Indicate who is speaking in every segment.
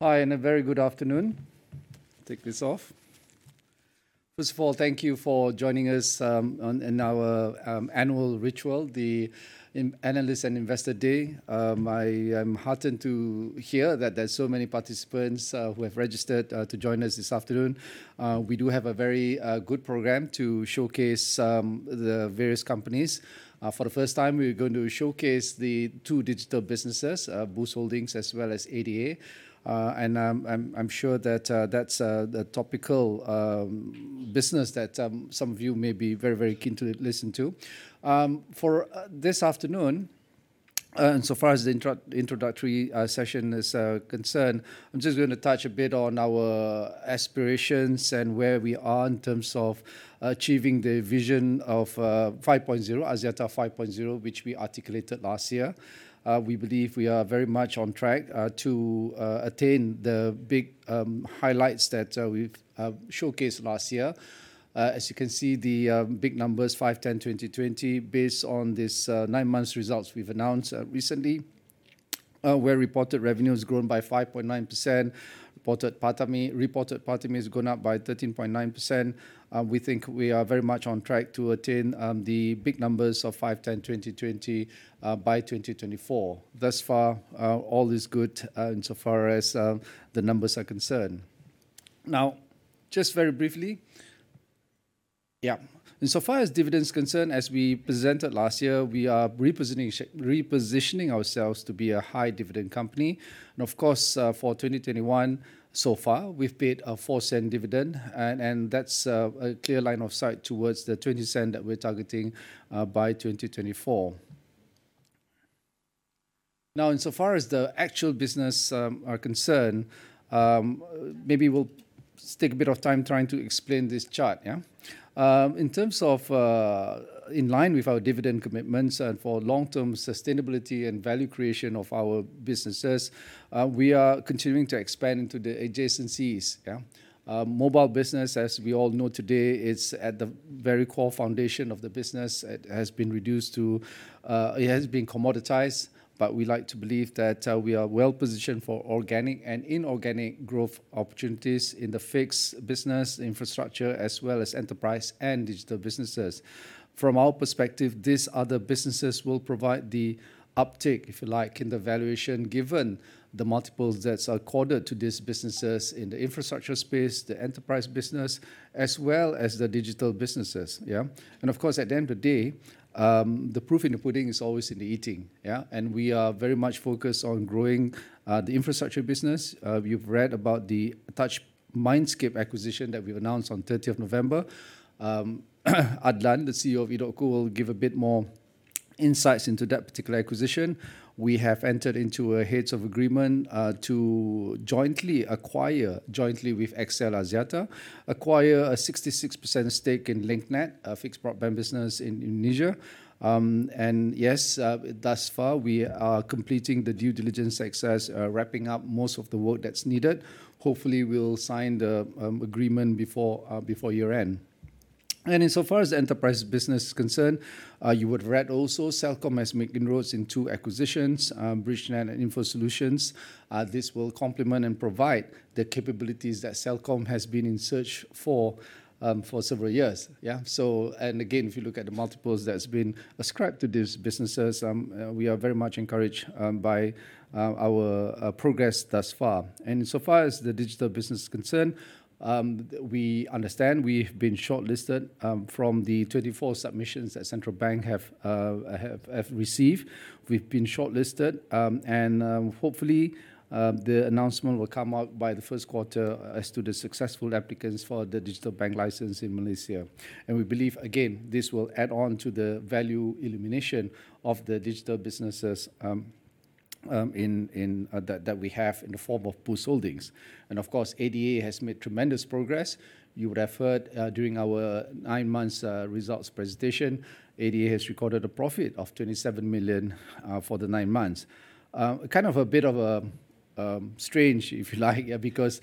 Speaker 1: fHi, and a very good afternoon. Take this off. First of all, thank you for joining us in our annual ritual, the Analysts and Investors Day. I am heartened to hear that there are so many participants who have registered to join us this afternoon. We do have a very good program to showcase the various companies. For the first time, we're going to showcase the two digital businesses, Boost Holdings as well as ADA. And I'm sure that that's a topical business that some of you may be very, very keen to listen to. For this afternoon, and so far as the introductory session is concerned, I'm just going to touch a bit on our aspirations and where we are in terms of achieving the vision of 5.0, Axiata 5.0, which we articulated last year. We believe we are very much on track to attain the big highlights that we've showcased last year. As you can see, the big numbers, 5-10-20-20, based on this nine-month results we've announced recently, where reported revenues grown by 5.9%, reported PATAMI has gone up by 13.9%. We think we are very much on track to attain the big numbers of 5-10-20-20 by 2024. Thus far, all is good insofar as the numbers are concerned. Now, just very briefly, yeah, insofar as dividends concern, as we presented last year, we are repositioning ourselves to be a high dividend company. Of course, for 2021, so far, we've paid a 0.04 dividend, and that's a clear line of sight towards the 0.20 that we're targeting by 2024. Now, insofar as the actual business are concerned, maybe we'll take a bit of time trying to explain this chart, yeah. In terms of in line with our dividend commitments and for long-term sustainability and value creation of our businesses, we are continuing to expand into the adjacencies. Mobile business, as we all know today, is at the very core foundation of the business. It has been commoditized, but we like to believe that we are well positioned for organic and inorganic growth opportunities in the fixed business infrastructure, as well as enterprise and digital businesses. From our perspective, these other businesses will provide the uptake, if you like, in the valuation given the multiples that are accorded to these businesses in the infrastructure space, the enterprise business, as well as the digital businesses, yeah, and of course, at the end of the day, the proof in the pudding is always in the eating, yeah, and we are very much focused on growing the infrastructure business. You've read about the Touch Mindscape acquisition that we announced on 30th November. Adlan, the CEO of EDOTCO, will give a bit more insights into that particular acquisition. We have entered into a Heads of Agreement to jointly acquire, jointly with XL Axiata, acquire a 66% stake in Link Net, a fixed broadband business in Indonesia. And yes, thus far, we are completing the due diligence successfully, wrapping up most of the work that's needed. Hopefully, we'll sign the agreement before year-end. And insofar as the enterprise business is concerned, you would read also Celcom has made inroads into acquisitions, Bridgenet and Infront. This will complement and provide the capabilities that Celcom has been in search for several years, yeah. So, and again, if you look at the multiples that's been ascribed to these businesses, we are very much encouraged by our progress thus far. Insofar as the digital business is concerned, we understand we've been shortlisted from the 24 submissions that Bank Negara Malaysia have received. We've been shortlisted, and hopefully, the announcement will come out by the first quarter as to the successful applicants for the digital bank license in Malaysia. We believe, again, this will add on to the valuation of the digital businesses that we have in the form of Boost Holdings. Of course, ADA has made tremendous progress. You would have heard during our nine-month results presentation, ADA has recorded a profit of 27 million for the nine months. Kind of a bit of a strange, if you like, because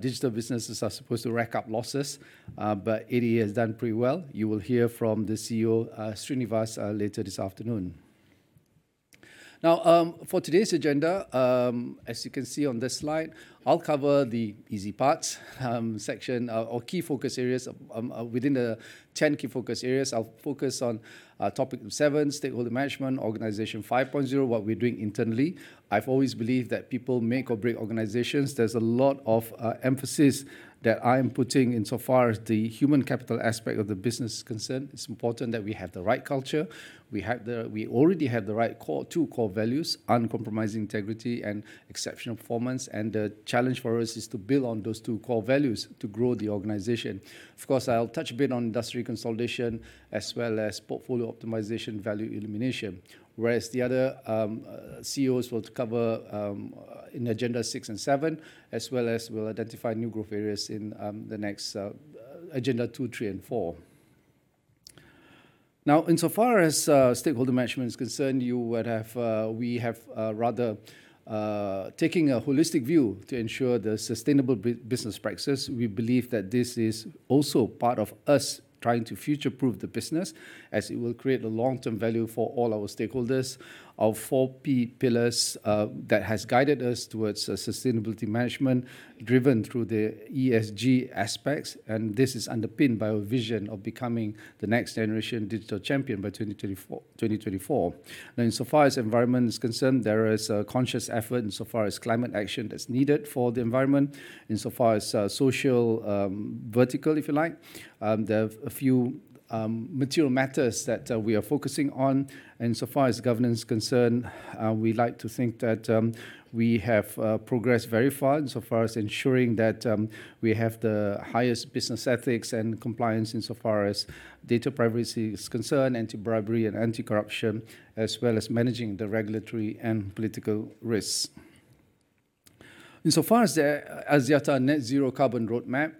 Speaker 1: digital businesses are supposed to rack up losses, but ADA has done pretty well. You will hear from the CEO, Srinivas, later this afternoon. Now, for today's agenda, as you can see on this slide, I'll cover the easy parts section or key focus areas within the 10 key focus areas. I'll focus on topic seven, stakeholder management, Organization 5.0, what we're doing internally. I've always believed that people make or break organizations. There's a lot of emphasis that I am putting insofar as the human capital aspect of the business is concerned. It's important that we have the right culture. We already have the right two core values, uncompromising integrity and exceptional performance. And the challenge for us is to build on those two core values to grow the organization. Of course, I'll touch a bit on industry consolidation as well as portfolio optimization, value elimination. Whereas the other CEOs will cover in Agenda 6 and 7, as well as we'll identify new growth areas in the next Agenda 2, 3, and 4. Now, insofar as stakeholder management is concerned, we have rather taken a holistic view to ensure the sustainable business practices. We believe that this is also part of us trying to future-proof the business, as it will create a long-term value for all our stakeholders. Our four P pillars that have guided us towards sustainability management driven through the ESG aspects, and this is underpinned by our vision of becoming the next generation digital champion by 2024. And insofar as the environment is concerned, there is a conscious effort insofar as climate action that's needed for the environment. Insofar as social vertical, if you like, there are a few material matters that we are focusing on. Insofar as governance is concerned, we like to think that we have progressed very far insofar as ensuring that we have the highest business ethics and compliance insofar as data privacy is concerned, anti-bribery and anti-corruption, as well as managing the regulatory and political risks. Insofar as the Axiata Net Zero Carbon Roadmap,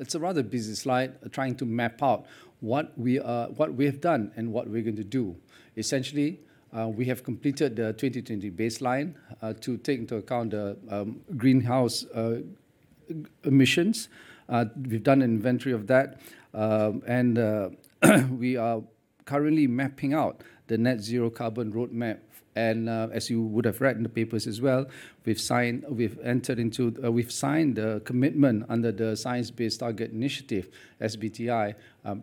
Speaker 1: it's a rather busy slide trying to map out what we have done and what we're going to do. Essentially, we have completed the 2020 baseline to take into account the greenhouse emissions. We've done an inventory of that. We are currently mapping out the Net Zero Carbon Roadmap. As you would have read in the papers as well, we've signed the commitment under the Science Based Targets initiative, SBTi,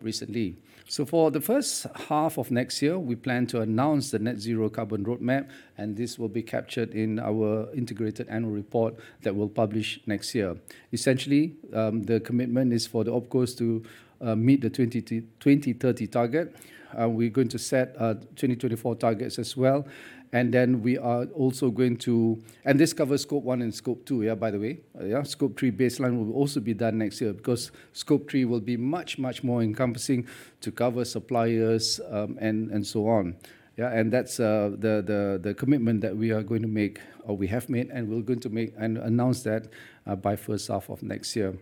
Speaker 1: recently. So for the first half of next year, we plan to announce the Net Zero Carbon Roadmap, and this will be captured in our integrated annual report that we'll publish next year. Essentially, the commitment is for the OPCOs to meet the 2030 target. We're going to set 2024 targets as well. And then we are also going to, and this covers Scope One and Scope Two, yeah, by the way. Yeah, Scope Three baseline will also be done next year because Scope Three will be much, much more encompassing to cover suppliers and so on. Yeah, and that's the commitment that we are going to make, or we have made, and we're going to make and announce that by first half of next year.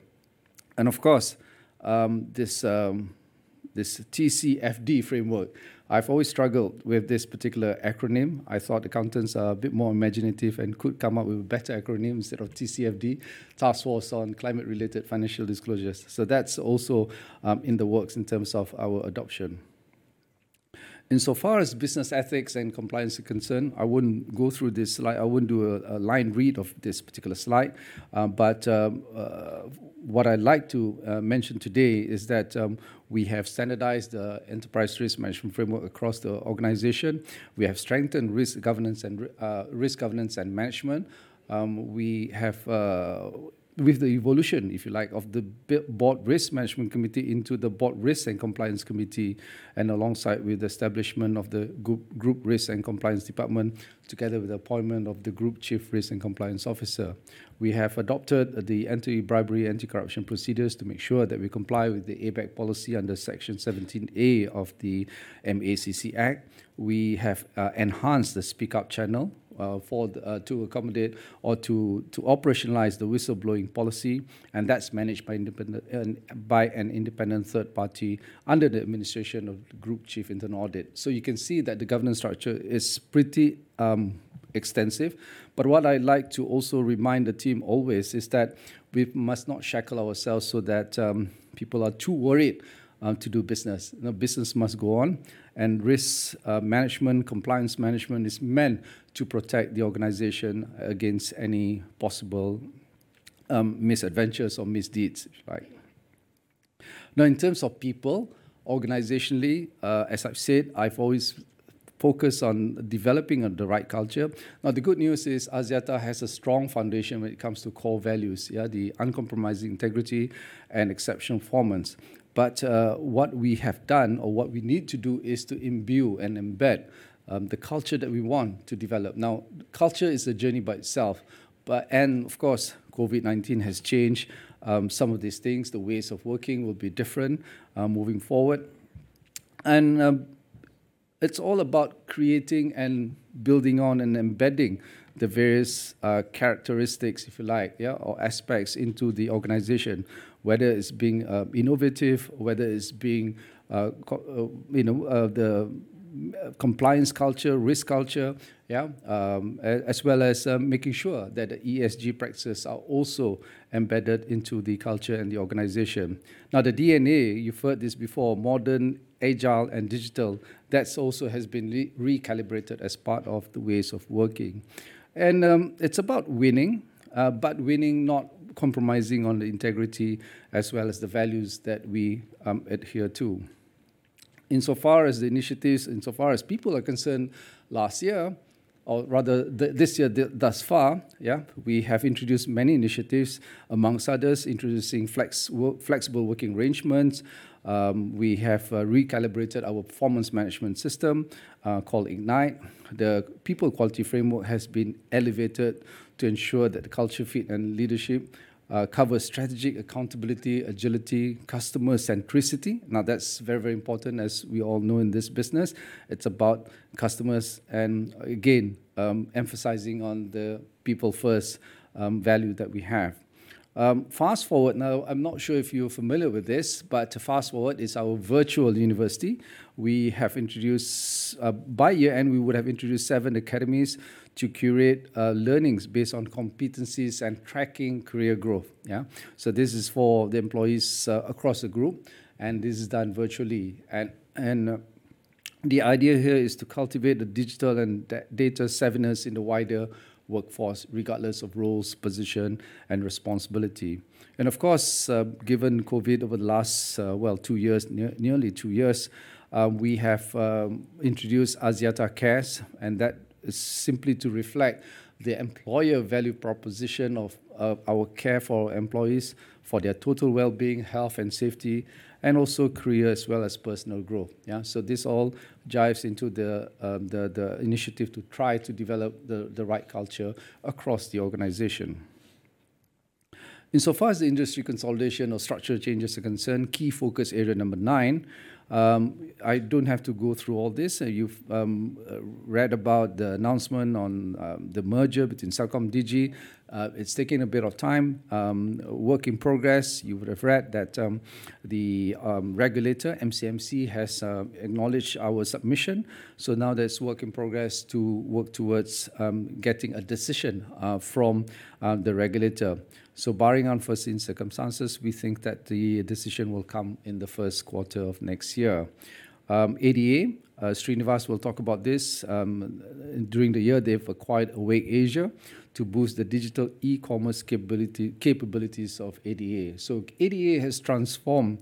Speaker 1: And of course, this TCFD framework, I've always struggled with this particular acronym. I thought accountants are a bit more imaginative and could come up with a better acronym instead of TCFD, Task Force on Climate-Related Financial Disclosures. So that's also in the works in terms of our adoption. Insofar as business ethics and compliance are concerned, I wouldn't go through this slide. I wouldn't do a line read of this particular slide. But what I'd like to mention today is that we have standardized the enterprise risk management framework across the organization. We have strengthened risk governance and management. We have, with the evolution, if you like, of the Board Risk Management Committee into the Board Risk and Compliance Committee, and alongside with the establishment of the Group Risk and Compliance Department, together with the appointment of the Group Chief Risk and Compliance Officer, we have adopted the anti-bribery, anti-corruption procedures to make sure that we comply with the ABAC policy under Section 17A of the MACC Act. We have enhanced the speak-up channel to accommodate or to operationalize the whistle-blowing policy. And that's managed by an independent third party under the administration of the Group Chief Internal Audit. So you can see that the governance structure is pretty extensive. But what I'd like to also remind the team always is that we must not shackle ourselves so that people are too worried to do business. Business must go on. Risk management, compliance management is meant to protect the organization against any possible misadventures or misdeeds. Now, in terms of people, organizationally, as I've said, I've always focused on developing the right culture. Now, the good news is Axiata has a strong foundation when it comes to core values, yeah, the uncompromising integrity and exceptional performance. What we have done, or what we need to do, is to imbue and embed the culture that we want to develop. Now, culture is a journey by itself. Of course, COVID-19 has changed some of these things. The ways of working will be different moving forward. It's all about creating and building on and embedding the various characteristics, if you like, yeah, or aspects into the organization, whether it's being innovative, whether it's being, you know, the compliance culture, risk culture, yeah, as well as making sure that the ESG practices are also embedded into the culture and the organization. Now, the D&A, you've heard this before, modern, agile, and digital, that also has been recalibrated as part of the ways of working. It's about winning, but winning not compromising on the integrity as well as the values that we adhere to. Insofar as the initiatives, insofar as people are concerned, last year, or rather this year thus far, yeah, we have introduced many initiatives, amongst others, introducing flexible working arrangements. We have recalibrated our performance management system called Ignite. The People Quality Framework has been elevated to ensure that the culture fit and leadership covers strategic accountability, agility, customer centricity. Now, that's very, very important, as we all know in this business. It's about customers and, again, emphasizing on the people-first value that we have. Fast Forward, now, I'm not sure if you're familiar with this, but to Fast Forward, it's our virtual university. We have introduced, by year-end, we would have introduced seven academies to curate learnings based on competencies and tracking career growth, yeah. So this is for the employees across the group, and this is done virtually. The idea here is to cultivate the digital and data savviness in the wider workforce, regardless of roles, position, and responsibility. Of course, given COVID over the last, well, two years, nearly two years, we have introduced Axiata Cares, and that is simply to reflect the employer value proposition of our care for our employees for their total well-being, health, and safety, and also career as well as personal growth, yeah. This all jives into the initiative to try to develop the right culture across the organization. Insofar as the industry consolidation or structural changes are concerned, key focus area number nine, I don't have to go through all this. You've read about the announcement on the merger between Celcom and Digi. It's taken a bit of time, work in progress. You would have read that the regulator, MCMC, has acknowledged our submission. Now there's work in progress to work towards getting a decision from the regulator. So barring unforeseen circumstances, we think that the decision will come in the first quarter of next year. ADA, Srinivas will talk about this. During the year, they've acquired Awake Asia to boost the digital e-commerce capabilities of ADA. So ADA has transformed,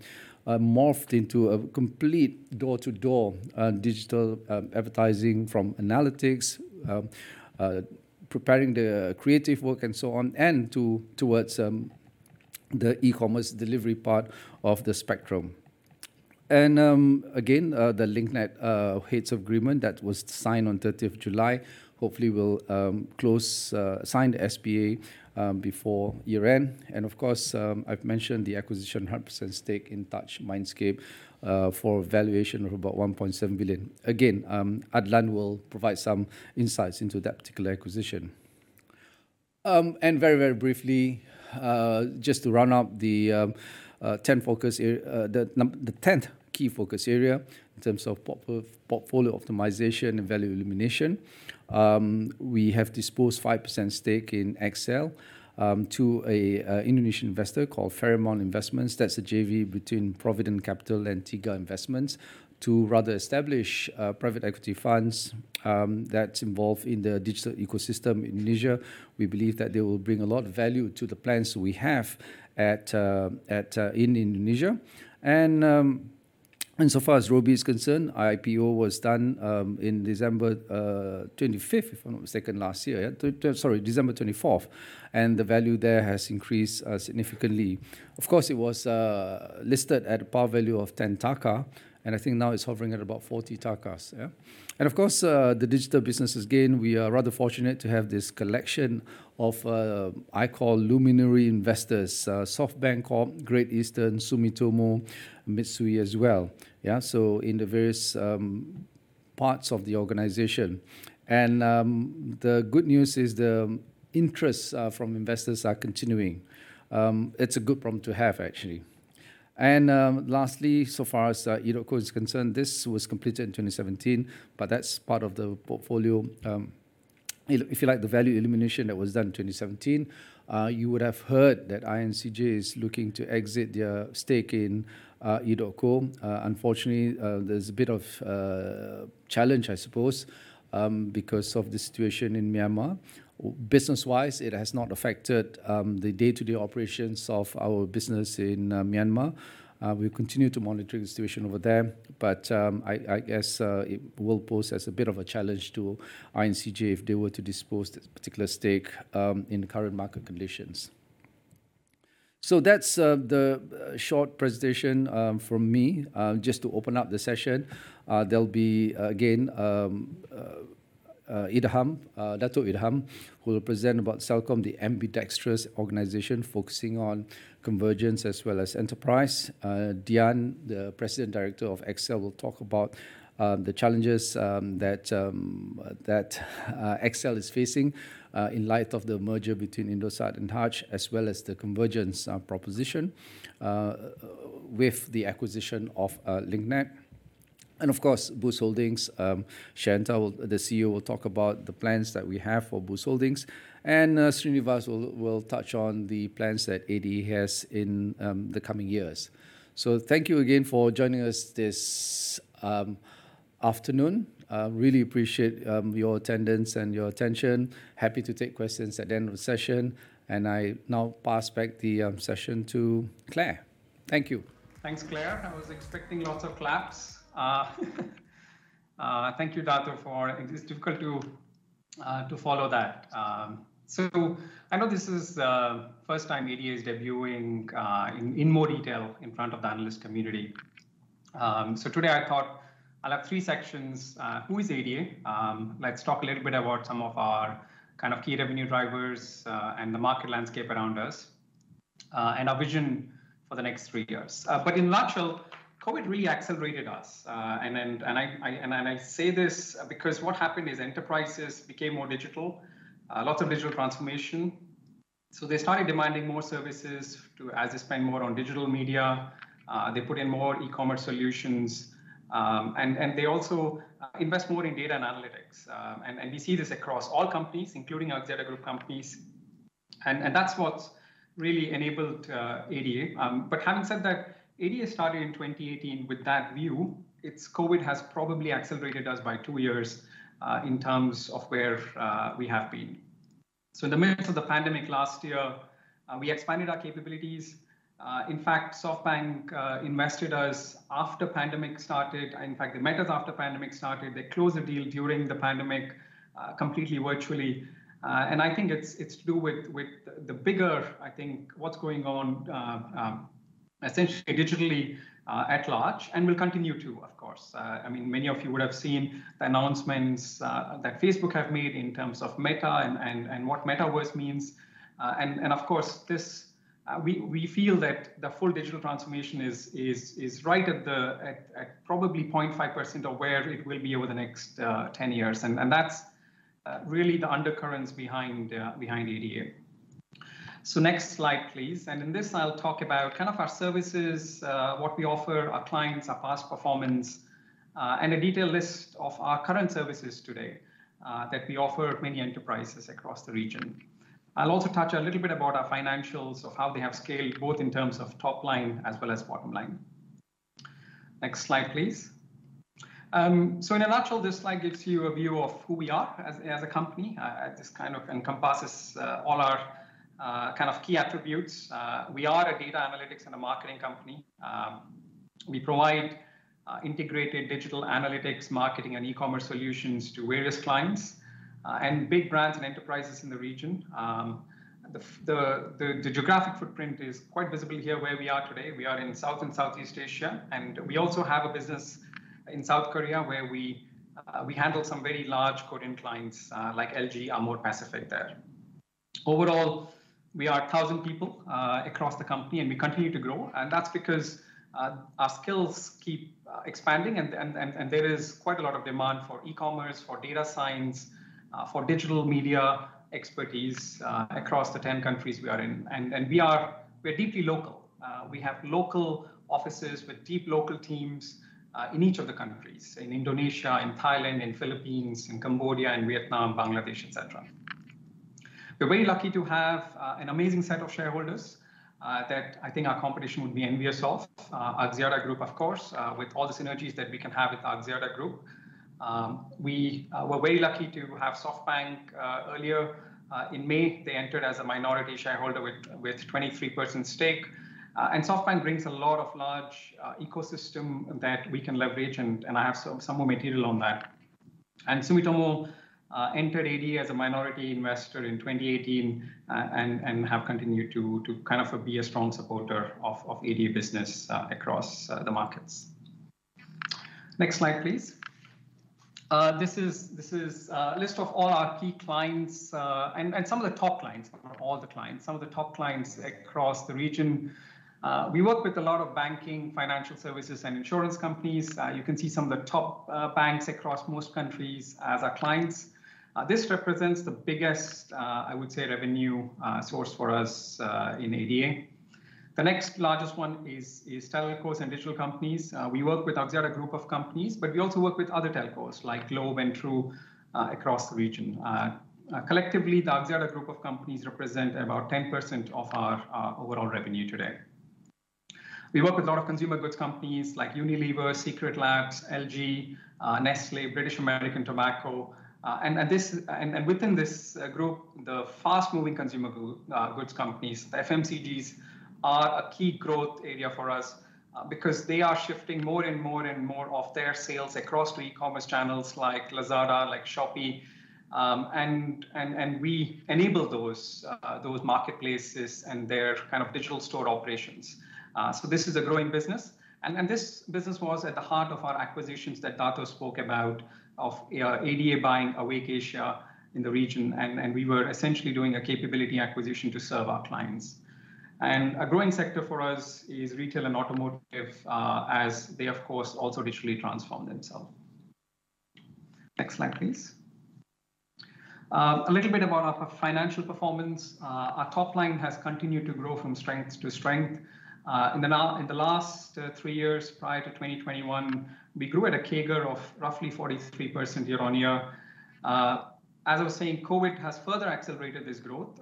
Speaker 1: morphed into a complete door-to-door digital advertising from analytics, preparing the creative work and so on, and towards the e-commerce delivery part of the spectrum. And again, the Link Net Heads of Agreement that was signed on 30th of July, hopefully will close, sign the SPA before year-end. And of course, I've mentioned the acquisition 100% stake in Touch Mindscape for valuation of about 1.7 billion. Again, Adlan will provide some insights into that particular acquisition. Very, very briefly, just to round up the 10 focus area, the 10th key focus area in terms of portfolio optimization and value elimination, we have disposed 5% stake in XL Axiata to an Indonesian investor called Ferrymount Investments. That's a JV between Provident Capital and Tiga Investments to rather establish private equity funds that's involved in the digital ecosystem in Indonesia. We believe that they will bring a lot of value to the plans we have in Indonesia. Insofar as Robi is concerned, IPO was done on December 25th, if I'm not mistaken, last year, yeah, sorry, December 24th. The value there has increased significantly. Of course, it was listed at a par value of 10 BDT, and I think now it's hovering at about 40 BDT, yeah. Of course, the digital business is gained. We are rather fortunate to have this collection of, I call, luminary investors, SoftBank Corp, Great Eastern, Sumitomo, Mitsui as well, yeah, so in the various parts of the organization, and the good news is the interest from investors are continuing. It's a good problem to have, actually, and lastly, so far as EDOTCO is concerned, this was completed in 2017, but that's part of the portfolio. If you like the value elimination that was done in 2017, you would have heard that INCJ is looking to exit their stake in EDOTCO. Unfortunately, there's a bit of challenge, I suppose, because of the situation in Myanmar. Business-wise, it has not affected the day-to-day operations of our business in Myanmar. We continue to monitor the situation over there, but I guess it will pose a bit of a challenge to INCJ if they were to dispose of this particular stake in current market conditions. So that's the short presentation from me, just to open up the session. There'll be, again, Idham, Datuk Idham, who will present about Celcom, the ambidextrous organization focusing on convergence as well as enterprise. Dian, the President Director of XL, will talk about the challenges that XL is facing in light of the merger between Indosat and Tri, as well as the convergence proposition with the acquisition of Link Net. And of course, Boost Holdings, Sheyantha, the CEO, will talk about the plans that we have for Boost Holdings. And Srinivas will touch on the plans that ADA has in the coming years. So thank you again for joining us this afternoon. really appreciate your attendance and your attention. I'm happy to take questions at the end of the session. I now pass back the session to Claire. Thank you.
Speaker 2: Thanks, Claire. I was expecting lots of claps. Thank you, Dato'. It's difficult to follow that. I know this is the first time ADA is debuting in more detail in front of the analyst community. Today, I thought I'll have three sections. Who is ADA? Let's talk a little bit about some of our kind of key revenue drivers and the market landscape around us and our vision for the next three years. In a nutshell, COVID really accelerated us. I say this because what happened is enterprises became more digital, lots of digital transformation. They started demanding more services to, as they spend more on digital media, they put in more e-commerce solutions. They also invest more in data and analytics. We see this across all companies, including Axiata Group companies. That's what's really enabled ADA. But having said that, ADA started in 2018 with that view. It's COVID that has probably accelerated us by two years in terms of where we have been. In the midst of the pandemic last year, we expanded our capabilities. In fact, SoftBank invested in us after the pandemic started. In fact, they met us after the pandemic started. They closed the deal during the pandemic completely virtually. I think it's to do with the bigger picture of what's going on essentially digitally at large, and it will continue to, of course. I mean, many of you would have seen the announcements that Facebook has made in terms of Meta and what the metaverse means. Of course, we feel that the full digital transformation is right at probably 0.5% of where it will be over the next 10 years. That's really the undercurrents behind ADA. Next slide, please. In this, I'll talk about kind of our services, what we offer, our clients, our past performance, and a detailed list of our current services today that we offer many enterprises across the region. I'll also touch a little bit about our financials of how they have scaled both in terms of top line as well as bottom line. Next slide, please. In a nutshell, this slide gives you a view of who we are as a company. This kind of encompasses all our kind of key attributes. We are a data analytics and a marketing company. We provide integrated digital analytics, marketing, and e-commerce solutions to various clients and big brands and enterprises in the region. The geographic footprint is quite visible here where we are today. We are in South and Southeast Asia, and we also have a business in South Korea where we handle some very large key clients like LG, Amorepacific there. Overall, we are 1,000 people across the company, and we continue to grow, and that's because our skills keep expanding, and there is quite a lot of demand for e-commerce, for data science, for digital media expertise across the 10 countries we are in. We are deeply local. We have local offices with deep local teams in each of the countries, in Indonesia, in Thailand, in Philippines, in Cambodia, in Vietnam, Bangladesh, etc. We're very lucky to have an amazing set of shareholders that I think our competition would be envious of, Axiata Group, of course, with all the synergies that we can have with Axiata Group. We were very lucky to have SoftBank earlier in May. They entered as a minority shareholder with 23% stake, and SoftBank brings a lot of large ecosystem that we can leverage, and I have some more material on that, and Sumitomo entered ADA as a minority investor in 2018 and have continued to kind of be a strong supporter of ADA business across the markets. Next slide, please. This is a list of all our key clients and some of the top clients, not all the clients, some of the top clients across the region. We work with a lot of banking, financial services, and insurance companies. You can see some of the top banks across most countries as our clients. This represents the biggest, I would say, revenue source for us in ADA. The next largest one is telcos and digital companies. We work with Axiata Group of companies, but we also work with other telcos like Globe and True across the region. Collectively, the Axiata Group of companies represent about 10% of our overall revenue today. We work with a lot of consumer goods companies like Unilever, Secretlab, LG, Nestlé, British American Tobacco. And within this group, the fast-moving consumer goods companies, the FMCGs, are a key growth area for us because they are shifting more and more and more of their sales across to e-commerce channels like Lazada, like Shopee. And we enable those marketplaces and their kind of digital store operations. So this is a growing business. And this business was at the heart of our acquisitions that Dato' spoke about of ADA buying Awake Asia in the region. And we were essentially doing a capability acquisition to serve our clients. And a growing sector for us is retail and automotive as they, of course, also digitally transform themselves. Next slide, please. A little bit about our financial performance. Our top line has continued to grow from strength to strength. In the last three years prior to 2021, we grew at a CAGR of roughly 43% year-on-year. As I was saying, COVID has further accelerated this growth.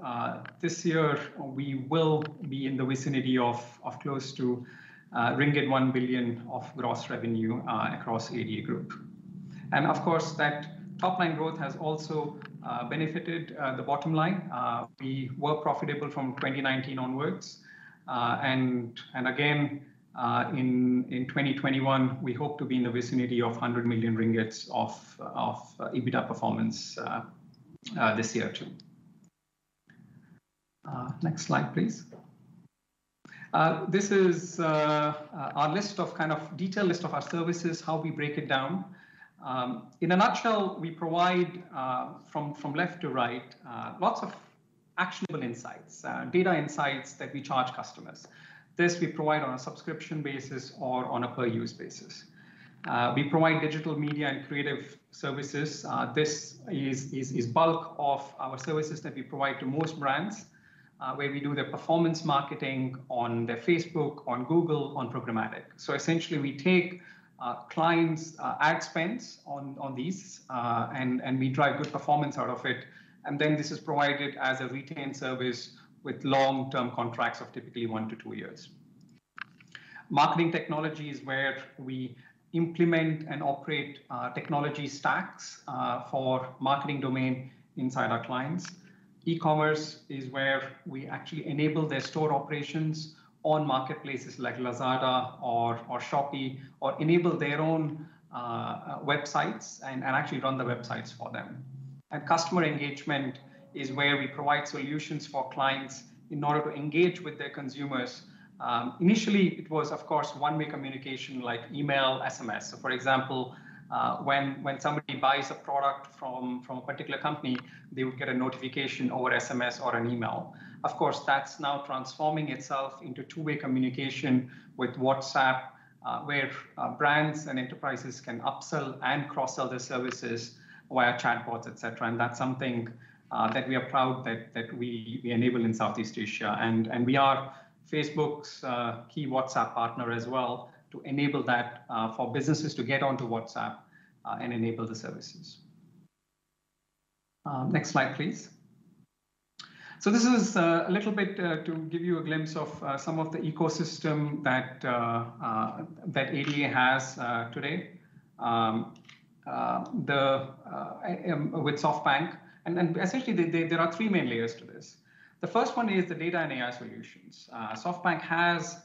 Speaker 2: This year, we will be in the vicinity of close to ringgit 1 billion of gross revenue across ADA Group. And of course, that top-line growth has also benefited the bottom line. We were profitable from 2019 onwards. In 2021, we hope to be in the vicinity of 100 million ringgit of EBITDA performance this year too. Next slide, please. This is our list of kind of detailed list of our services, how we break it down. In a nutshell, we provide from left to right lots of actionable insights, data insights that we charge customers. This we provide on a subscription basis or on a per-use basis. We provide digital media and creative services. This is bulk of our services that we provide to most brands where we do their performance marketing on their Facebook, on Google, on programmatic. So essentially, we take clients' ad spends on these and we drive good performance out of it. Then this is provided as a retained service with long-term contracts of typically one to two years. Marketing technology is where we implement and operate technology stacks for marketing domain inside our clients. E-commerce is where we actually enable their store operations on marketplaces like Lazada or Shopee or enable their own websites and actually run the websites for them. And customer engagement is where we provide solutions for clients in order to engage with their consumers. Initially, it was, of course, one-way communication like email, SMS. So for example, when somebody buys a product from a particular company, they would get a notification over SMS or an email. Of course, that's now transforming itself into two-way communication with WhatsApp where brands and enterprises can upsell and cross-sell their services via chatbots, etc. And that's something that we are proud that we enable in Southeast Asia. We are Facebook's key WhatsApp partner as well to enable that for businesses to get onto WhatsApp and enable the services. Next slide, please. This is a little bit to give you a glimpse of some of the ecosystem that ADA has today with SoftBank. Essentially, there are three main layers to this. The first one is the data and AI solutions. SoftBank has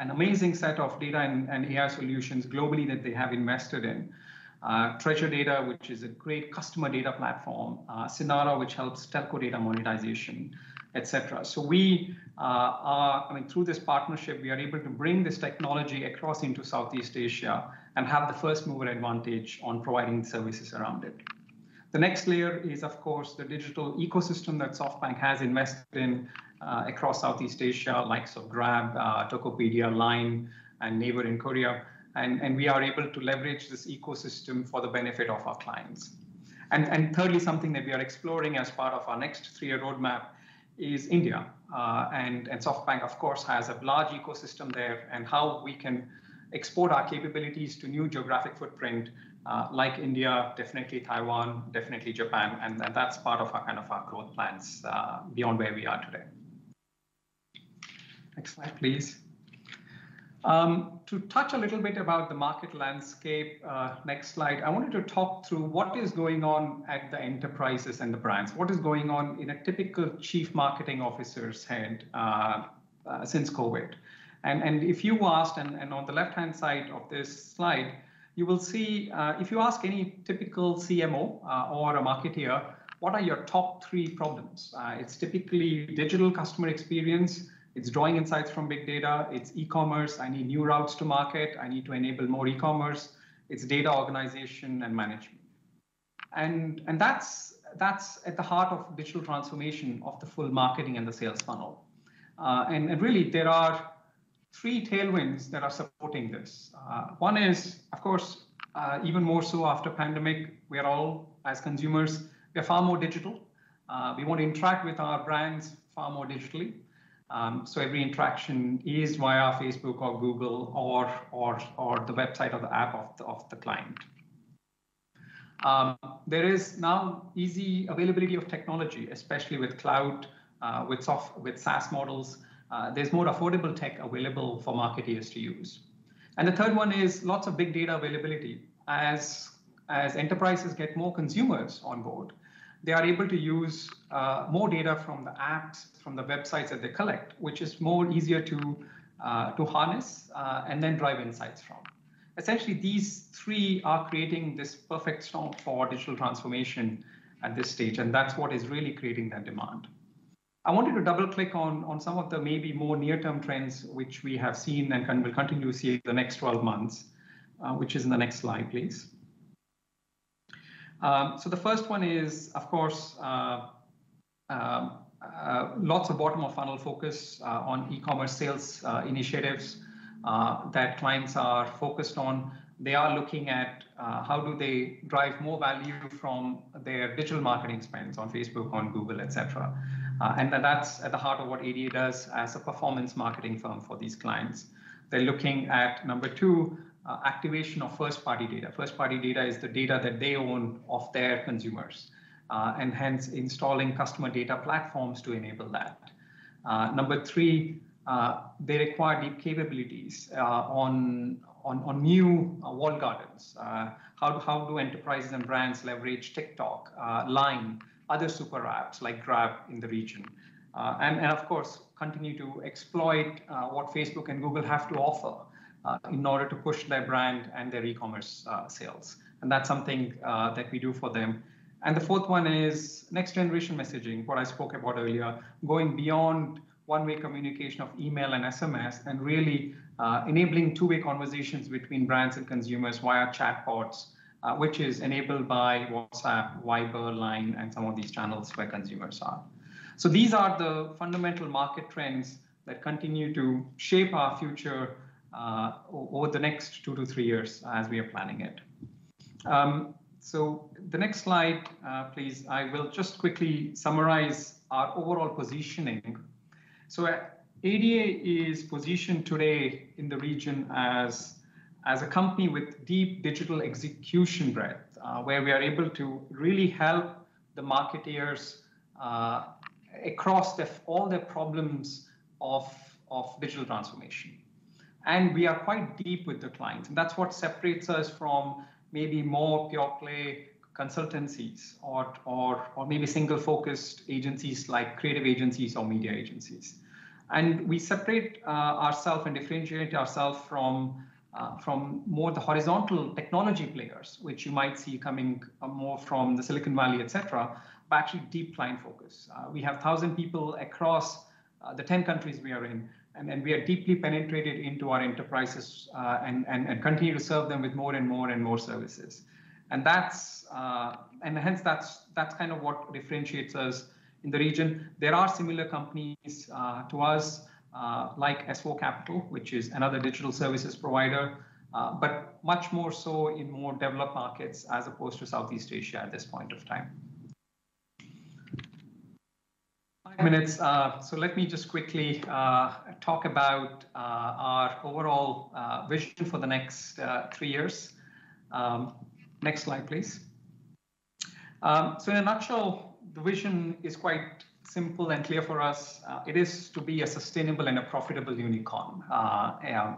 Speaker 2: an amazing set of data and AI solutions globally that they have invested in, Treasure Data, which is a great customer data platform, Cinarra, which helps telco data monetization, etc. I mean, through this partnership, we are able to bring this technology across into Southeast Asia and have the first-mover advantage on providing services around it. The next layer is, of course, the digital ecosystem that SoftBank has invested in across Southeast Asia like Grab, Tokopedia, LINE, and Naver in Korea. We are able to leverage this ecosystem for the benefit of our clients. Thirdly, something that we are exploring as part of our next three-year roadmap is India. SoftBank, of course, has a large ecosystem there and how we can export our capabilities to new geographic footprint like India, definitely Taiwan, definitely Japan. That's part of kind of our growth plans beyond where we are today. Next slide, please. To touch a little bit about the market landscape, next slide. I wanted to talk through what is going on at the enterprises and the brands, what is going on in a typical chief marketing officer's head since COVID. If you asked, on the left-hand side of this slide, you will see if you ask any typical CMO or a marketer, what are your top three problems? It's typically digital customer experience. It's drawing insights from big data. It's e-commerce. I need new routes to market. I need to enable more e-commerce. It's data organization and management, and that's at the heart of digital transformation of the full marketing and the sales funnel, and really, there are three tailwinds that are supporting this. One is, of course, even more so after the pandemic, we are all, as consumers, we are far more digital. We want to interact with our brands far more digitally. So every interaction is via Facebook or Google or the website or the app of the client. There is now easy availability of technology, especially with cloud, with SaaS models. There's more affordable tech available for marketeers to use, and the third one is lots of big data availability. As enterprises get more consumers on board, they are able to use more data from the apps, from the websites that they collect, which is more easier to harness and then drive insights from. Essentially, these three are creating this perfect storm for digital transformation at this stage. And that's what is really creating that demand. I wanted to double-click on some of the maybe more near-term trends which we have seen and will continue to see in the next 12 months, which is in the next slide, please. So the first one is, of course, lots of bottom-of-funnel focus on e-commerce sales initiatives that clients are focused on. They are looking at how do they drive more value from their digital marketing spends on Facebook, on Google, etc. And that's at the heart of what ADA does as a performance marketing firm for these clients. They're looking at, number two, activation of first-party data. First-party data is the data that they own of their consumers and hence installing customer data platforms to enable that. Number three, they require deep capabilities on new walled gardens. How do enterprises and brands leverage TikTok, LINE, other super apps like Grab in the region? And of course, continue to exploit what Facebook and Google have to offer in order to push their brand and their e-commerce sales. And that's something that we do for them. And the fourth one is next-generation messaging, what I spoke about earlier, going beyond one-way communication of email and SMS and really enabling two-way conversations between brands and consumers via chatbots, which is enabled by WhatsApp, Viber, LINE, and some of these channels where consumers are. So these are the fundamental market trends that continue to shape our future over the next two to three years as we are planning it. So the next slide, please. I will just quickly summarize our overall positioning. So ADA is positioned today in the region as a company with deep digital execution breadth where we are able to really help the marketeers across all their problems of digital transformation. And we are quite deep with the clients. And that's what separates us from maybe more pure-play consultancies or maybe single-focused agencies like creative agencies or media agencies. And we separate ourselves and differentiate ourselves from more of the horizontal technology players, which you might see coming more from the Silicon Valley, etc., but actually deep client focus. We have 1,000 people across the 10 countries we are in. And we are deeply penetrated into our enterprises and continue to serve them with more and more and more services. And hence, that's kind of what differentiates us in the region. There are similar companies to us like S4 Capital, which is another digital services provider, but much more so in more developed markets as opposed to Southeast Asia at this point of time. Five minutes. So let me just quickly talk about our overall vision for the next three years. Next slide, please. So in a nutshell, the vision is quite simple and clear for us. It is to be a sustainable and a profitable unicorn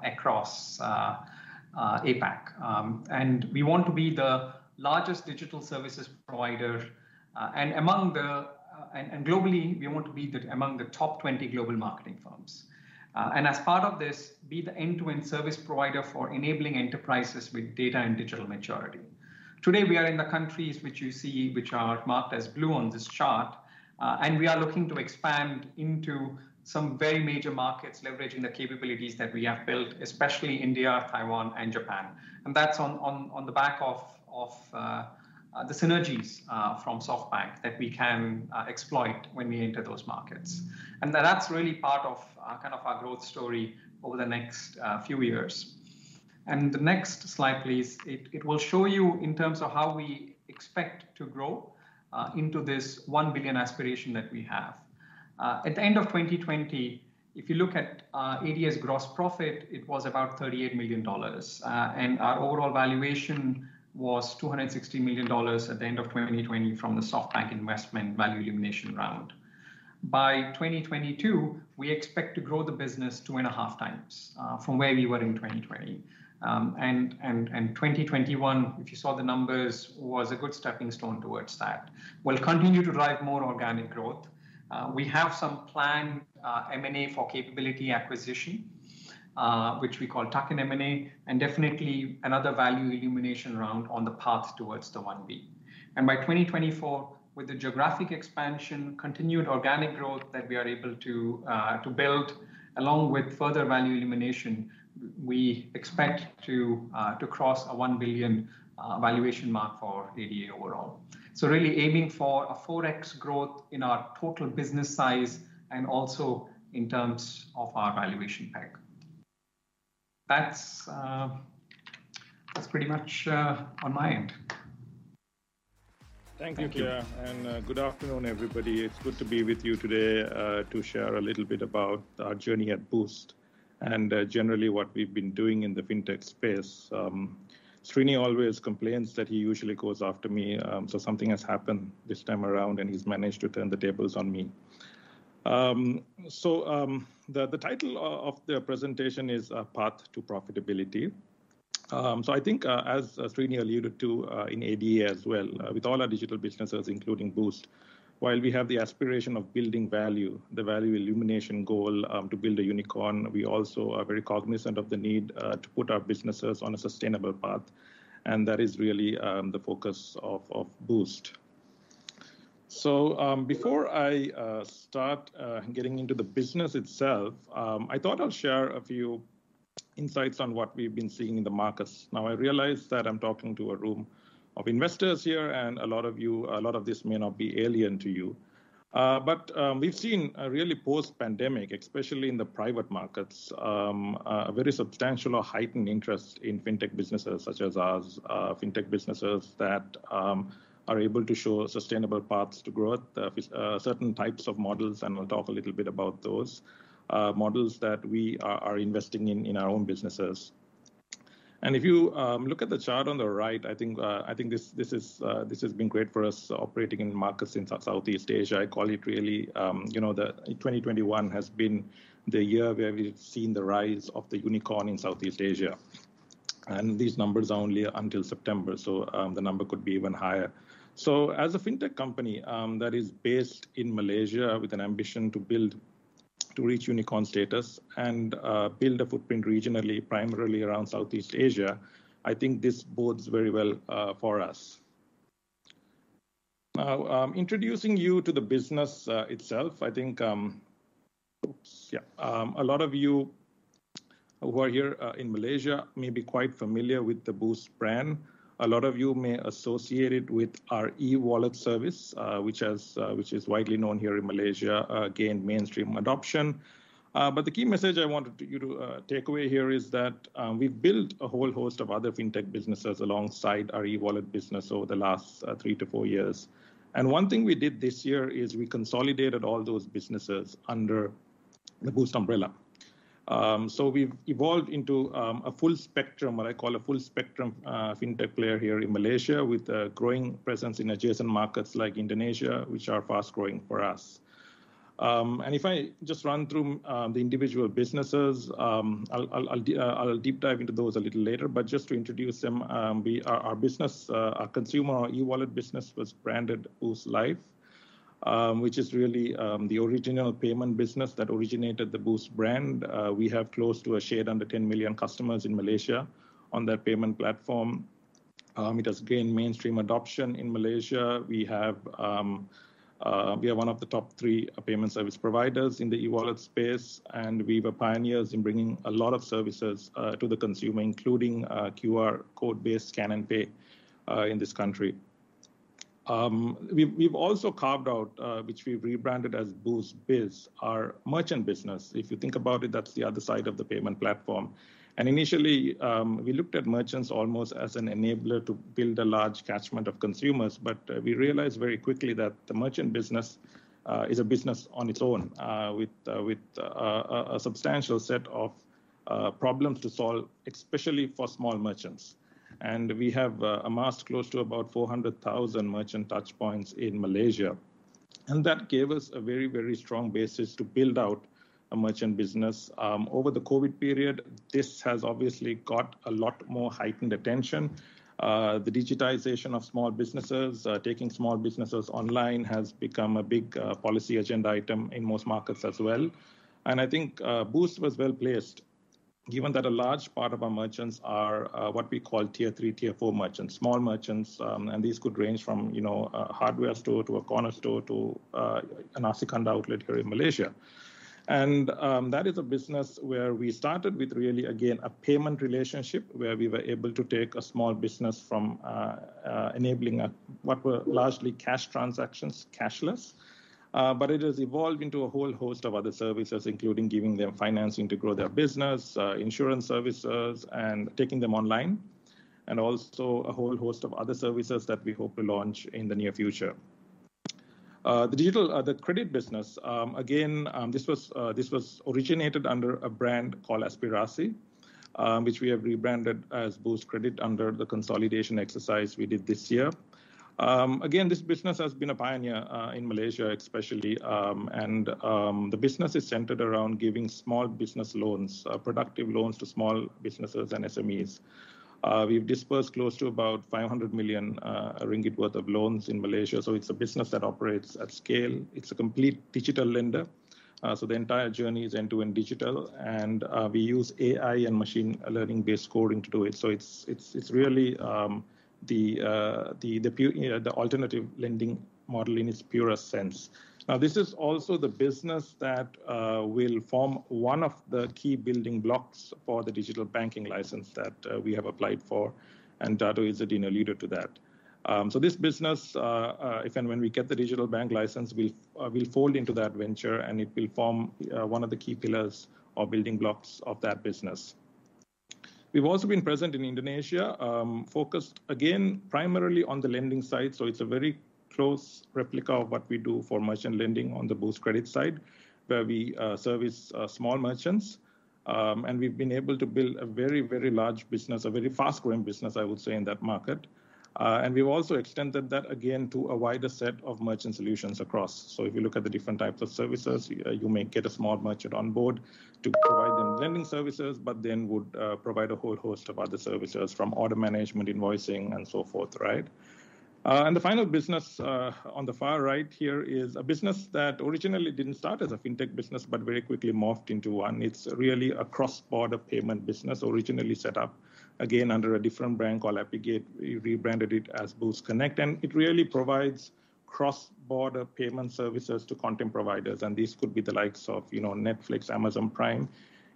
Speaker 2: across APAC. And we want to be the largest digital services provider. And globally, we want to be among the top 20 global marketing firms. And as part of this, be the end-to-end service provider for enabling enterprises with data and digital maturity. Today, we are in the countries which you see, which are marked as blue on this chart. And we are looking to expand into some very major markets leveraging the capabilities that we have built, especially India, Taiwan, and Japan. And that's on the back of the synergies from SoftBank that we can exploit when we enter those markets. And that's really part of kind of our growth story over the next few years. And the next slide, please. It will show you in terms of how we expect to grow into this one billion aspiration that we have. At the end of 2020, if you look at ADA's gross profit, it was about $38 million. And our overall valuation was $260 million at the end of 2020 from the SoftBank investment valuation round. By 2022, we expect to grow the business two and a half times from where we were in 2020. 2021, if you saw the numbers, was a good stepping stone towards that. We'll continue to drive more organic growth. We have some planned M&A for capability acquisition, which we call Tuck and M&A, and definitely another value elimination round on the path towards the 1B. By 2024, with the geographic expansion, continued organic growth that we are able to build along with further value elimination, we expect to cross a one-billion valuation mark for ADA overall. Really aiming for a 4X growth in our total business size and also in terms of our valuation peg. That's pretty much on my end.
Speaker 3: Thank you, Claire. Good afternoon, everybody. It's good to be with you today to share a little bit about our journey at Boost and generally what we've been doing in the fintech space. Srini always complains that he usually goes after me, so something has happened this time around, and he's managed to turn the tables on me, so the title of the presentation is Path to Profitability. I think, as Srini alluded to in ADA as well, with all our digital businesses, including Boost, while we have the aspiration of building value, the value elimination goal to build a unicorn, we also are very cognizant of the need to put our businesses on a sustainable path, and that is really the focus of Boost, so before I start getting into the business itself, I thought I'll share a few insights on what we've been seeing in the markets. Now, I realize that I'm talking to a room of investors here, and a lot of this may not be alien to you, but we've seen really post-pandemic, especially in the private markets, a very substantial or heightened interest in fintech businesses such as ours, fintech businesses that are able to show sustainable paths to growth, certain types of models, and we'll talk a little bit about those models that we are investing in our own businesses, and if you look at the chart on the right, I think this has been great for us operating in markets in Southeast Asia. I call it really the 2021 has been the year where we've seen the rise of the unicorn in Southeast Asia, and these numbers are only until September, so the number could be even higher. As a fintech company that is based in Malaysia with an ambition to reach unicorn status and build a footprint regionally, primarily around Southeast Asia, I think this bodes very well for us. Now, introducing you to the business itself, I think, oops, yeah, a lot of you who are here in Malaysia may be quite familiar with the Boost brand. A lot of you may associate it with our e-wallet service, which is widely known here in Malaysia, gained mainstream adoption. But the key message I wanted you to take away here is that we've built a whole host of other fintech businesses alongside our e-wallet business over the last three to four years. One thing we did this year is we consolidated all those businesses under the Boost umbrella. So we've evolved into a full spectrum, what I call a full spectrum fintech player here in Malaysia with a growing presence in adjacent markets like Indonesia, which are fast-growing for us. And if I just run through the individual businesses, I'll deep dive into those a little later. But just to introduce them, our consumer e-wallet business was branded Boost Life, which is really the original payment business that originated the Boost brand. We have close to 10 million customers in Malaysia on that payment platform. It has gained mainstream adoption in Malaysia. We are one of the top three payment service providers in the e-wallet space. And we were pioneers in bringing a lot of services to the consumer, including QR code-based scan and pay in this country. We've also carved out, which we've rebranded as Boost Biz, our merchant business. If you think about it, that's the other side of the payment platform. And initially, we looked at merchants almost as an enabler to build a large catchment of consumers. But we realized very quickly that the merchant business is a business on its own with a substantial set of problems to solve, especially for small merchants. And we have amassed close to about 400,000 merchant touchpoints in Malaysia. And that gave us a very, very strong basis to build out a merchant business. Over the COVID period, this has obviously got a lot more heightened attention. The digitization of small businesses, taking small businesses online, has become a big policy agenda item in most markets as well. And I think Boost was well placed, given that a large part of our merchants are what we call tier three, tier four merchants, small merchants. These could range from a hardware store to a corner store to an Nasi Kandar outlet here in Malaysia. That is a business where we started with really, again, a payment relationship where we were able to take a small business from enabling what were largely cash transactions, cashless. It has evolved into a whole host of other services, including giving them financing to grow their business, insurance services, and taking them online, and also a whole host of other services that we hope to launch in the near future. The credit business, again, this was originated under a brand called Aspirasi, which we have rebranded as Boost Credit under the consolidation exercise we did this year. Again, this business has been a pioneer in Malaysia, especially. The business is centered around giving small business loans, productive loans to small businesses and SMEs. We've disbursed close to about 500 million ringgit worth of loans in Malaysia, so it's a business that operates at scale. It's a complete digital lender, so the entire journey is end-to-end digital. And we use AI and machine learning-based scoring to do it, so it's really the alternative lending model in its purest sense. Now, this is also the business that will form one of the key building blocks for the digital banking license that we have applied for, and Boost is a leader to that. So this business, if and when we get the digital bank license, we'll fold into that venture, and it will form one of the key pillars or building blocks of that business. We've also been present in Indonesia, focused again primarily on the lending side. It's a very close replica of what we do for merchant lending on the Boost Credit side, where we service small merchants. And we've been able to build a very, very large business, a very fast-growing business, I would say, in that market. And we've also extended that again to a wider set of merchant solutions across. So if you look at the different types of services, you may get a small merchant on board to provide them lending services, but then would provide a whole host of other services from order management, invoicing, and so forth, right? And the final business on the far right here is a business that originally didn't start as a fintech business, but very quickly morphed into one. It's really a cross-border payment business, originally set up again under a different brand called Apigate. We rebranded it as Boost Connect. And it really provides cross-border payment services to content providers. And these could be the likes of Netflix, Amazon Prime,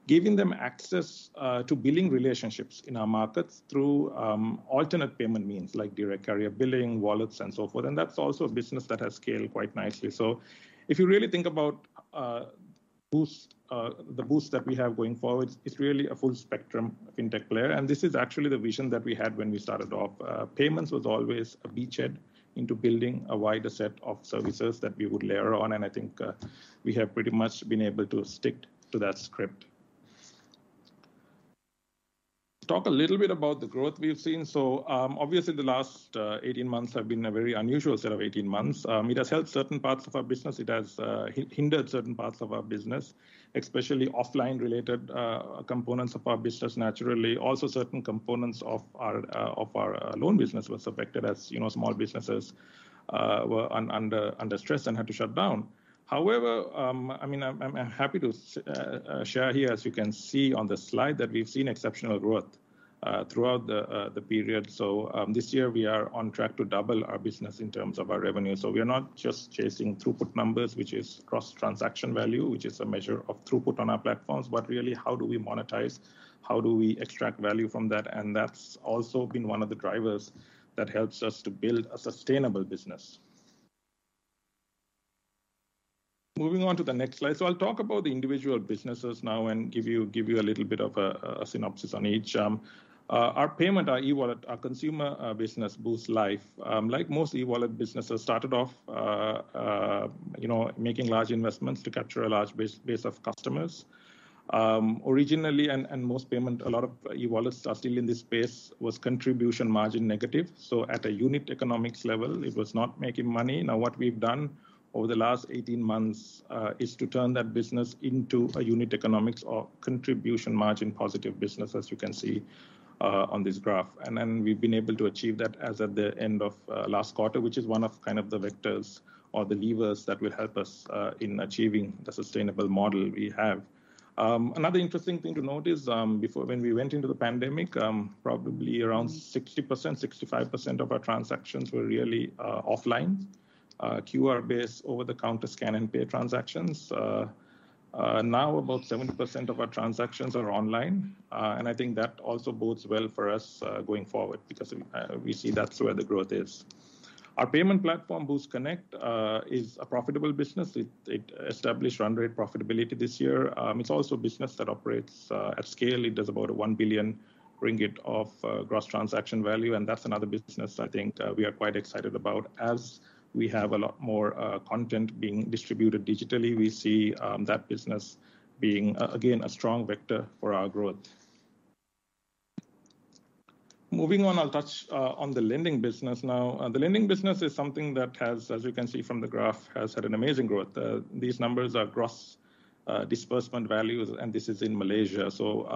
Speaker 3: giving them access to billing relationships in our markets through alternate payment means like direct carrier billing, wallets, and so forth. And that's also a business that has scaled quite nicely. So if you really think about the Boost that we have going forward, it's really a full spectrum fintech player. And this is actually the vision that we had when we started off. Payments was always a beachhead into building a wider set of services that we would layer on. And I think we have pretty much been able to stick to that script. Talk a little bit about the growth we've seen. So obviously, the last 18 months have been a very unusual set of 18 months. It has helped certain parts of our business. It has hindered certain parts of our business, especially offline-related components of our business, naturally. Also, certain components of our loan business were affected as small businesses were under stress and had to shut down. However, I mean, I'm happy to share here, as you can see on the slide, that we've seen exceptional growth throughout the period. So this year, we are on track to double our business in terms of our revenue. So we are not just chasing throughput numbers, which is cross-transaction value, which is a measure of throughput on our platforms, but really, how do we monetize? How do we extract value from that? And that's also been one of the drivers that helps us to build a sustainable business. Moving on to the next slide. So I'll talk about the individual businesses now and give you a little bit of a synopsis on each. Our payment, our e-wallet, our consumer business, Boost Life, like most e-wallet businesses, started off making large investments to capture a large base of customers. Originally, and most payments, a lot of e-wallets are still in this space, was contribution margin negative. So at a unit economics level, it was not making money. Now, what we've done over the last 18 months is to turn that business into a unit economics or contribution margin positive business, as you can see on this graph. And then we've been able to achieve that as of the end of last quarter, which is one of kind of the vectors or the levers that will help us in achieving the sustainable model we have. Another interesting thing to note is when we went into the pandemic, probably around 60%-65% of our transactions were really offline, QR-based, over-the-counter scan and pay transactions. Now, about 70% of our transactions are online. And I think that also bodes well for us going forward because we see that's where the growth is. Our payment platform, Boost Connect, is a profitable business. It established run rate profitability this year. It's also a business that operates at scale. It does about 1 billion ringgit of gross transaction value. And that's another business I think we are quite excited about. As we have a lot more content being distributed digitally, we see that business being, again, a strong vector for our growth. Moving on, I'll touch on the lending business now. The lending business is something that, as you can see from the graph, has had an amazing growth. These numbers are gross disbursement values, and this is in Malaysia. So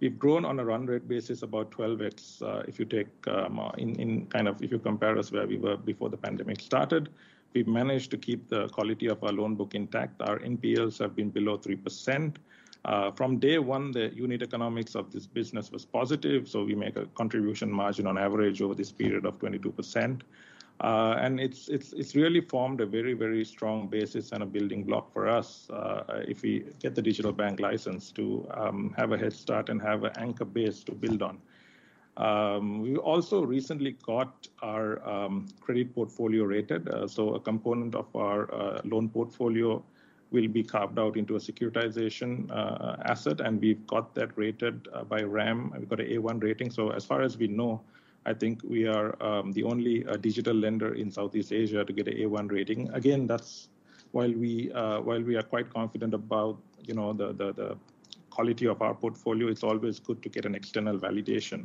Speaker 3: we've grown on a run rate basis about 12X. If you compare us where we were before the pandemic started, we've managed to keep the quality of our loan book intact. Our NPLs have been below 3%. From day one, the unit economics of this business was positive. So we make a contribution margin on average over this period of 22%. And it's really formed a very, very strong basis and a building block for us if we get the digital bank license to have a head start and have an anchor base to build on. We also recently got our credit portfolio rated. So a component of our loan portfolio will be carved out into a securitization asset. And we've got that rated by RAM. We've got an A1 rating. So as far as we know, I think we are the only digital lender in Southeast Asia to get an A1 rating. Again, that's why. While we are quite confident about the quality of our portfolio, it's always good to get an external validation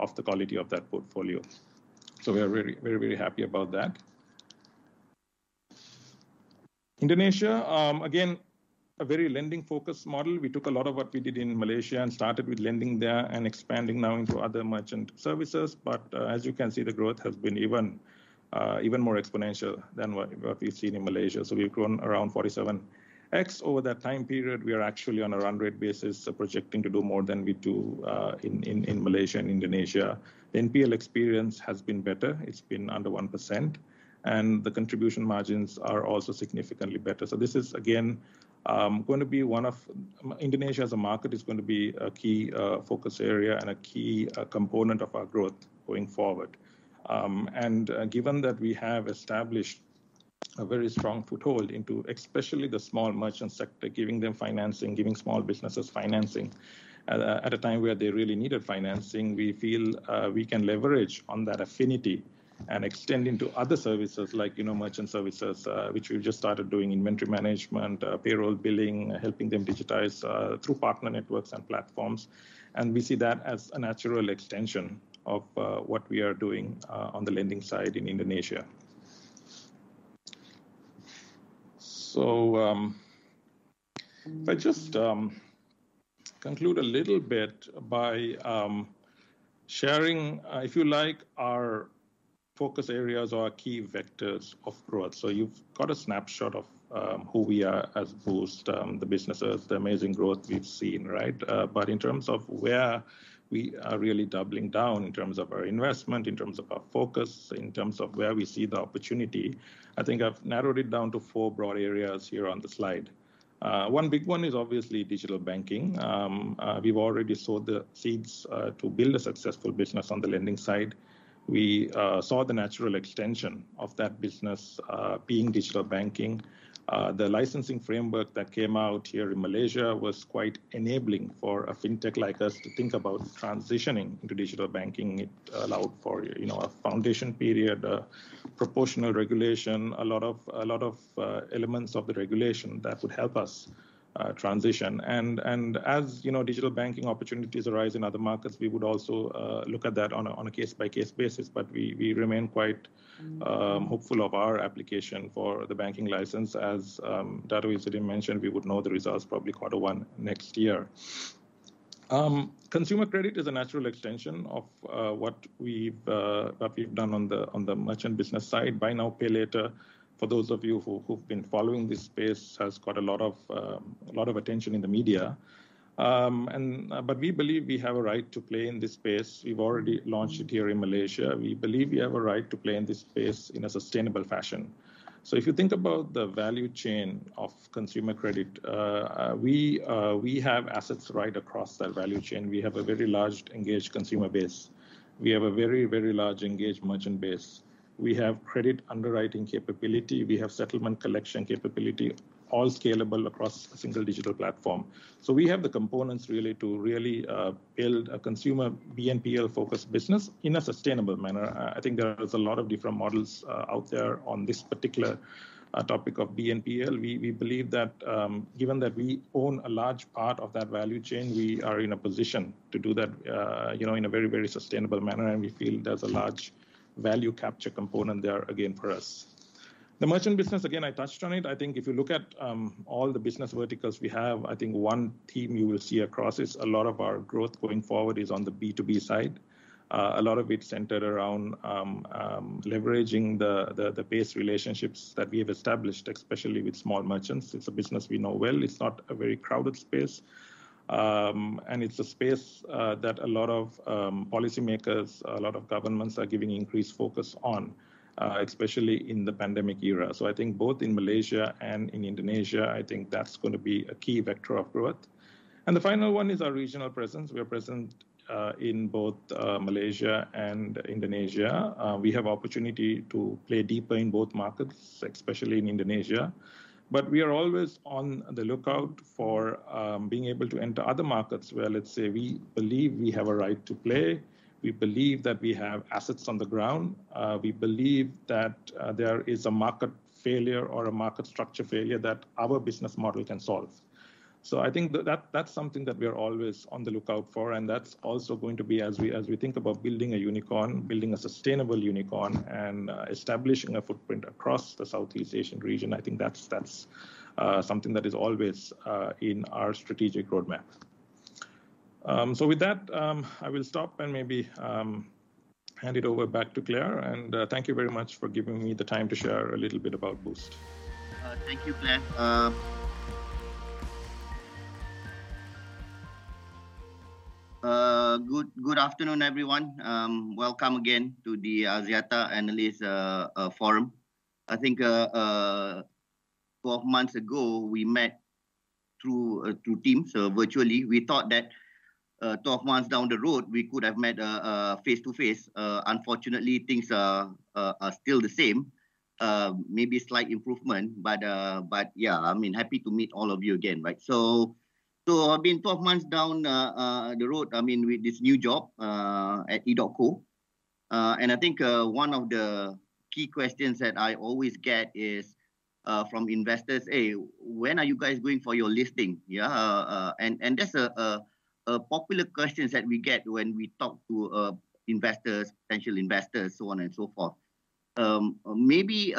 Speaker 3: of the quality of that portfolio. So we are very, very, very happy about that. Indonesia, again, a very lending-focused model. We took a lot of what we did in Malaysia and started with lending there and expanding now into other merchant services. But as you can see, the growth has been even more exponential than what we've seen in Malaysia. So we've grown around 47X over that time period. We are actually on a run rate basis, projecting to do more than we do in Malaysia and Indonesia. The NPL experience has been better. It's been under 1%, and the contribution margins are also significantly better. So this is, again, going to be one of Indonesia as a market is going to be a key focus area and a key component of our growth going forward. And given that we have established a very strong foothold into especially the small merchant sector, giving them financing, giving small businesses financing at a time where they really needed financing, we feel we can leverage on that affinity and extend into other services like merchant services, which we've just started doing inventory management, payroll billing, helping them digitize through partner networks and platforms. And we see that as a natural extension of what we are doing on the lending side in Indonesia. So if I just conclude a little bit by sharing, if you like, our focus areas or our key vectors of growth. So you've got a snapshot of who we are as Boost, the businesses, the amazing growth we've seen, right? But in terms of where we are really doubling down in terms of our investment, in terms of our focus, in terms of where we see the opportunity, I think I've narrowed it down to four broad areas here on the slide. One big one is obviously digital banking. We've already sowed the seeds to build a successful business on the lending side. We saw the natural extension of that business being digital banking. The licensing framework that came out here in Malaysia was quite enabling for a fintech like us to think about transitioning into digital banking. It allowed for a foundation period, proportional regulation, a lot of elements of the regulation that would help us transition. As digital banking opportunities arise in other markets, we would also look at that on a case-by-case basis. We remain quite hopeful of our application for the banking license. As Dato' Izzaddin Idris mentioned, we would know the results probably quarter one next year. Consumer credit is a natural extension of what we've done on the merchant business side. Buy now, pay later, for those of you who've been following this space, has got a lot of attention in the media. We believe we have a right to play in this space. We've already launched it here in Malaysia. We believe we have a right to play in this space in a sustainable fashion. If you think about the value chain of consumer credit, we have assets right across that value chain. We have a very large engaged consumer base. We have a very, very large engaged merchant base. We have credit underwriting capability. We have settlement collection capability, all scalable across a single digital platform. So we have the components really to really build a consumer BNPL-focused business in a sustainable manner. I think there are a lot of different models out there on this particular topic of BNPL. We believe that given that we own a large part of that value chain, we are in a position to do that in a very, very sustainable manner. And we feel there's a large value capture component there, again, for us. The merchant business, again, I touched on it. I think if you look at all the business verticals we have, I think one theme you will see across is a lot of our growth going forward is on the B2B side. A lot of it centered around leveraging the base relationships that we have established, especially with small merchants. It's a business we know well. It's not a very crowded space. And it's a space that a lot of policymakers, a lot of governments are giving increased focus on, especially in the pandemic era. So I think both in Malaysia and in Indonesia, I think that's going to be a key vector of growth. And the final one is our regional presence. We are present in both Malaysia and Indonesia. We have opportunity to play deeper in both markets, especially in Indonesia. But we are always on the lookout for being able to enter other markets where, let's say, we believe we have a right to play. We believe that we have assets on the ground. We believe that there is a market failure or a market structure failure that our business model can solve. So I think that's something that we are always on the lookout for. And that's also going to be, as we think about building a unicorn, building a sustainable unicorn, and establishing a footprint across the Southeast Asian region. I think that's something that is always in our strategic roadmap. So with that, I will stop and maybe hand it over back to Claire. And thank you very much for giving me the time to share a little bit about Boost.
Speaker 4: Thank you, Claire. Good afternoon, everyone. Welcome again to the Axiata Analyst Forum. I think 12 months ago, we met through Teams, so virtually. We thought that 12 months down the road, we could have met face-to-face. Unfortunately, things are still the same. Maybe slight improvement, but yeah, I mean, happy to meet all of you again, right? So I've been 12 months down the road, I mean, with this new job at EDOTCO. And I think one of the key questions that I always get is from investors, "Hey, when are you guys going for your listing?" Yeah. And that's a popular question that we get when we talk to investors, potential investors, so on and so forth. Maybe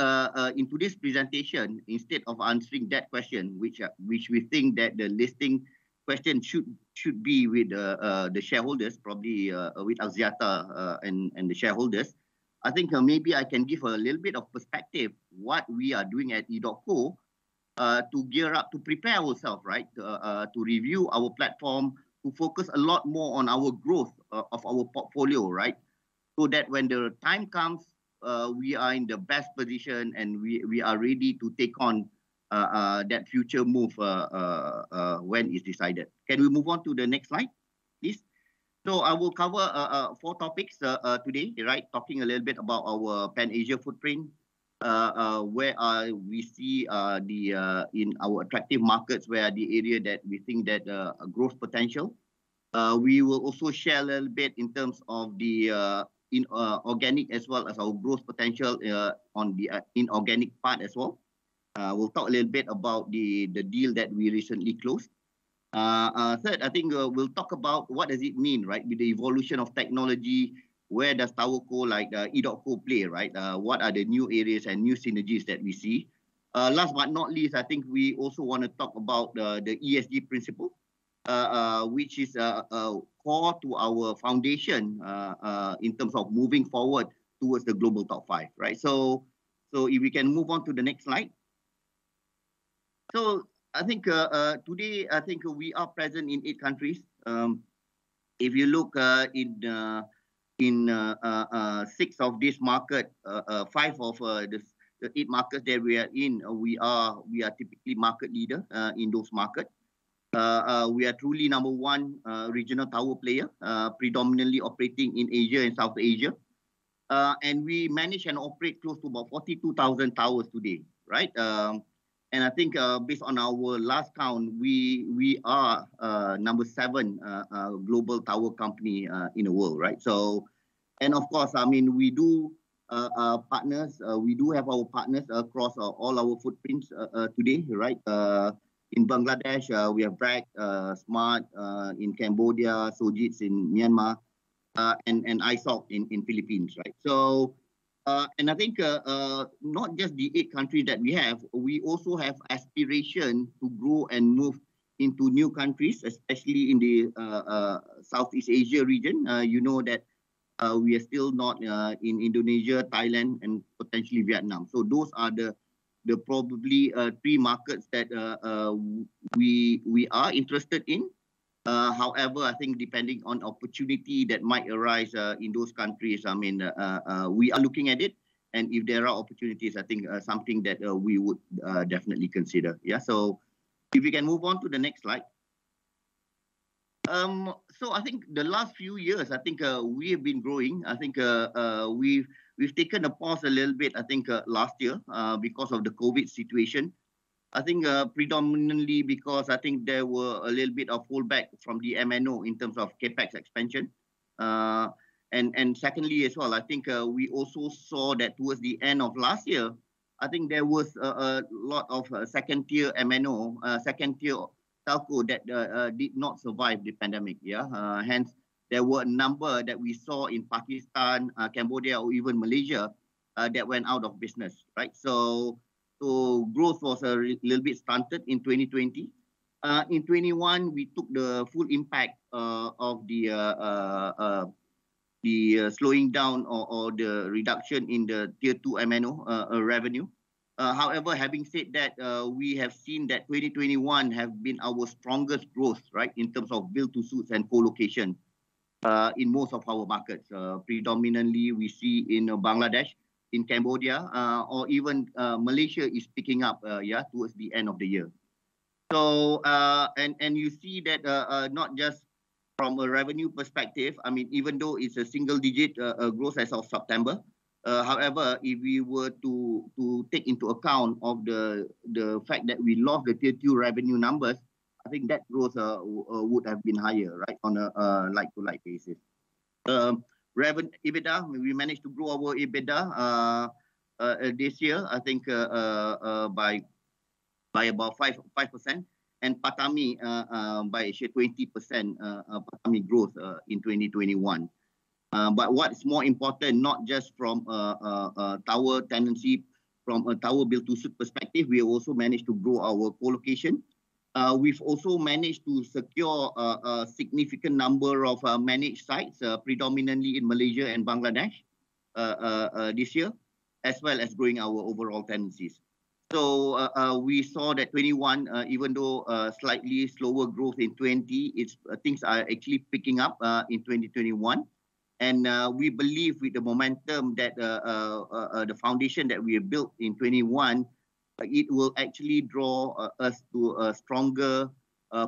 Speaker 4: in today's presentation, instead of answering that question, which we think that the listing question should be with the shareholders, probably with Axiata and the shareholders, I think maybe I can give a little bit of perspective on what we are doing at EDOTCO to gear up, to prepare ourselves, right, to review our platform, to focus a lot more on our growth of our portfolio, right, so that when the time comes, we are in the best position and we are ready to take on that future move when it's decided. Can we move on to the next slide, please? So I will cover four topics today, right, talking a little bit about our Pan-Asia footprint, where we see in our attractive markets where the area that we think that has growth potential. We will also share a little bit in terms of the organic as well as our growth potential on the inorganic part as well. We'll talk a little bit about the deal that we recently closed. Third, I think we'll talk about what does it mean, right, with the evolution of technology, where does our core like EDOTCO play, right? What are the new areas and new synergies that we see? Last but not least, I think we also want to talk about the ESG principle, which is core to our foundation in terms of moving forward towards the global top five, right? So if we can move on to the next slide. So I think today, I think we are present in eight countries. If you look in six of these markets, five of the eight markets that we are in, we are typically market leaders in those markets. We are truly number one regional tower player, predominantly operating in Asia and South Asia, and we manage and operate close to about 42,000 towers today, right? And I think based on our last count, we are number seven global tower company in the world, right? And of course, I mean, we do partners. We do have our partners across all our footprints today, right? In Bangladesh, we have BRAC, Smart in Cambodia, Sojitz in Myanmar, and ISOC in the Philippines, right? And I think not just the eight countries that we have, we also have aspirations to grow and move into new countries, especially in the Southeast Asia region. You know that we are still not in Indonesia, Thailand, and potentially Vietnam, so those are probably three markets that we are interested in. However, I think depending on opportunity that might arise in those countries. I mean, we are looking at it, and if there are opportunities, I think something that we would definitely consider. Yeah, so if we can move on to the next slide. So, I think the last few years, I think we have been growing. I think we've taken a pause a little bit, I think, last year because of the COVID situation. I think predominantly because I think there were a little bit of pullback from the MNO in terms of CapEx expansion, and secondly as well, I think we also saw that towards the end of last year, I think there was a lot of second-tier MNO, second-tier telco that did not survive the pandemic. Yeah, hence, there were a number that we saw in Pakistan, Cambodia, or even Malaysia that went out of business, right? Growth was a little bit stunted in 2020. In 2021, we took the full impact of the slowing down or the reduction in the tier two MNO revenue. However, having said that, we have seen that 2021 has been our strongest growth, right, in terms of build-to-suit and co-location in most of our markets. Predominantly, we see in Bangladesh, in Cambodia, or even Malaysia is picking up, yeah, towards the end of the year. You see that not just from a revenue perspective, I mean, even though it's a single-digit growth as of September. However, if we were to take into account the fact that we lost the tier two revenue numbers, I think that growth would have been higher, right, on a like-for-like basis. EBITDA, we managed to grow our EBITDA this year, I think, by about 5%. PATAMI by 20% PATAMI growth in 2021. But what's more important, not just from a tower tenancy, from a tower build-to-suit perspective, we also managed to grow our co-location. We've also managed to secure a significant number of managed sites, predominantly in Malaysia and Bangladesh this year, as well as growing our overall tenancies. So we saw that in 2021, even though slightly slower growth in 2020, things are actually picking up in 2021. And we believe with the momentum that the foundation that we have built in 2021, it will actually draw us to a stronger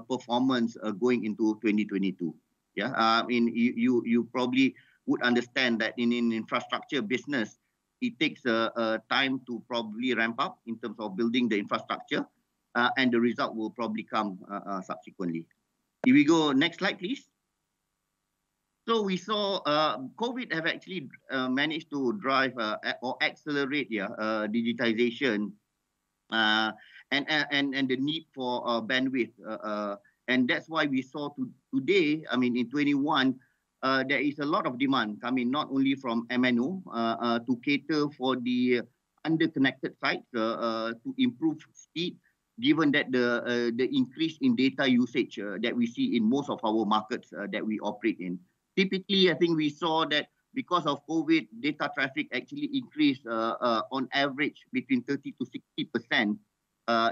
Speaker 4: performance going into 2022. Yeah. I mean, you probably would understand that in an infrastructure business, it takes time to probably ramp up in terms of building the infrastructure. And the result will probably come subsequently. If we go next slide, please. So we saw COVID have actually managed to drive or accelerate, yeah, digitization and the need for bandwidth. That's why we saw today, I mean, in 2021, there is a lot of demand coming not only from MNO to cater for the under-connected sites to improve speed, given that the increase in data usage that we see in most of our markets that we operate in. Typically, I think we saw that because of COVID, data traffic actually increased on average between 30%-60%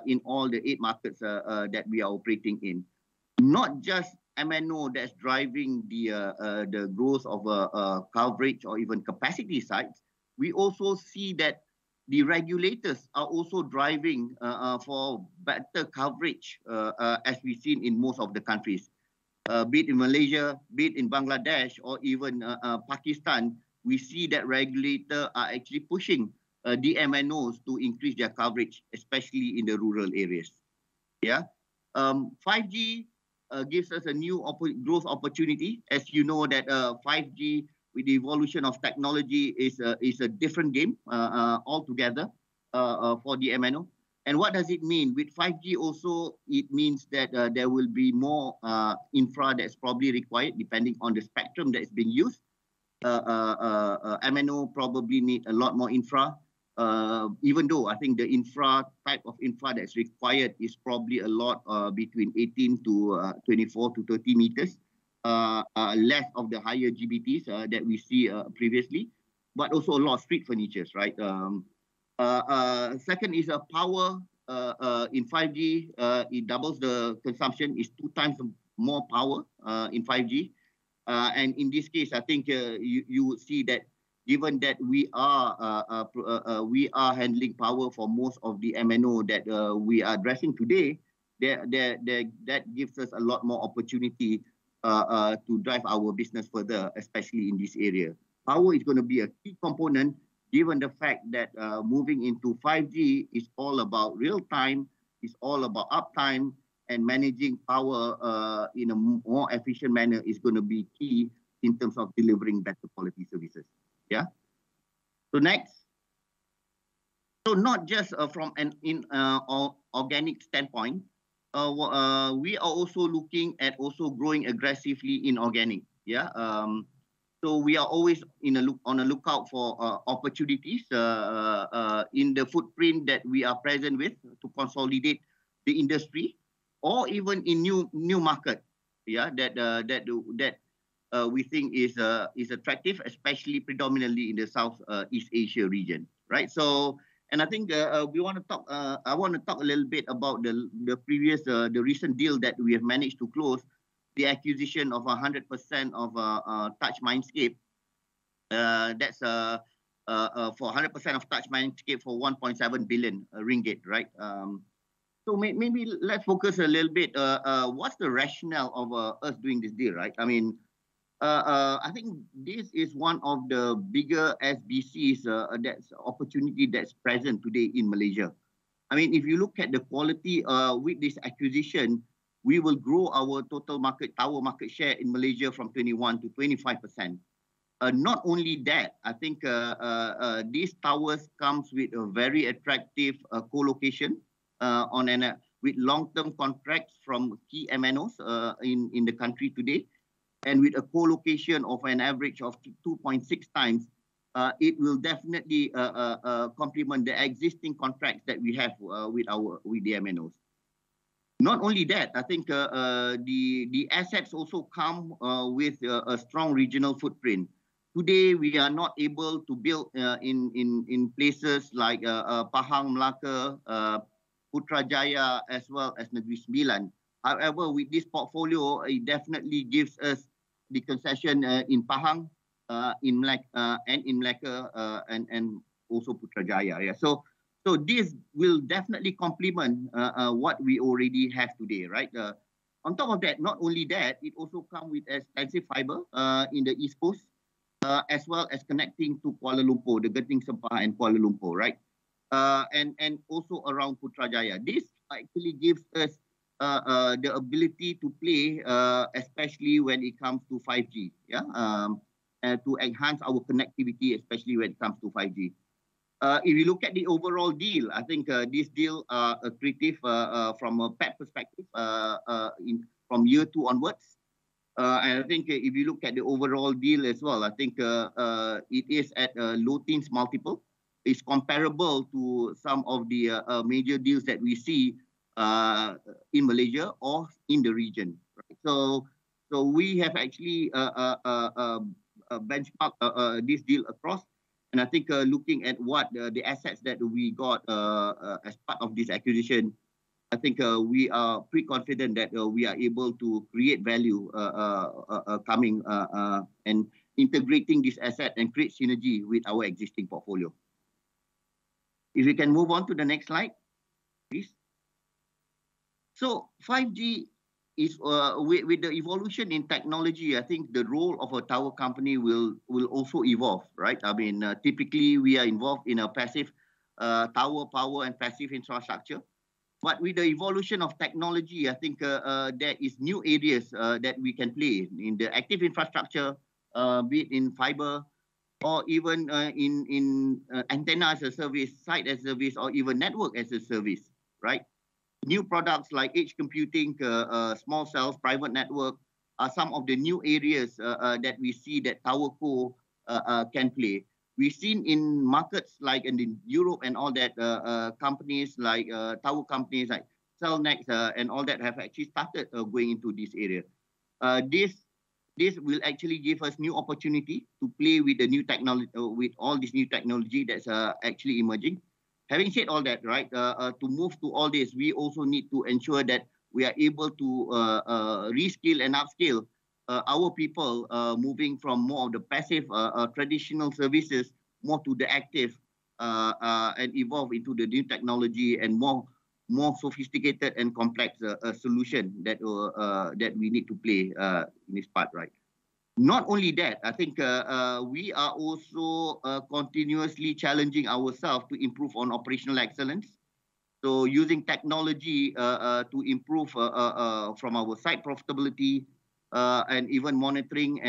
Speaker 4: in all the eight markets that we are operating in. Not just MNO that's driving the growth of coverage or even capacity sites. We also see that the regulators are also driving for better coverage, as we've seen in most of the countries, be it in Malaysia, be it in Bangladesh, or even Pakistan. We see that regulators are actually pushing the MNOs to increase their coverage, especially in the rural areas. Yeah. 5G gives us a new growth opportunity. As you know, 5G, with the evolution of technology, is a different game altogether for the MNO. What does it mean? With 5G, also, it means that there will be more infra that's probably required depending on the spectrum that is being used. MNO probably need a lot more infra, even though I think the type of infra that's required is probably a lot between 18 to 24 to 30 meters, less of the higher GBTs that we see previously, but also a lot of street furniture, right? Second is power. In 5G, it doubles the consumption. It's two times more power in 5G. In this case, I think you would see that given that we are handling power for most of the MNO that we are addressing today, that gives us a lot more opportunity to drive our business further, especially in this area. Power is going to be a key component given the fact that moving into 5G is all about real-time, is all about uptime, and managing power in a more efficient manner is going to be key in terms of delivering better quality services. Yeah. So next. So not just from an organic standpoint, we are also looking at growing aggressively in organic. Yeah. So we are always on the lookout for opportunities in the footprint that we are present with to consolidate the industry or even in new markets, yeah, that we think is attractive, especially predominantly in the Southeast Asia region, right? And I think I want to talk a little bit about the recent deal that we have managed to close, the acquisition of 100% of Touch Mindscape. That's for 100% of Touch Mindscape for 1.7 billion ringgit, right? So maybe let's focus a little bit. What's the rationale of us doing this deal, right? I mean, I think this is one of the bigger SBCs, that's opportunity that's present today in Malaysia. I mean, if you look at the quality with this acquisition, we will grow our total market, our market share in Malaysia from 21%-25%. Not only that, I think these towers come with a very attractive co-location with long-term contracts from key MNOs in the country today. And with a co-location of an average of 2.6 times, it will definitely complement the existing contracts that we have with the MNOs. Not only that, I think the assets also come with a strong regional footprint. Today, we are not able to build in places like Pahang, Melaka, Putrajaya, as well as Negeri Sembilan. However, with this portfolio, it definitely gives us the concession in Pahang and in Melaka and also Putrajaya. Yeah. So this will definitely complement what we already have today, right? On top of that, not only that, it also comes with extensive fiber in the East Coast, as well as connecting to Kuala Lumpur, the Genting Sempah and Kuala Lumpur, right? And also around Putrajaya. This actually gives us the ability to play, especially when it comes to 5G, yeah, to enhance our connectivity, especially when it comes to 5G. If you look at the overall deal, I think this deal is creative from an EBIT perspective from year two onwards. And I think if you look at the overall deal as well, I think it is at a low teens multiple. It's comparable to some of the major deals that we see in Malaysia or in the region, right? We have actually benchmarked this deal across. And I think looking at what the assets that we got as part of this acquisition, I think we are pretty confident that we are able to create value coming and integrating this asset and create synergy with our existing portfolio. If we can move on to the next slide, please. So 5G, with the evolution in technology, I think the role of a tower company will also evolve, right? I mean, typically, we are involved in a passive tower power and passive infrastructure. But with the evolution of technology, I think there are new areas that we can play in the active infrastructure, be it in fiber or even in antenna as a service, site as a service, or even network as a service, right? New products like edge computing, small cells, private network are some of the new areas that we see that TowerCo can play. We've seen in markets like in Europe and all that, companies like tower companies like Cellnex and all that have actually started going into this area. This will actually give us new opportunity to play with all this new technology that's actually emerging. Having said all that, right, to move to all this, we also need to ensure that we are able to reskill and upskill our people, moving from more of the passive traditional services more to the active and evolve into the new technology and more sophisticated and complex solution that we need to play in this part, right? Not only that, I think we are also continuously challenging ourselves to improve on operational excellence. Using technology to improve our site profitability and even monitoring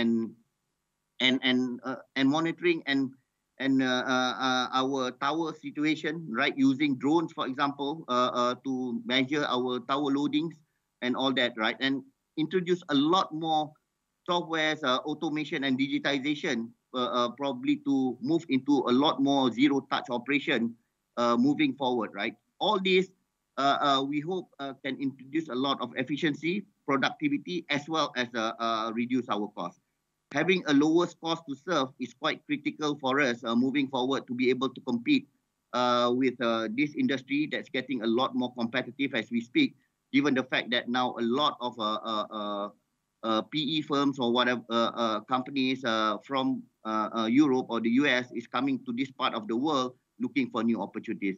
Speaker 4: our tower situation, right, using drones, for example, to measure our tower loadings and all that, right, and introduce a lot more software automation and digitization probably to move into a lot more zero-touch operation moving forward, right? All this, we hope, can introduce a lot of efficiency, productivity, as well as reduce our cost. Having a lower cost to serve is quite critical for us moving forward to be able to compete with this industry that's getting a lot more competitive as we speak, given the fact that now a lot of PE firms or whatever companies from Europe or the U.S. are coming to this part of the world looking for new opportunities.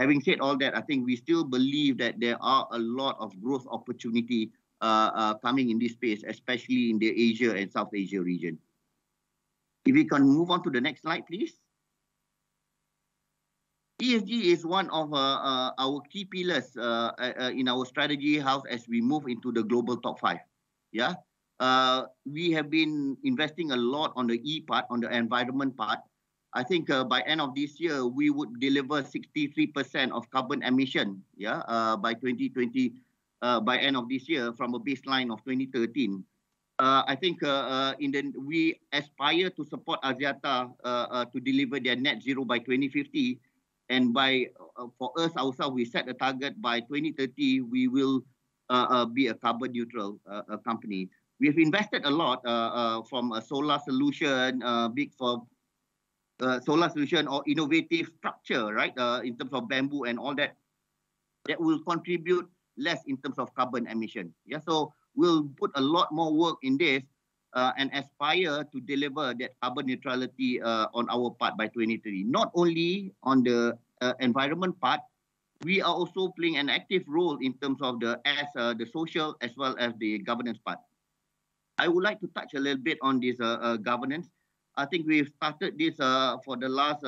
Speaker 4: Having said all that, I think we still believe that there are a lot of growth opportunities coming in this space, especially in the Asia and South Asia region. If we can move on to the next slide, please. ESG is one of our key pillars in our strategy house as we move into the global top five. Yeah. We have been investing a lot on the E part, on the environment part. I think by the end of this year, we would deliver 63% of carbon emission, yeah, by 2020, by the end of this year from a baseline of 2013. I think we aspire to support Axiata to deliver their net zero by 2050. And for us ourselves, we set a target by 2030, we will be a carbon neutral company. We have invested a lot in solar solutions, big for solar solutions or innovative structures, right, in terms of bamboo and all that, that will contribute less in terms of carbon emissions. Yeah. So we'll put a lot more work in this and aspire to deliver that carbon neutrality on our part by 2030. Not only on the environment part, we are also playing an active role in terms of the social as well as the governance part. I would like to touch a little bit on this governance. I think we've started this for the last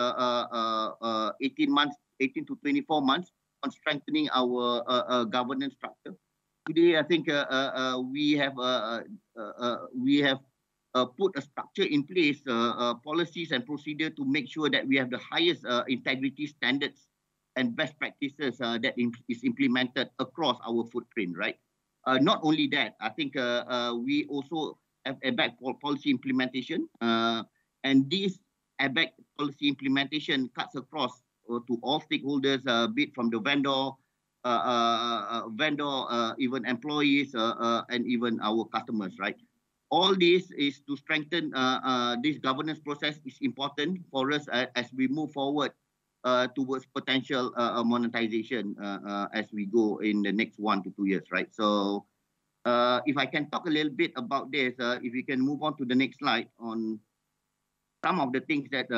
Speaker 4: 18 months, 18-24 months on strengthening our governance structure. Today, I think we have put a structure in place, policies and procedures to make sure that we have the highest integrity standards and best practices that are implemented across our footprint, right? Not only that, I think we also have a ABAC policy implementation. And this ABAC policy implementation cuts across to all stakeholders, be it from the vendor, even employees, and even our customers, right? All this is to strengthen this governance process, is important for us as we move forward towards potential monetization as we go in the next one to two years, right? So if I can talk a little bit about this, if we can move on to the next slide on some of the things that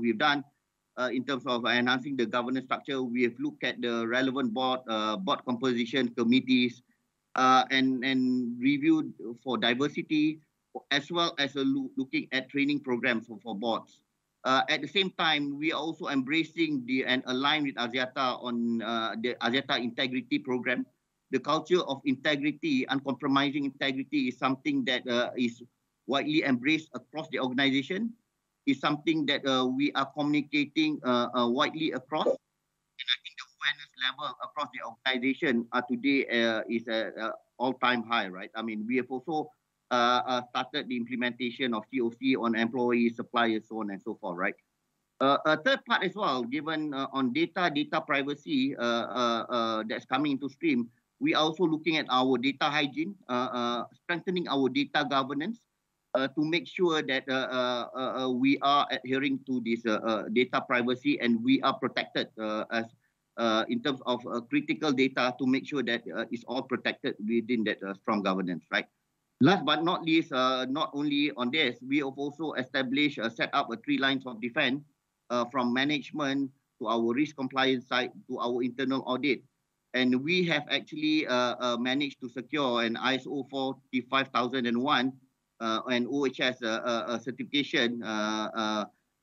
Speaker 4: we've done in terms of enhancing the governance structure, we have looked at the relevant board composition committees and reviewed for diversity, as well as looking at training programs for boards. At the same time, we are also embracing and aligned with Axiata on the Axiata Integrity Program. The culture of integrity, uncompromising integrity, is something that is widely embraced across the organization. It's something that we are communicating widely across. And I think the awareness level across the organization today is at an all-time high, right? I mean, we have also started the implementation of COC on employees, suppliers, so on and so forth, right? A third part as well, given on data privacy that's coming into stream, we are also looking at our data hygiene, strengthening our data governance to make sure that we are adhering to this data privacy and we are protected in terms of critical data to make sure that it's all protected within that strong governance, right? Last but not least, not only on this, we have also established a setup of three lines of defense from management to our risk compliance side to our internal audit. We have actually managed to secure an ISO 45001 and OHS certification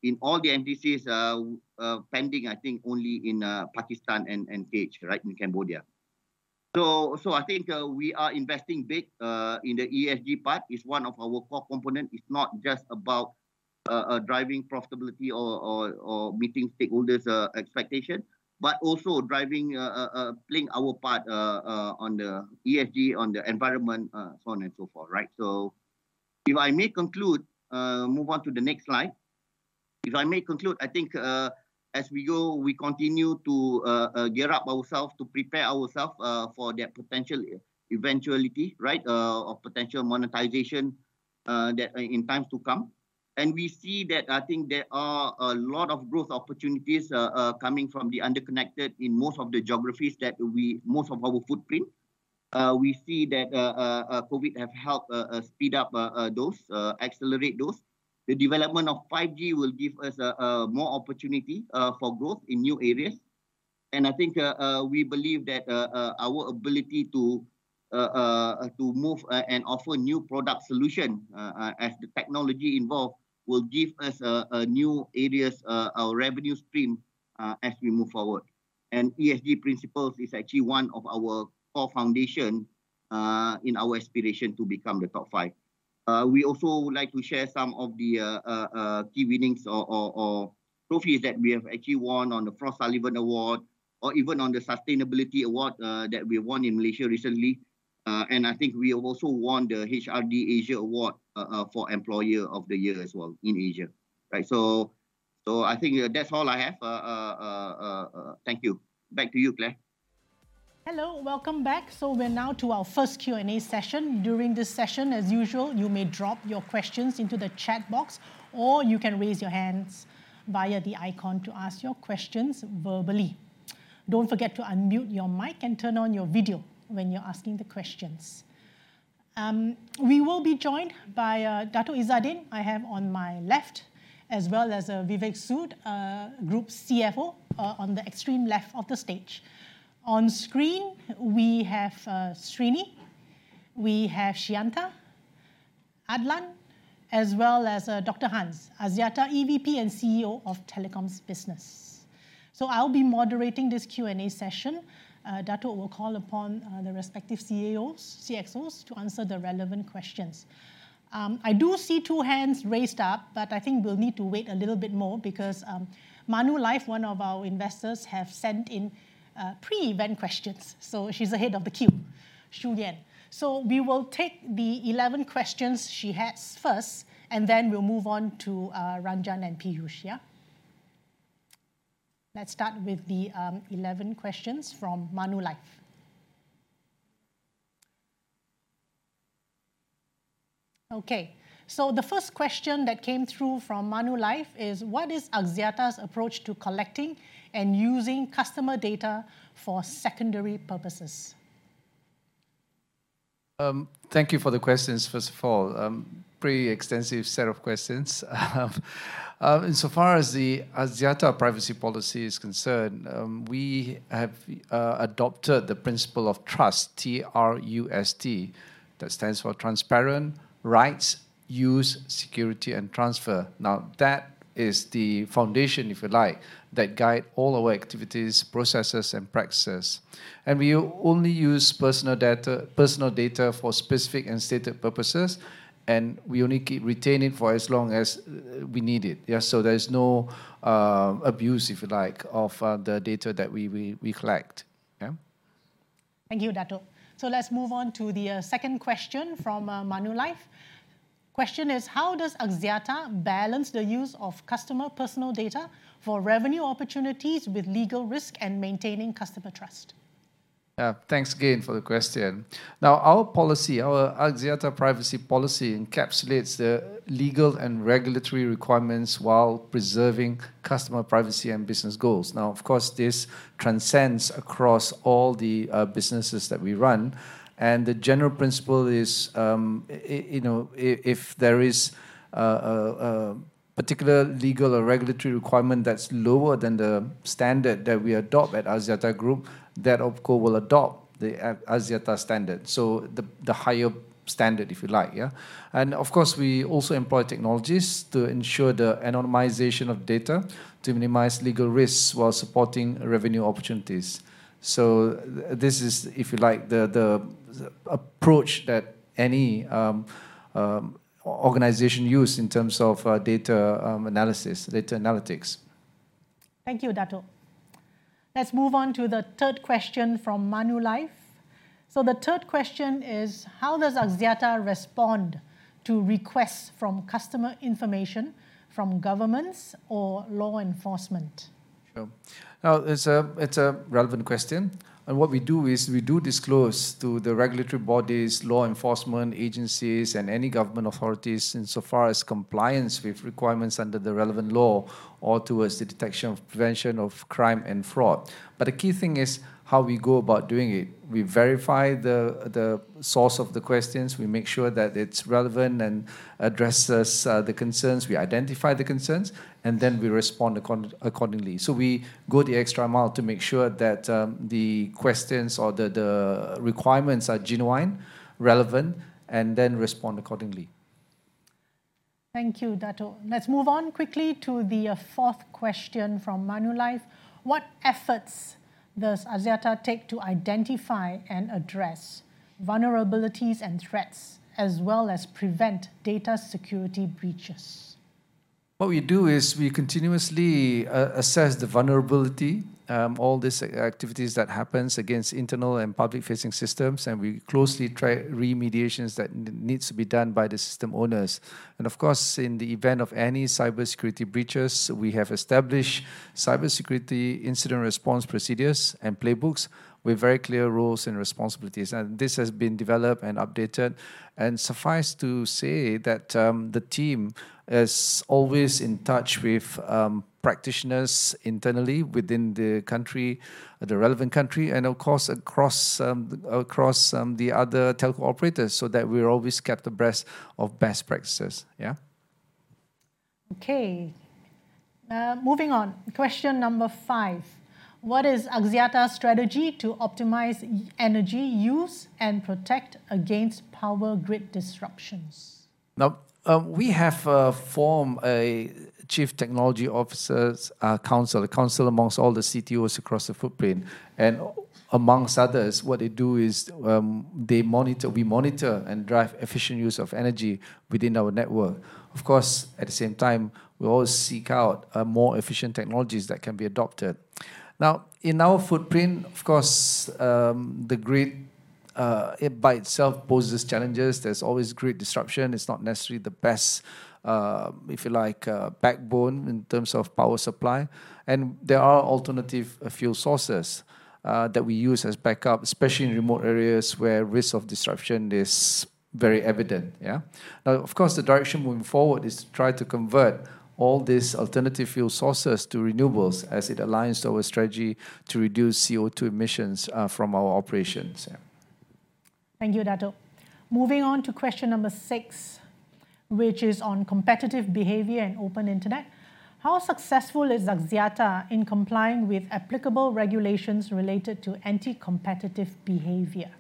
Speaker 4: in all the NTCs, pending, I think, only in Pakistan and KH, right, in Cambodia. So I think we are investing big in the ESG part. It's one of our core components. It's not just about driving profitability or meeting stakeholders' expectations, but also playing our part on the ESG, on the environment, so on and so forth, right? So if I may conclude, move on to the next slide. If I may conclude, I think as we go, we continue to gear up ourselves to prepare ourselves for that potential eventuality, right, of potential monetization in times to come. We see that I think there are a lot of growth opportunities coming from the underconnected in most of the geographies that we have most of our footprint. We see that COVID has helped speed up those, accelerate those. The development of 5G will give us more opportunity for growth in new areas. And I think we believe that our ability to move and offer new product solutions as the technology involved will give us new areas, our revenue stream as we move forward. And ESG principles is actually one of our core foundations in our aspiration to become the top five. We also would like to share some of the key winnings or trophies that we have actually won on the Frost & Sullivan Award or even on the Sustainability Award that we won in Malaysia recently. And I think we have also won the HRD Asia Award for Employer of the Year as well in Asia, right? So I think that's all I have. Thank you. Back to you, Claire.
Speaker 5: Hello. Welcome back. So we're now to our first Q&A session. During this session, as usual, you may drop your questions into the chat box or you can raise your hands via the icon to ask your questions verbally. Don't forget to unmute your mic and turn on your video when you're asking the questions. We will be joined by Dato' Izzadin, I have on my left, as well as Vivek Sood, Group CFO, on the extreme left of the stage. On screen, we have Srini, we have Sheyantha, Adlan, as well as Dr. Hans, Axiata EVP and CEO of Telecoms Business. So I'll be moderating this Q&A session. Dato' will call upon the respective CXOs to answer the relevant questions. I do see two hands raised up, but I think we'll need to wait a little bit more because Manulife, one of our investors, has sent in pre-event questions. She is ahead of the queue, Sheyantha. We will take the 11 questions she has first, and then we will move on to Ranjan and Piyush, yeah? Let's start with the 11 questions from Manulife. Okay. The first question that came through from Manulife is, what is Axiata's approach to collecting and using customer data for secondary purposes?
Speaker 1: Thank you for the questions, first of all. Pretty extensive set of questions. Insofar as the Axiata privacy policy is concerned, we have adopted the principle of trust, TRUST. That stands for Transparent, Rights, Use, Security, and Transfer. Now, that is the foundation, if you like, that guides all our activities, processes, and practices, and we only use personal data for specific and stated purposes, and we only retain it for as long as we need it. So there is no abuse, if you like, of the data that we collect. Yeah?
Speaker 5: Thank you, Dato'. So let's move on to the second question from Manulife. The question is, how does Axiata balance the use of customer personal data for revenue opportunities with legal risk and maintaining customer trust?
Speaker 1: Thanks again for the question. Now, our policy, our Axiata privacy policy encapsulates the legal and regulatory requirements while preserving customer privacy and business goals. Now, of course, this transcends across all the businesses that we run. And the general principle is, if there is a particular legal or regulatory requirement that's lower than the standard that we adopt at Axiata Group, that of course will adopt the Axiata standard. So the higher standard, if you like. And of course, we also employ technologies to ensure the anonymization of data to minimize legal risks while supporting revenue opportunities. So this is, if you like, the approach that any organization uses in terms of data analysis, data analytics.
Speaker 5: Thank you, Dato'. Let's move on to the third question from Manulife. The third question is, how does Axiata respond to requests for customer information from governments or law enforcement?
Speaker 1: Sure. Now, it's a relevant question. What we do is we disclose to the regulatory bodies, law enforcement agencies, and any government authorities insofar as compliance with requirements under the relevant law or towards the detection or prevention of crime and fraud. But the key thing is how we go about doing it. We verify the source of the request. We make sure that it's relevant and addresses the concerns. We identify the concerns, and then we respond accordingly. We go the extra mile to make sure that the questions or the requirements are genuine, relevant, and then respond accordingly.
Speaker 5: Thank you, Dato'. Let's move on quickly to the fourth question from Manulife. What efforts does Axiata take to identify and address vulnerabilities and threats, as well as prevent data security breaches?
Speaker 1: What we do is we continuously assess the vulnerability, all these activities that happen against internal and public-facing systems, and we closely track remediations that need to be done by the system owners. Of course, in the event of any cybersecurity breaches, we have established cybersecurity incident response procedures and playbooks with very clear roles and responsibilities. This has been developed and updated. And suffice to say that the team is always in touch with practitioners internally within the country, the relevant country, and of course, across the other telco operators so that we are always kept abreast of best practices. Yeah?
Speaker 5: Okay. Moving on. Question number five. What is Axiata's strategy to optimize energy use and protect against power grid disruptions?
Speaker 1: Now, we have formed a Chief Technology Officer Council, a council amongst all the CTOs across the footprint. And amongst others, what they do is they monitor, we monitor and drive efficient use of energy within our network. Of course, at the same time, we always seek out more efficient technologies that can be adopted. Now, in our footprint, of course, the grid by itself poses challenges. There's always grid disruption. It's not necessarily the best, if you like, backbone in terms of power supply. There are alternative fuel sources that we use as backup, especially in remote areas where risk of disruption is very evident. Yeah? Now, of course, the direction moving forward is to try to convert all these alternative fuel sources to renewables as it aligns to our strategy to reduce CO2 emissions from our operations.
Speaker 5: Thank you, Dato'. Moving on to question number six, which is on competitive behavior and open internet. How successful is Axiata in complying with applicable regulations related to anti-competitive behavior?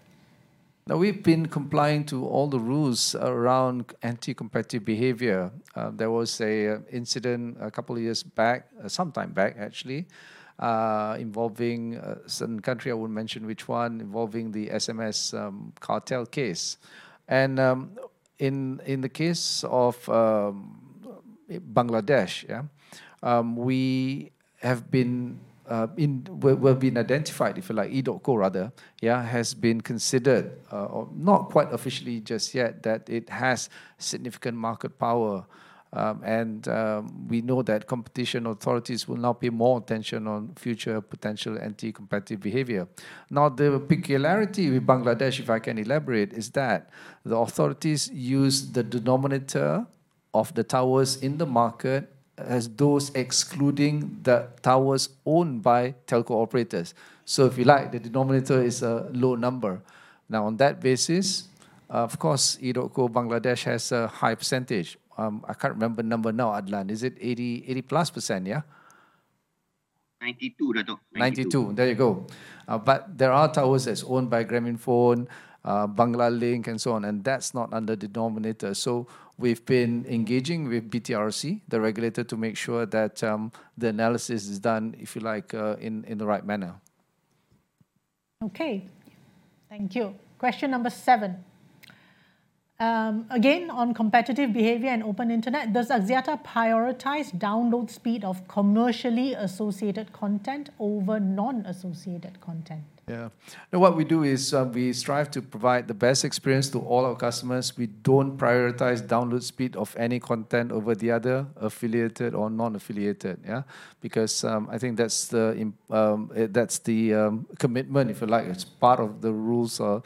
Speaker 1: Now, we've been complying to all the rules around anti-competitive behavior. There was an incident a couple of years back, sometime back actually, involving certain countries, I won't mention which one, involving the SMS cartel case. And in the case of Bangladesh, we have been identified, if you like, EDOTCO rather, has been considered, not quite officially just yet, that it has significant market power. We know that competition authorities will now pay more attention on future potential anti-competitive behavior. Now, the peculiarity with Bangladesh, if I can elaborate, is that the authorities use the denominator of the towers in the market as those excluding the towers owned by telco operators. So if you like, the denominator is a low number. Now, on that basis, of course, EDOTCO Bangladesh has a high percentage. I can't remember the number now, Adlan. Is it 80-plus%? Yeah? 92%, Dato'. 92%. There you go. But there are towers that are owned by Grameenphone, Banglalink, and so on. And that's not under the denominator. So we've been engaging with BTRC, the regulator, to make sure that the analysis is done, if you like, in the right manner.
Speaker 5: Okay. Thank you. Question number seven. Again, on competitive behavior and open internet, does Axiata prioritize download speed of commercially associated content over non-associated content?
Speaker 1: Yeah. What we do is we strive to provide the best experience to all our customers. We don't prioritize download speed of any content over the other affiliated or non-affiliated. Yeah? Because I think that's the commitment, if you like. It's part of the rules of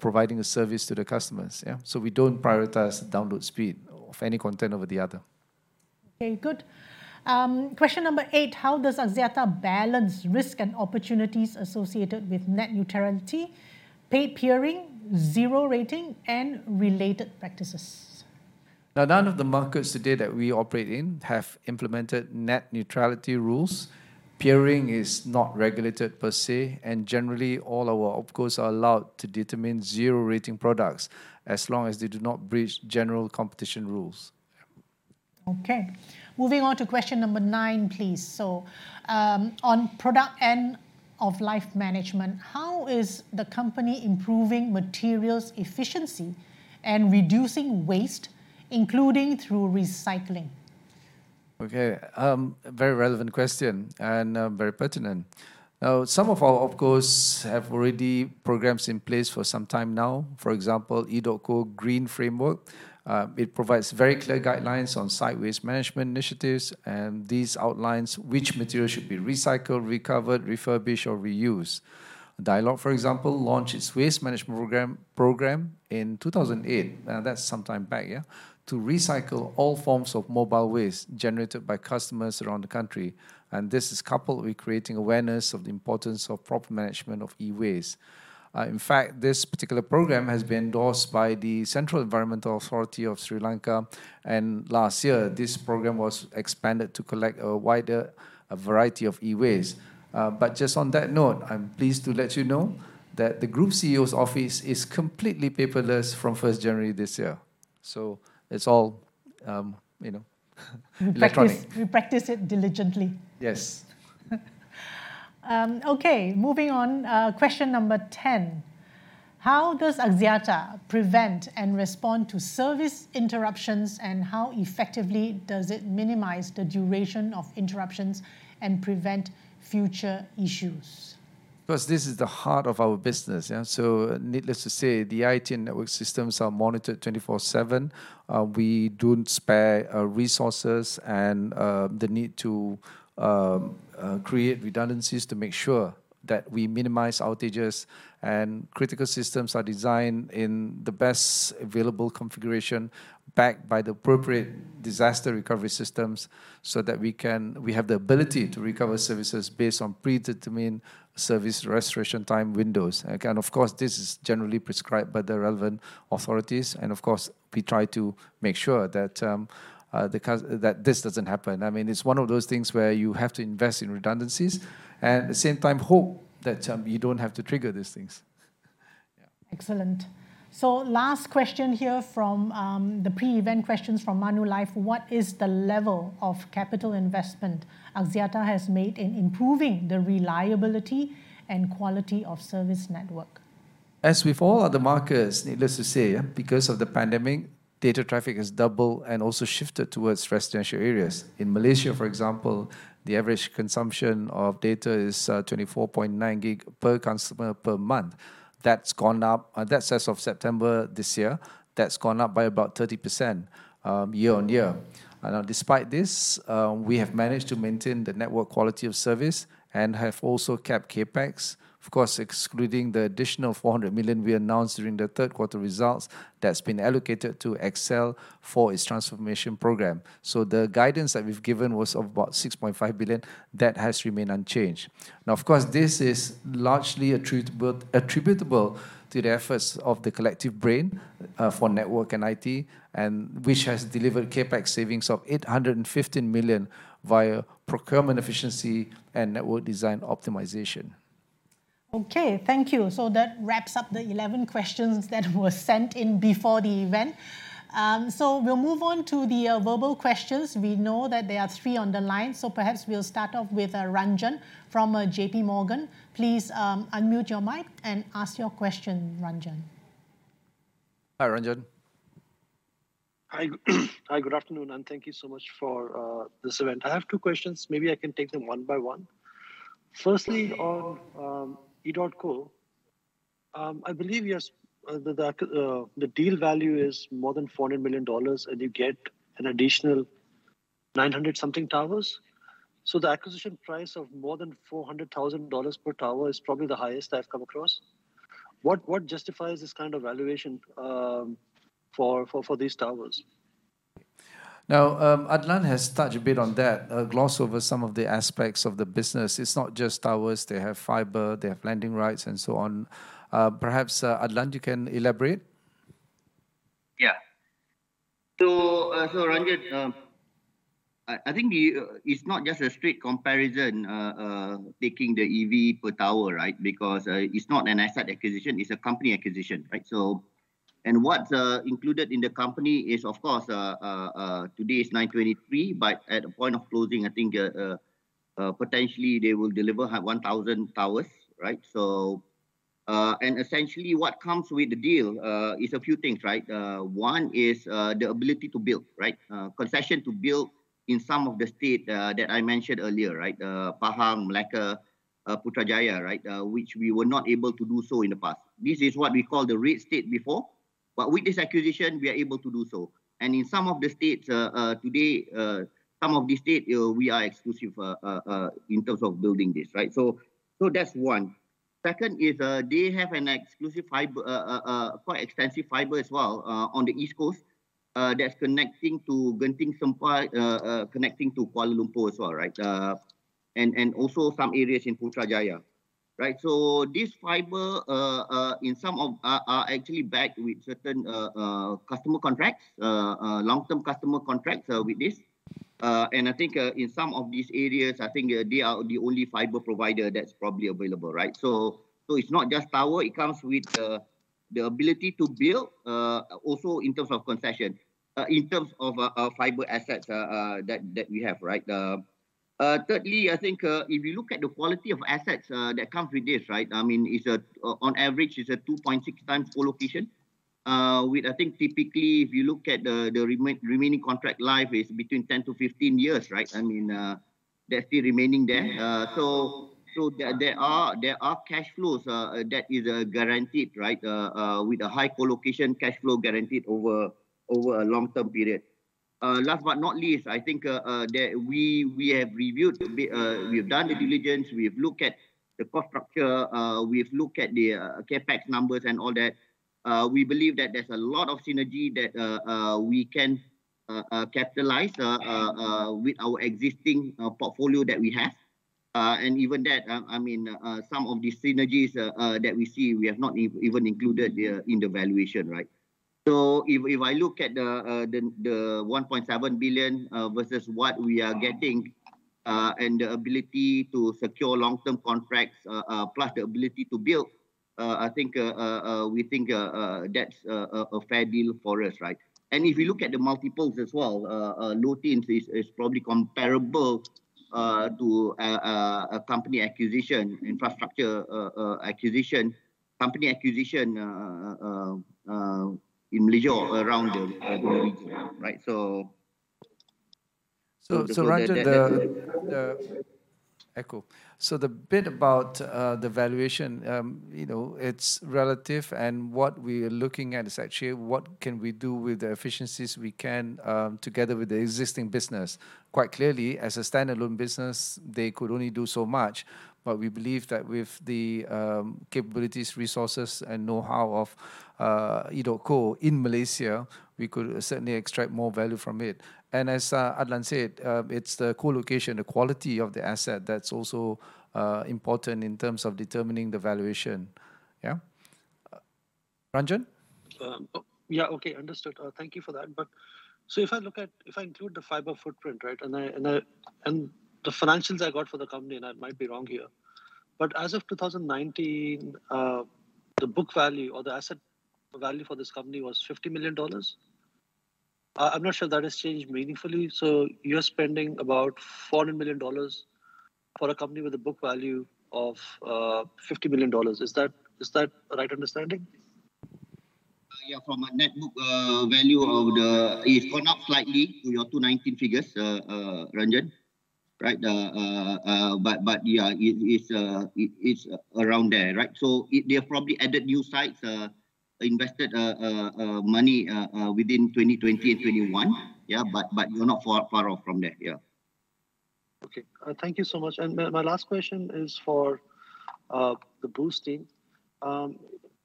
Speaker 1: providing a service to the customers. Yeah? So we don't prioritize the download speed of any content over the other.
Speaker 5: Okay, good. Question number eight. How does Axiata balance risk and opportunities associated with net neutrality, paid peering, zero rating, and related practices?
Speaker 1: Now, none of the markets today that we operate in have implemented net neutrality rules. Peering is not regulated per se. Generally, all our OpCos are allowed to determine zero rating products as long as they do not breach general competition rules.
Speaker 5: Okay. Moving on to question number nine, please. So on product end of life management, how is the company improving materials efficiency and reducing waste, including through recycling?
Speaker 1: Okay. Very relevant question and very pertinent. Now, some of our OpCos have already programs in place for some time now. For example, EDOTCO Green Framework. It provides very clear guidelines on site waste management initiatives, and these outlines which materials should be recycled, recovered, refurbished, or reused. Dialog, for example, launched its waste management program in 2008. Now, that's some time back, yeah, to recycle all forms of mobile waste generated by customers around the country. And this is coupled with creating awareness of the importance of proper management of e-waste. In fact, this particular program has been endorsed by the Central Environmental Authority of Sri Lanka, and last year, this program was expanded to collect a wider variety of e-waste. But just on that note, I'm pleased to let you know that the Group CEO's office is completely paperless from 1st January this year, so it's all electronic. We practice it diligently. Yes.
Speaker 5: Okay. Moving on. Question number ten. How does Axiata prevent and respond to service interruptions, and how effectively does it minimize the duration of interruptions and prevent future issues?
Speaker 1: Of course, this is the heart of our business, so needless to say, the IT and network systems are monitored 24/7. We don't spare resources and the need to create redundancies to make sure that we minimize outages. Critical systems are designed in the best available configuration backed by the appropriate disaster recovery systems so that we have the ability to recover services based on predetermined service restoration time windows. And of course, this is generally prescribed by the relevant authorities. And of course, we try to make sure that this doesn't happen. I mean, it's one of those things where you have to invest in redundancies and at the same time hope that you don't have to trigger these things.
Speaker 5: Excellent. So last question here from the pre-event questions from Manulife. What is the level of capital investment Axiata has made in improving the reliability and quality of service network?
Speaker 1: As with all other markets, needless to say, because of the pandemic, data traffic has doubled and also shifted towards residential areas. In Malaysia, for example, the average consumption of data is 24.9 gig per customer per month. That's gone up, as of September this year, that's gone up by about 30% year on year. Now, despite this, we have managed to maintain the network quality of service and have also kept CapEx, of course, excluding the additional 400 million we announced during the third quarter results that's been allocated to XL Axiata for its transformation program. So the guidance that we've given was of about 6.5 billion. That has remained unchanged. Now, of course, this is largely attributable to the efforts of the Collective Brain for network and IT, which has delivered CapEx savings of 815 million via procurement efficiency and network design optimization.
Speaker 5: Okay, thank you. So that wraps up the 11 questions that were sent in before the event. So we'll move on to the verbal questions. We know that there are three on the line. So perhaps we'll start off with Ranjan from JPMorgan. Please unmute your mic and ask your question, Ranjan.
Speaker 1: Hi, Ranjan.
Speaker 6: Hi, good afternoon, and thank you so much for this event. I have two questions. Maybe I can take them one by one. Firstly, on EDOTCO, I believe the deal value is more than $400 million, and you get an additional 900-something towers. So the acquisition price of more than $400,000 per tower is probably the highest I've come across. What justifies this kind of valuation for these towers?
Speaker 1: Now, Adlan has touched a bit on that, glossed over some of the aspects of the business. It's not just towers. They have fiber, they have landing rights, and so on. Perhaps, Adlan, you can elaborate? Yeah.
Speaker 4: Ranjan, I think it's not just a straight comparison taking the EV per tower, right? Because it's not an asset acquisition. It's a company acquisition, right? And what's included in the company is, of course, today is 9/23, but at the point of closing, I think potentially they will deliver 1,000 towers, right? And essentially, what comes with the deal is a few things, right? One is the ability to build, right? Concession to build in some of the states that I mentioned earlier, right? Pahang, Melaka, Putrajaya, right? Which we were not able to do so in the past. This is what we call the red state before. But with this acquisition, we are able to do so. And in some of the states today, some of these states, we are exclusive in terms of building this, right? That's one. Second is they have an exclusive fiber, quite extensive fiber as well on the East Coast that's connecting to Kuala Lumpur as well, right? And also some areas in Putrajaya, right? So this fiber in some are actually backed with certain customer contracts, long-term customer contracts with this. And I think in some of these areas, I think they are the only fiber provider that's probably available, right? So it's not just tower. It comes with the ability to build also in terms of concession, in terms of fiber assets that we have, right? Thirdly, I think if you look at the quality of assets that come with this, right? I mean, on average, it's a 2.6 times co-location. I think typically, if you look at the remaining contract life, it's between 10-15 years, right? I mean, that's still remaining there. So there are cash flows that are guaranteed, right? With a high co-location cash flow guaranteed over a long-term period. Last but not least, I think that we have reviewed a bit. We've done the diligence. We've looked at the cost structure. We've looked at the CapEx numbers and all that. We believe that there's a lot of synergy that we can capitalize with our existing portfolio that we have. And even that, I mean, some of the synergies that we see, we have not even included in the valuation, right? So if I look at the 1.7 billion versus what we are getting and the ability to secure long-term contracts, plus the ability to build, I think we think that's a fair deal for us, right? And if you look at the multiples as well, low teens is probably comparable to a company acquisition, infrastructure acquisition, company acquisition in Malaysia or around the region, right?
Speaker 1: So, Ranjan, to echo. So the bit about the valuation, it's relative. And what we are looking at is actually what can we do with the efficiencies we can together with the existing business. Quite clearly, as a standalone business, they could only do so much. But we believe that with the capabilities, resources, and know-how of EDOTCO in Malaysia, we could certainly extract more value from it. And as Adlan said, it's the co-location, the quality of the asset that's also important in terms of determining the valuation. Yeah? Ranjan?
Speaker 6: Yeah, okay, understood. Thank you for that. But so if I look at, if I include the fiber footprint, right? The financials I got for the company, and I might be wrong here. But as of 2019, the book value or the asset value for this company was $50 million. I'm not sure if that has changed meaningfully. So you're spending about $400 million for a company with a book value of $50 million. Is that a right understanding?
Speaker 1: Yeah, from a net book value, it's gone up slightly to your 2019 figures, Ranjan, right? But yeah, it's around there, right? So they've probably added new sites, invested money within 2020 and 2021. Yeah, but you're not far off from there. Yeah.
Speaker 6: Okay. Thank you so much. And my last question is for Boost.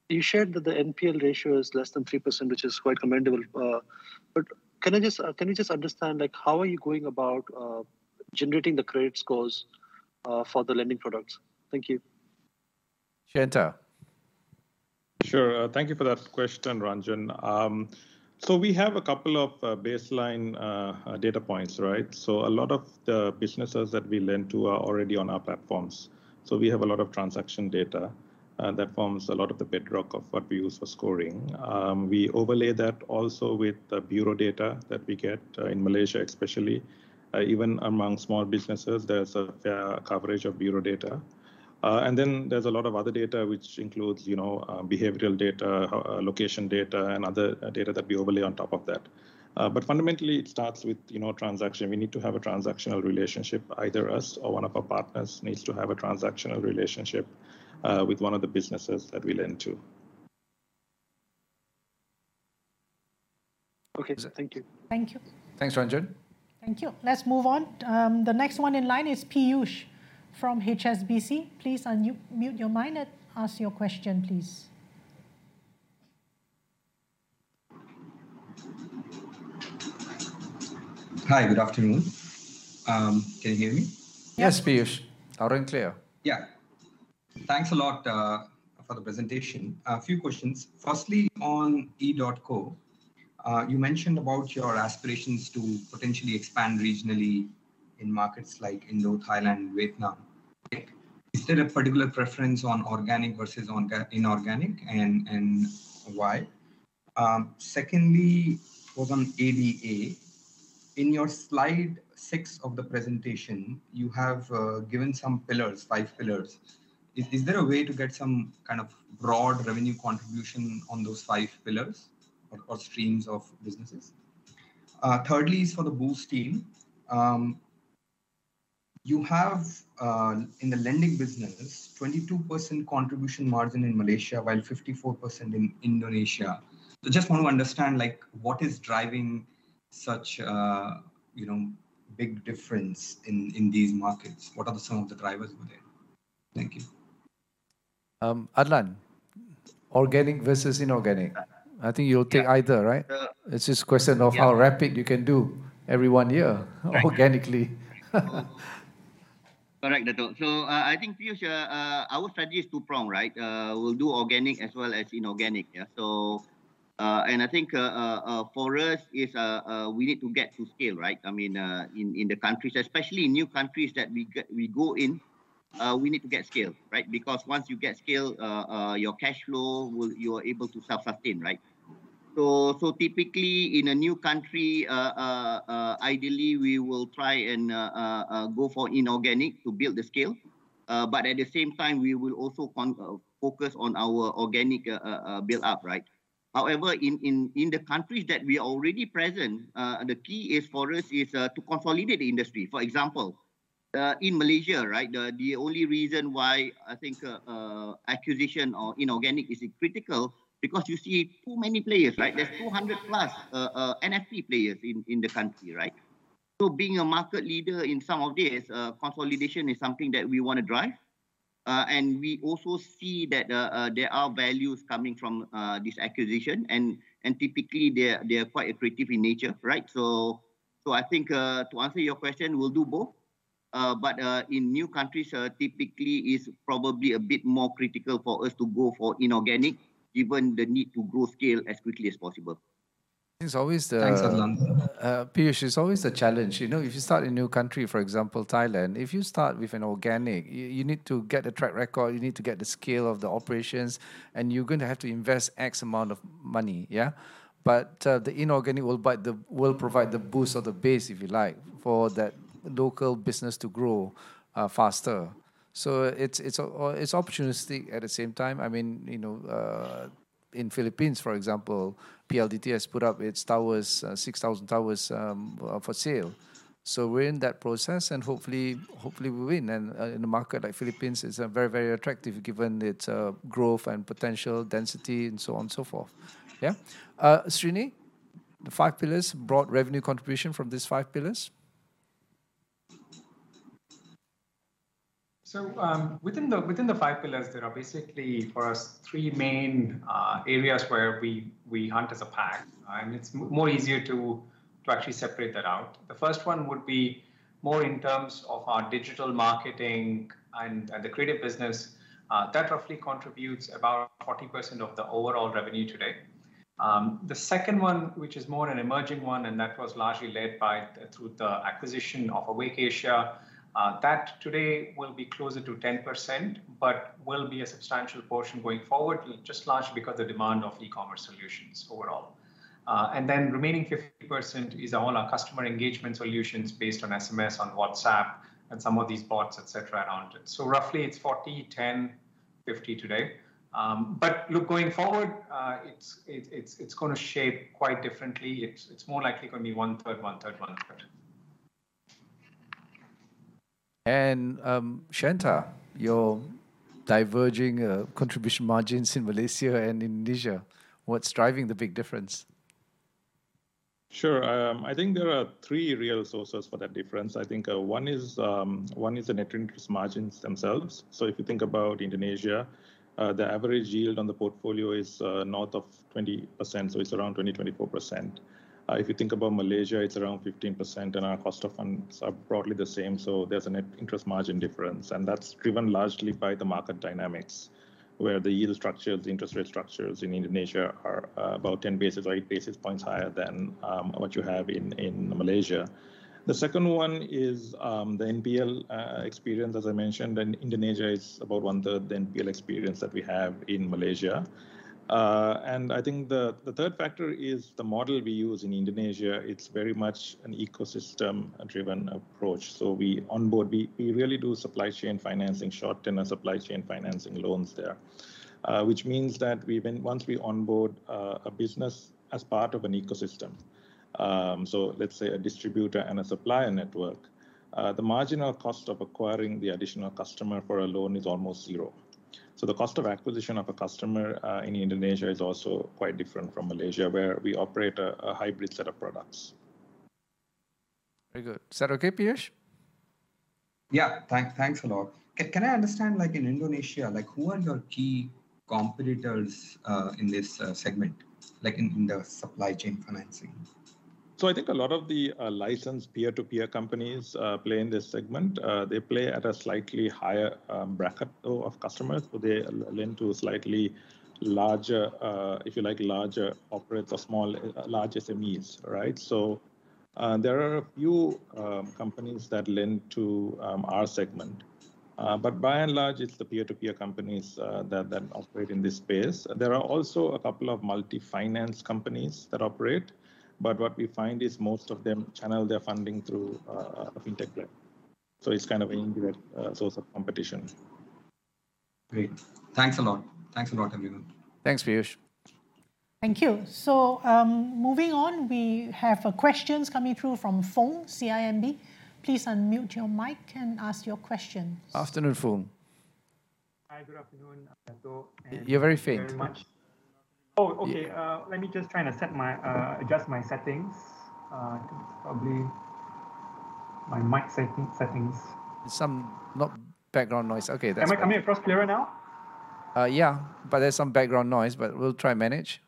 Speaker 6: You shared that the NPL ratio is less than 3%, which is quite commendable. But can I just understand how are you going about generating the credit scores for the lending products? Thank you.
Speaker 1: Sure. Thank you for that question, Ranjan. So we have a couple of baseline data points, right? So a lot of the businesses that we lend to are already on our platforms. So we have a lot of transaction data that forms a lot of the bedrock of what we use for scoring. We overlay that also with the bureau data that we get in Malaysia, especially. Even among small businesses, there's a fair coverage of bureau data. And then there's a lot of other data, which includes behavioral data, location data, and other data that we overlay on top of that. But fundamentally, it starts with transaction. We need to have a transactional relationship. Either us or one of our partners needs to have a transactional relationship with one of the businesses that we lend to.
Speaker 6: Okay, thank you. Thank you.
Speaker 1: Thanks, Ranjan.
Speaker 5: Thank you. Let's move on. The next one in line is Piyush from HSBC. Please unmute your mic and ask your question, please.
Speaker 7: Hi, good afternoon. Can you hear me?
Speaker 1: Yes, Piyush. Loud and clear.
Speaker 7: Yeah. Thanks a lot for the presentation. A few questions. Firstly, on EDOTCO, you mentioned about your aspirations to potentially expand regionally in markets like Indo, Thailand, Vietnam. Is there a particular preference on organic versus inorganic, and why? Secondly, what's on ADA? In your slide six of the presentation, you have given some pillars, five pillars. Is there a way to get some kind of broad revenue contribution on those five pillars or streams of businesses? Thirdly, for the boost team, you have in the lending business, 22% contribution margin in Malaysia while 54% in Indonesia. So just want to understand what is driving such a big difference in these markets? What are some of the drivers with it?
Speaker 1: Thank you. Adlan, organic versus inorganic. I think you'll take either, right? It's just a question of how rapid you can do every one year organically. Correct, Adlan.
Speaker 4: So I think, Piyush, our strategy is two-prong, right? We'll do organic as well as inorganic. And I think for us, we need to get to scale, right? I mean, in the countries, especially new countries that we go in, we need to get scale, right? Because once you get scale, your cash flow, you're able to self-sustain, right? So typically, in a new country, ideally, we will try and go for inorganic to build the scale. But at the same time, we will also focus on our organic build-up, right? However, in the countries that we are already present, the key for us is to consolidate the industry. For example, in Malaysia, right, the only reason why I think acquisition or inorganic is critical is because you see too many players, right? There's 200-plus NFP players in the country, right? So being a market leader in some of these, consolidation is something that we want to drive. And we also see that there are values coming from this acquisition. And typically, they are quite accretive in nature, right? So I think to answer your question, we'll do both. But in new countries, typically, it's probably a bit more critical for us to go for inorganic, given the need to grow scale as quickly as possible.
Speaker 1: Thanks, Adlan. Piyush, it's always a challenge. If you start in a new country, for example, Thailand, if you start with an organic, you need to get a track record. You need to get the scale of the operations, and you're going to have to invest X amount of money, yeah? But the inorganic will provide the boost or the base, if you like, for that local business to grow faster. So it's opportunistic at the same time. I mean, in Philippines, for example, PLDT has put up its towers, 6,000 towers for sale. So we're in that process, and hopefully, we win. And in a market like Philippines, it's very, very attractive given its growth and potential density and so on and so forth, yeah? Srini, the five pillars, broad revenue contribution from these five pillars?
Speaker 2: So within the five pillars, there are basically for us three main areas where we hunt as a pack. And it's more easier to actually separate that out. The first one would be more in terms of our digital marketing and the creative business. That roughly contributes about 40% of the overall revenue today. The second one, which is more an emerging one, and that was largely led through the acquisition of Awake Asia, that today will be closer to 10%, but will be a substantial portion going forward, just largely because of the demand of e-commerce solutions overall, and then remaining 50% is all our customer engagement solutions based on SMS, on WhatsApp, and some of these bots, etc., around it. So roughly, it's 40%, 10%, 50% today, but look, going forward, it's going to shape quite differently. It's more likely going to be one-third, one-third, one-third,
Speaker 8: and Sheyantha, your diverging contribution margins in Malaysia and Indonesia, what's driving the big difference? Sure. I think there are three real sources for that difference.
Speaker 3: I think one is the net interest margins themselves. So if you think about Indonesia, the average yield on the portfolio is north of 20%. So it's around 20%-24%. If you think about Malaysia, it's around 15%, and our cost of funds are broadly the same. So there's a net interest margin difference. And that's driven largely by the market dynamics, where the yield structures, the interest rate structures in Indonesia are about 10 basis points higher than what you have in Malaysia. The second one is the NPL experience, as I mentioned. And Indonesia is about one-third the NPL experience that we have in Malaysia. And I think the third factor is the model we use in Indonesia. It's very much an ecosystem-driven approach. So we onboard. We really do supply chain financing, short-term supply chain financing loans there, which means that once we onboard a business as part of an ecosystem, so let's say a distributor and a supplier network, the marginal cost of acquiring the additional customer for a loan is almost zero. So the cost of acquisition of a customer in Indonesia is also quite different from Malaysia, where we operate a hybrid set of products.
Speaker 1: Very good. Is that okay, Piyush?
Speaker 7: Yeah. Thanks a lot. Can I understand, in Indonesia, who are your key competitors in this segment, in the supply chain financing?
Speaker 1: So I think a lot of the licensed peer-to-peer companies play in this segment. They play at a slightly higher bracket of customers. They lend to slightly larger, if you like, larger operators or large SMEs, right? So there are a few companies that lend to our segment. But by and large, it's the peer-to-peer companies that operate in this space. There are also a couple of multi-finance companies that operate. But what we find is most of them channel their funding through Fintech bridges. So it's kind of an indirect source of competition.
Speaker 7: Great. Thanks a lot. Thanks a lot, everyone.
Speaker 1: Thanks, Piyush.
Speaker 5: Thank you. So moving on, we have questions coming through from Foong, CIMB. Please unmute your mic and ask your questions.
Speaker 1: Afternoon, Foong.
Speaker 9: Hi, good afternoon.
Speaker 1: You're very faint.
Speaker 9: Oh, okay. Let me just try and adjust my settings. Probably my mic settings. There's some background noise. Okay. Am I across clearer now?
Speaker 1: Yeah, but there's some background noise, but we'll try and manage.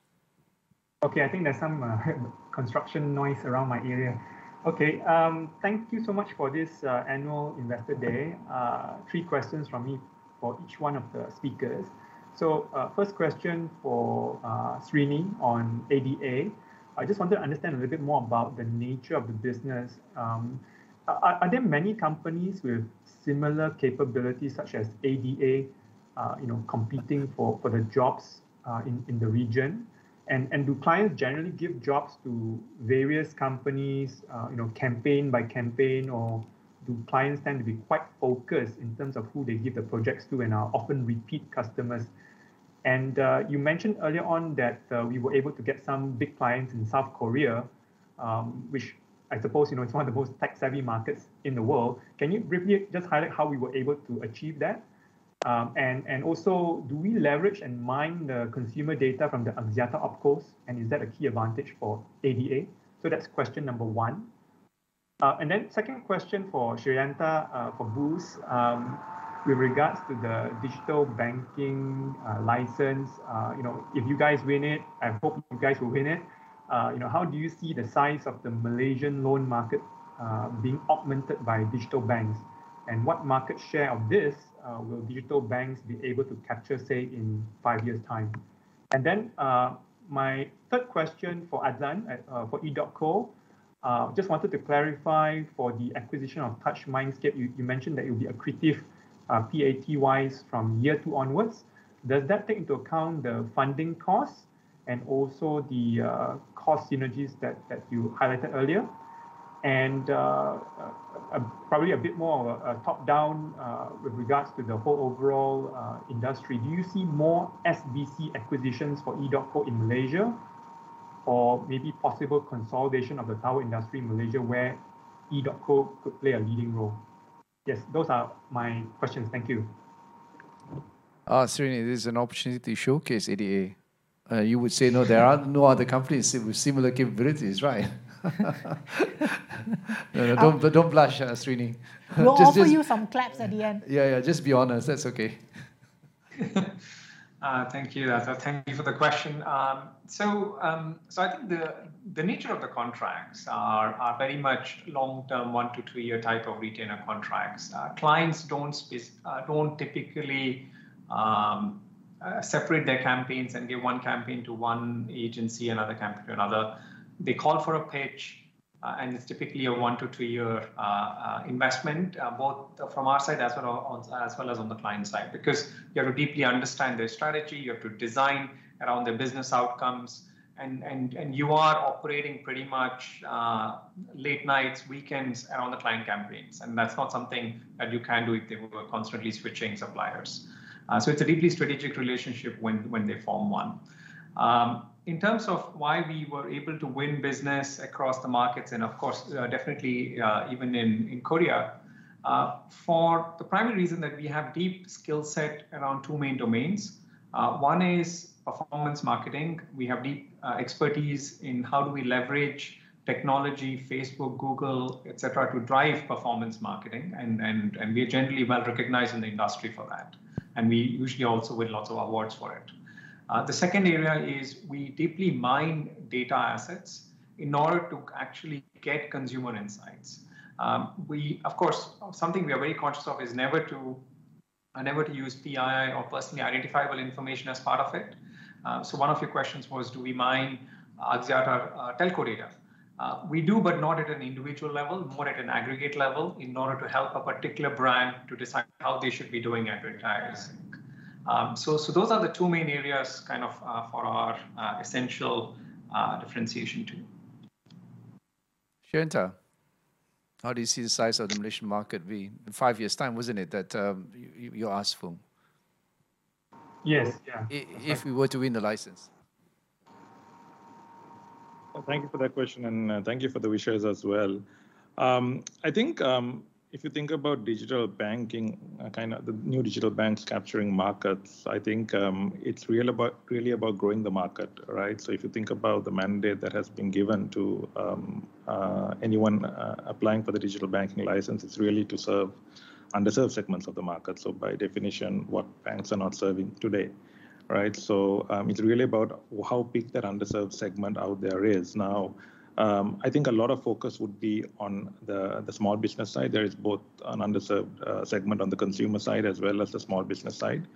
Speaker 9: Okay. I think there's some construction noise around my area. Okay. Thank you so much for this annual investor day. Three questions from me for each one of the speakers. So first question for Srini on ADA. I just want to understand a little bit more about the nature of the business. Are there many companies with similar capabilities, such as ADA, competing for the jobs in the region? And do clients generally give jobs to various companies, campaign by campaign, or do clients tend to be quite focused in terms of who they give the projects to and are often repeat customers? And you mentioned earlier on that we were able to get some big clients in South Korea, which I suppose is one of the most tech-savvy markets in the world. Can you briefly just highlight how we were able to achieve that? And also, do we leverage and mine the consumer data from the Axiata OpCos? And is that a key advantage for ADA? So that's question number one. And then second question for Sheyantha for Boost, with regards to the digital banking license, if you guys win it, I hope you guys will win it. How do you see the size of the Malaysian loan market being augmented by digital banks? And what market share of this will digital banks be able to capture, say, in five years' time? And then my third question for Adlan for EDOTCO. I just wanted to clarify for the acquisition of Touch Mindscape. You mentioned that it will be accretive PAT-wise from year two onwards. Does that take into account the funding costs and also the cost synergies that you highlighted earlier? And probably a bit more top-down with regards to the whole overall industry. Do you see more SBC acquisitions for EDOTCO in Malaysia or maybe possible consolidation of the tower industry in Malaysia where EDOTCO could play a leading role?
Speaker 1: Yes, those are my questions. Thank you. Srini, this is an opportunity to showcase ADA. You would say, "No, there are no other companieswith similar capabilities," right? Don't blush, Srini. We'll offer you some claps at the end. Yeah, yeah. Just be honest. That's okay.
Speaker 2: Thank you, Adlan. Thank you for the question. So I think the nature of the contracts are very much long-term, one to two-year type of retainer contracts. Clients don't typically separate their campaigns and give one campaign to one agency, another campaign to another. They call for a pitch, and it's typically a one to two-year investment, both from our side as well as on the client's side, because you have to deeply understand their strategy. You have to design around their business outcomes, and you are operating pretty much late nights, weekends around the client campaigns. And that's not something that you can do if they were constantly switching suppliers. So it's a deeply strategic relationship when they form one. In terms of why we were able to win business across the markets, and of course, definitely even in Korea, for the primary reason that we have deep skill set around two main domains. One is performance marketing. We have deep expertise in how do we leverage technology, Facebook, Google, etc., to drive performance marketing. And we are generally well recognized in the industry for that. And we usually also win lots of awards for it. The second area is we deeply mine data assets in order to actually get consumer insights. We, of course, something we are very conscious of is never to use PII or personally identifiable information as part of it. So one of your questions was, "Do we mine Axiata telco data?" We do, but not at an individual level, more at an aggregate level in order to help a particular brand to decide how they should be doing advertising. So those are the two main areas kind of for our essential differentiation too.
Speaker 1: Sheyantha, how do you see the size of the Malaysian market in five years' time, wasn't it, that you asked, Foong?
Speaker 3: Yes, yeah.
Speaker 1: If we were to win the license.
Speaker 3: Thank you for that question, and thank you for the wishes as well. I think if you think about digital banking, kind of the new digital banks capturing markets, I think it's really about growing the market, right? So if you think about the mandate that has been given to anyone applying for the digital banking license, it's really to serve underserved segments of the market. By definition, what banks are not serving today, right? So it's really about how big that underserved segment out there is. Now, I think a lot of focus would be on the small business side. There is both an underserved segment on the consumer side as well as the small business side.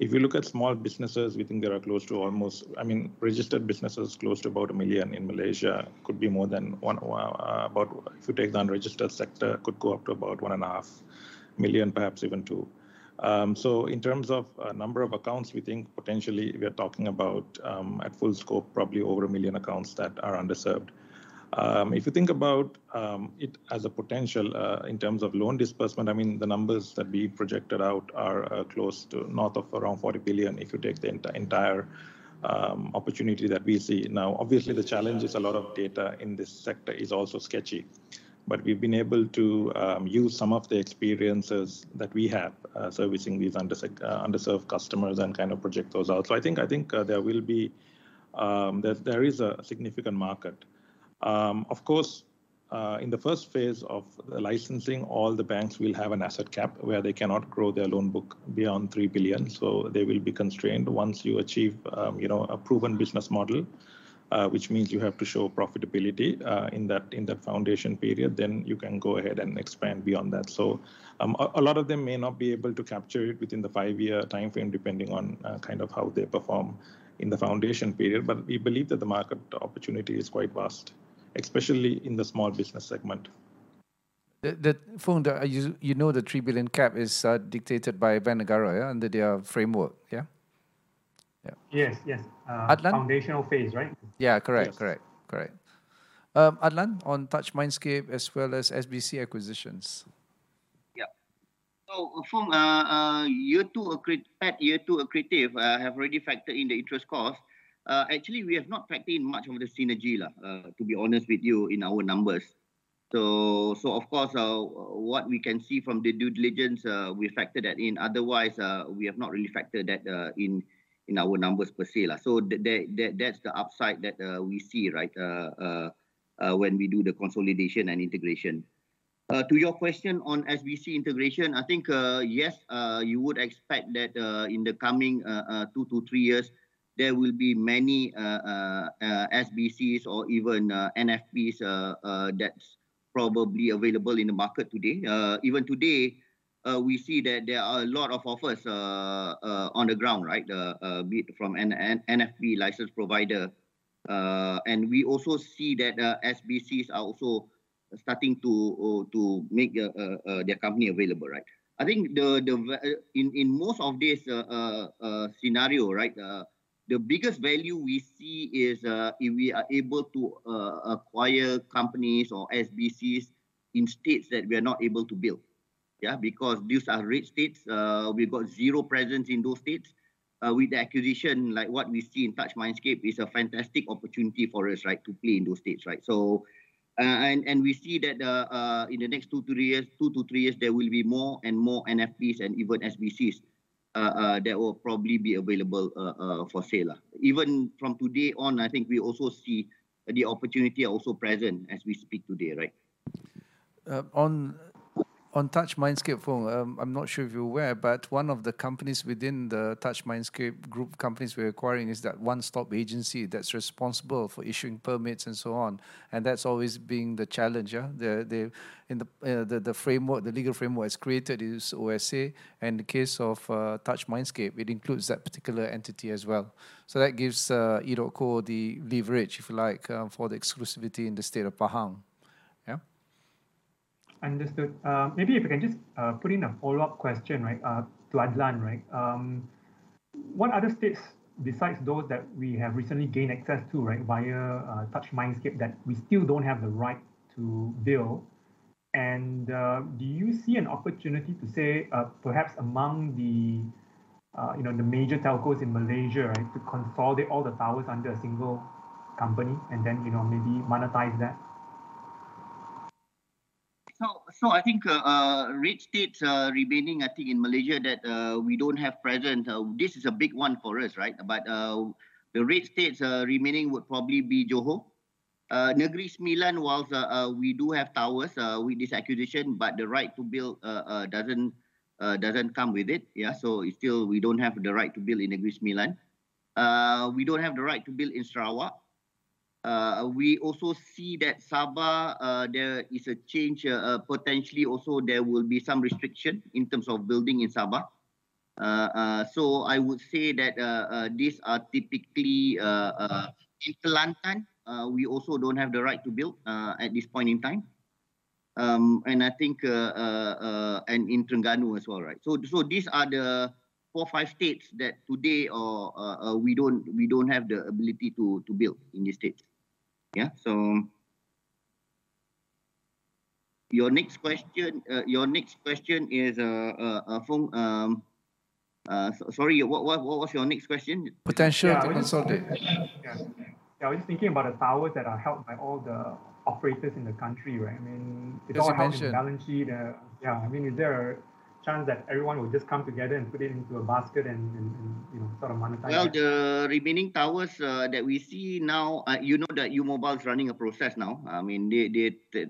Speaker 3: If you look at small businesses, we think there are close to almost, I mean, registered businesses close to about a million in Malaysia. It could be more than about if you take the unregistered sector, it could go up to about one and a half million, perhaps even two. So in terms of number of accounts, we think potentially we are talking about, at full scope, probably over a million accounts that are underserved. If you think about it as a potential in terms of loan disbursement, I mean, the numbers that we projected out are close to north of around 40 billion if you take the entire opportunity that we see. Now, obviously, the challenge is a lot of data in this sector is also sketchy. But we've been able to use some of the experiences that we have servicing these underserved customers and kind of project those out. So I think there is a significant market. Of course, in the first phase of the licensing, all the banks will have an asset cap where they cannot grow their loan book beyond 3 billion. So they will be constrained. Once you achieve a proven business model, which means you have to show profitability in that foundation period, then you can go ahead and expand beyond that. So a lot of them may not be able to capture it within the five-year timeframe, depending on kind of how they perform in the foundation period. But we believe that the market opportunity is quite vast, especially in the small business segment.
Speaker 1: Foong, you know the 3 billion cap is dictated by Bank Negara, under their framework, yeah?
Speaker 9: Yes, yes. Foundational phase, right?
Speaker 1: Yeah, correct, correct, correct. Adlan, on Touch Mindscape as well as SBC acquisitions.
Speaker 4: Yeah. So Foong, year two accretive have already factored in the interest cost. Actually, we have not factored in much of the synergy, to be honest with you, in our numbers. So of course, what we can see from the due diligence, we factor that in. Otherwise, we have not really factored that in our numbers per se. So that's the upside that we see, right, when we do the consolidation and integration. To your question on SBC integration, I think yes, you would expect that in the coming two to three years, there will be many SBCs or even NFPs that's probably available in the market today. Even today, we see that there are a lot of offers on the ground, right, from NFP license provider. And we also see that SBCs are also starting to make their company available, right? I think in most of this scenario, right, the biggest value we see is if we are able to acquire companies or SBCs in states that we are not able to build, yeah, because these are rich states. We've got zero presence in those states. With the acquisition, like what we see in Touch Mindscape, is a fantastic opportunity for us, right, to play in those states, right? And we see that in the next two to three years, there will be more and more NFPs and even SBCs that will probably be available for sale. Even from today on, I think we also see the opportunity also present as we speak today, right?
Speaker 1: On Touch Mindscape, Foong, I'm not sure if you're aware, but one of the companies within the Touch Mindscape group companies we're acquiring is that one-stop agency that's responsible for issuing permits and so on. And that's always been the challenge, yeah? The legal framework created is OSC, and in the case of Touch Mindscape, it includes that particular entity as well. So that gives EDOTCO the leverage, if you like, for the exclusivity in the state of Pahang, yeah?
Speaker 9: Understood. Maybe if I can just put in a follow-up question, right, to Adlan, right? What other states, besides those that we have recently gained access to, right, via Touch Mindscape, that we still don't have the right to build? And do you see an opportunity to say, perhaps among the major telcos in Malaysia, right, to consolidate all the towers under a single company and then maybe monetize that?
Speaker 4: So I think rich states remaining, I think, in Malaysia that we don't have presence. This is a big one for us, right? But the rich states remaining would probably be Johor. Negeri Sembilan, while we do have towers with this acquisition, but the right to build doesn't come with it, yeah? So still, we don't have the right to build in Negeri Sembilan. We don't have the right to build in Sarawak. We also see that Sabah, there is a change potentially also there will be some restriction in terms of building in Sabah. I would say that these are typically in Kelantan, we also don't have the right to build at this point in time. And I think in Terengganu as well, right? So these are the four, five states that today we don't have the ability to build in these states, yeah? So your next question is, Foong sorry, what was your next question?
Speaker 1: Potential to consolidate.
Speaker 9: Yeah, I was just thinking about the towers that are held by all the operators in the country, right? I mean, is that all held by balance sheet? Yeah, I mean, is there a chance that everyone will just come together and put it into a basket and sort of monetize it?
Speaker 4: Well, the remaining towers that we see now, you know that U Mobile is running a process now. I mean, they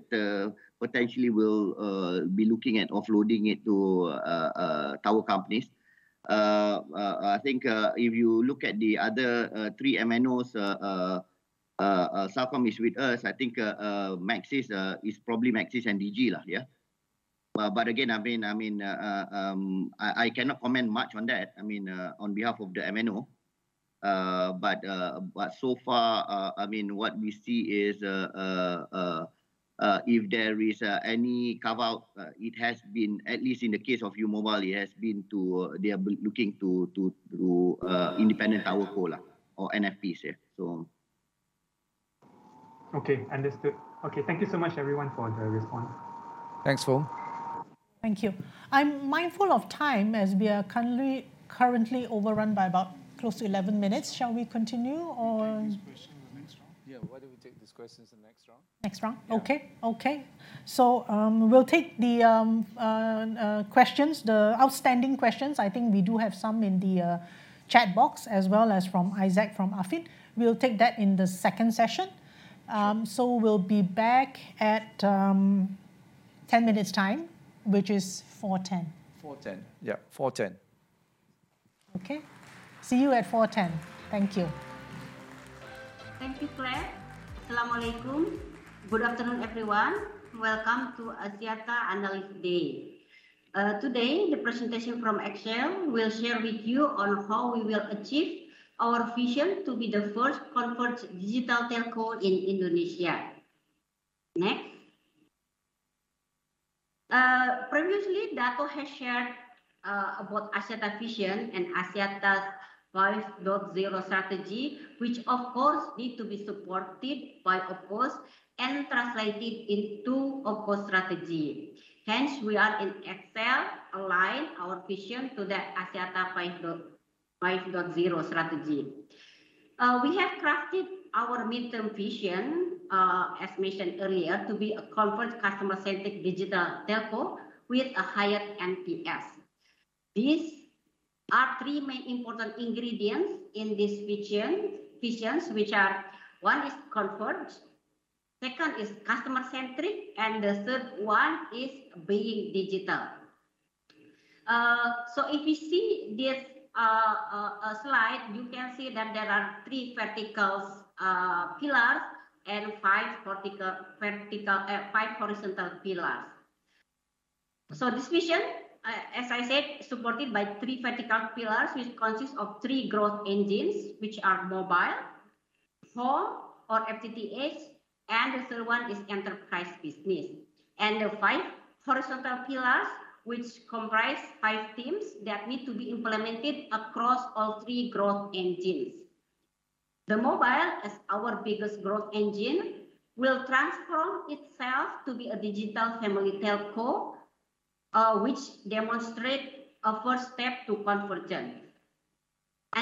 Speaker 4: potentially will be looking at offloading it to tower companies. I think if you look at the other three MNOs, Smart is with us. I think Maxis is probably Maxis and Digi, yeah? But again, I mean, I cannot comment much on that, I mean, on behalf of the MNO. But so far, I mean, what we see is if there is any carve-out, it has been, at least in the case of U Mobile, it has been to they are looking to independent TowerCo or NFPs, yeah? So.
Speaker 9: Okay, understood. Okay, thank you so much, everyone, for the response.
Speaker 1: Thanks, Foong.
Speaker 5: Thank you. I'm mindful of time as we are currently overrun by about close to 11 minutes. Shall we continue or? Take these questions in the next round? Yeah, why don't we take these questions in the next round? Next round. Okay, okay. So we'll take the outstanding questions. I think we do have some in the chat box as well as from Isaac from Affin. We'll take that in the second session. So we'll be back at 10 minutes' time, which is 4:10 P.M. 4:10 P.M., yeah, 4:10 P.M. Okay, see you at 4:10 P.M. Thank you.
Speaker 10: Thank you, Claire. Assalamualaikum. Good afternoon, everyone. Welcome to Axiata Analyst Day. Today, the presentation from XL will share with you on how we will achieve our vision to be the first converged digital telco in Indonesia. Next. Previously, Dato' has shared about Axiata's vision and Axiata's 5.0 strategy, which, of course, need to be supported by OpCos and translated into OpCos strategy. Hence, we are in XL aligned our vision to the Axiata 5.0 strategy. We have crafted our midterm vision, as mentioned earlier, to be a converged customer-centric digital telco with a higher NPS. These are three main important ingredients in this vision, which are one is converged, second is customer-centric, and the third one is being digital. If you see this slide, you can see that there are three vertical pillars and five horizontal pillars. This vision, as I said, is supported by three vertical pillars, which consist of three growth engines, which are mobile, fiber or FTTH, and the third one is enterprise business. The five horizontal pillars, which comprise five teams that need to be implemented across all three growth engines. The mobile is our biggest growth engine, will transform itself to be a digital family telco, which demonstrates a first step to convergence.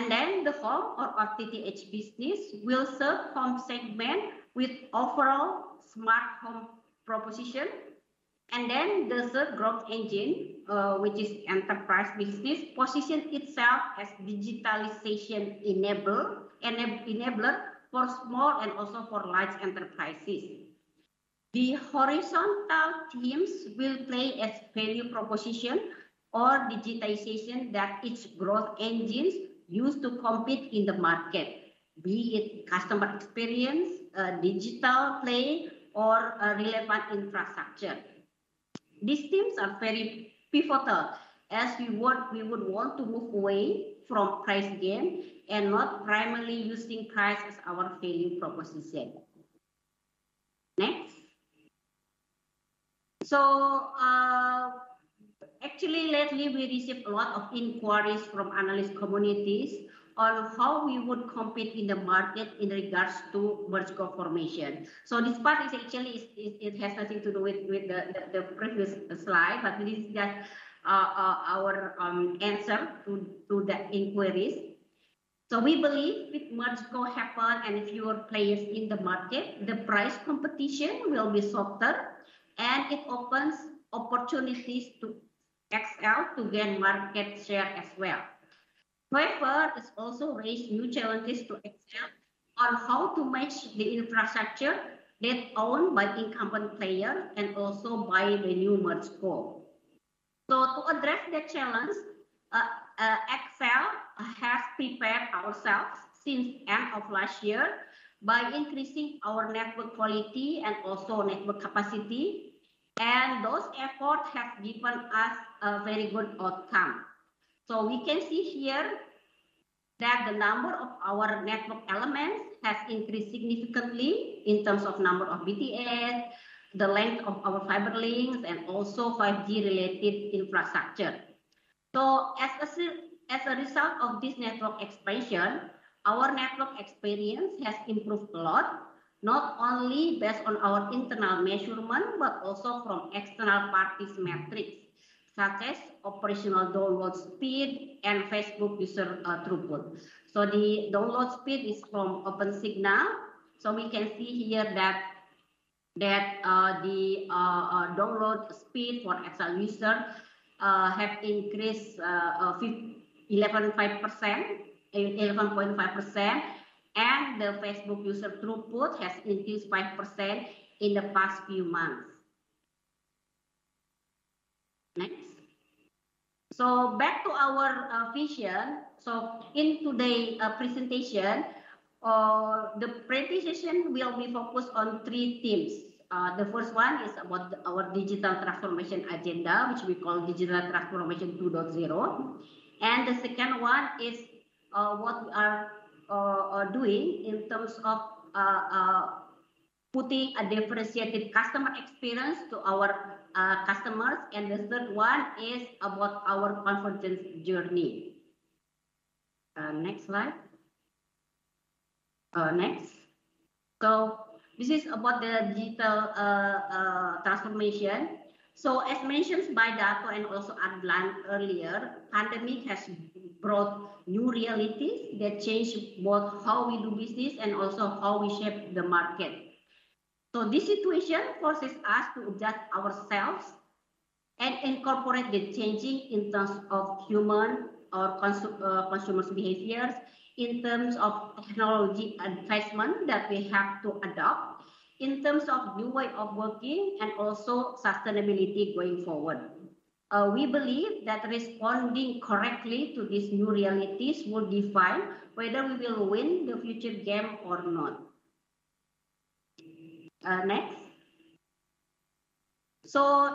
Speaker 10: Then the home or FTTH business will serve home segment with overall smart home proposition. And then the third growth engine, which is enterprise business, positions itself as digitalization enabler for small and also for large enterprises. The horizontal teams will play as value proposition or digitization that each growth engine used to compete in the market, be it customer experience, digital play, or relevant infrastructure. These teams are very pivotal as we would want to move away from price game and not primarily using price as our value proposition. Next. So actually, lately, we received a lot of inquiries from analyst communities on how we would compete in the market in regards to MergeCo formation. So this part is actually. It has nothing to do with the previous slide, but this is just our answer to the inquiries. So we believe with MergeCo happen and fewer players in the market, the price competition will be softer, and it opens opportunities to XL Axiata to gain market share as well. However, it's also raised new challenges to XL Axiata on how to match the infrastructure that's owned by incumbent players and also by the new MergeCo. So to address the challenge, XL Axiata has prepared ourselves since the end of last year by increasing our network quality and also network capacity. And those efforts have given us a very good outcome. So we can see here that the number of our network elements has increased significantly in terms of number of BTS, the length of our fiber links, and also 5G-related infrastructure. So as a result of this network expansion, our network experience has improved a lot, not only based on our internal measurement, but also from external parties' metrics, such as operational download speed and Facebook user throughput. So the download speed is from Opensignal. So we can see here that the download speed for XL users has increased 11.5%, and the Facebook user throughput has increased 5% in the past few months. Next. So back to our vision. So in today's presentation, the presentation will be focused on three themes. The first one is about our digital transformation agenda, which we call Digital Transformation 2.0. And the second one is what we are doing in terms of putting a differentiated customer experience to our customers. And the third one is about our convergence journey. Next slide. Next. So this is about the digital transformation. As mentioned by Dato' and also Adlan earlier, the pandemic has brought new realities that change both how we do business and also how we shape the market. This situation forces us to adjust ourselves and incorporate the changing in terms of human or consumers' behaviors in terms of technology advancement that we have to adopt in terms of new ways of working and also sustainability going forward. We believe that responding correctly to these new realities will define whether we will win the future game or not. Next.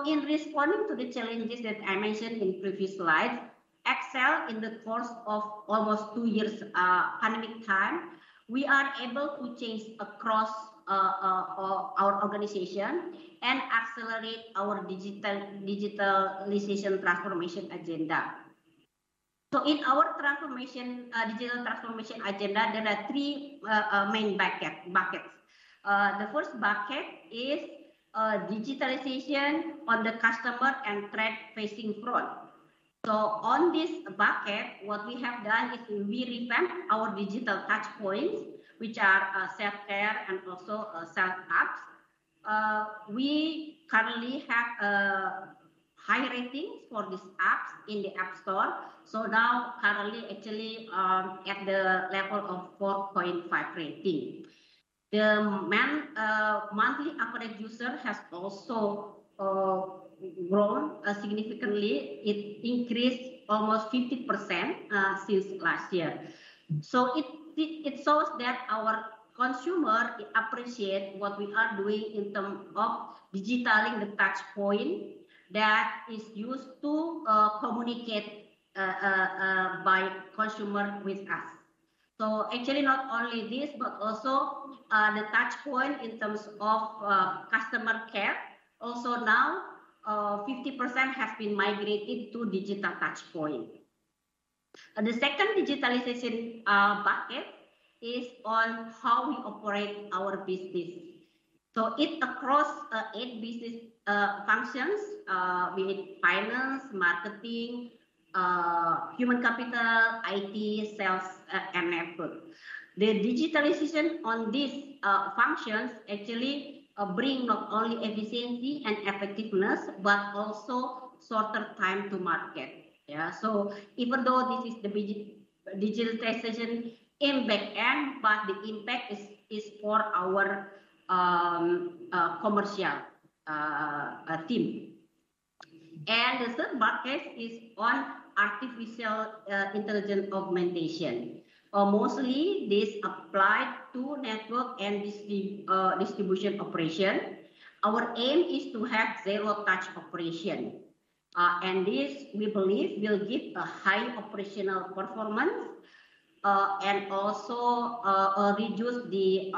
Speaker 10: In responding to the challenges that I mentioned in previous slides, XL Axiata, in the course of almost two years' pandemic time, we are able to change across our organization and accelerate our digitalization transformation agenda. In our digital transformation agenda, there are three main buckets. The first bucket is digitalization on the customer and front-facing front. So on this bucket, what we have done is we revamped our digital touchpoints, which are self-care and also self-apps. We currently have high ratings for these apps in the App Store. So now, currently, actually at the level of 4.5 rating. The monthly average user has also grown significantly. It increased almost 50% since last year. So it shows that our consumer appreciates what we are doing in terms of digitizing the touchpoint that is used to communicate by consumers with us. So actually, not only this, but also the touchpoint in terms of customer care, also now 50% has been migrated to digital touchpoint. The second digitalization bucket is on how we operate our business. So it crosses eight business functions, be it finance, marketing, human capital, IT, sales, and network. The digitalization on these functions actually brings not only efficiency and effectiveness, but also shorter time to market. Yeah, so even though this is the digitalization in backend, but the impact is for our commercial team. And the third bucket is on artificial intelligence augmentation. Mostly, this applies to network and distribution operation. Our aim is to have zero-touch operation. And this, we believe, will give a high operational performance and also reduce the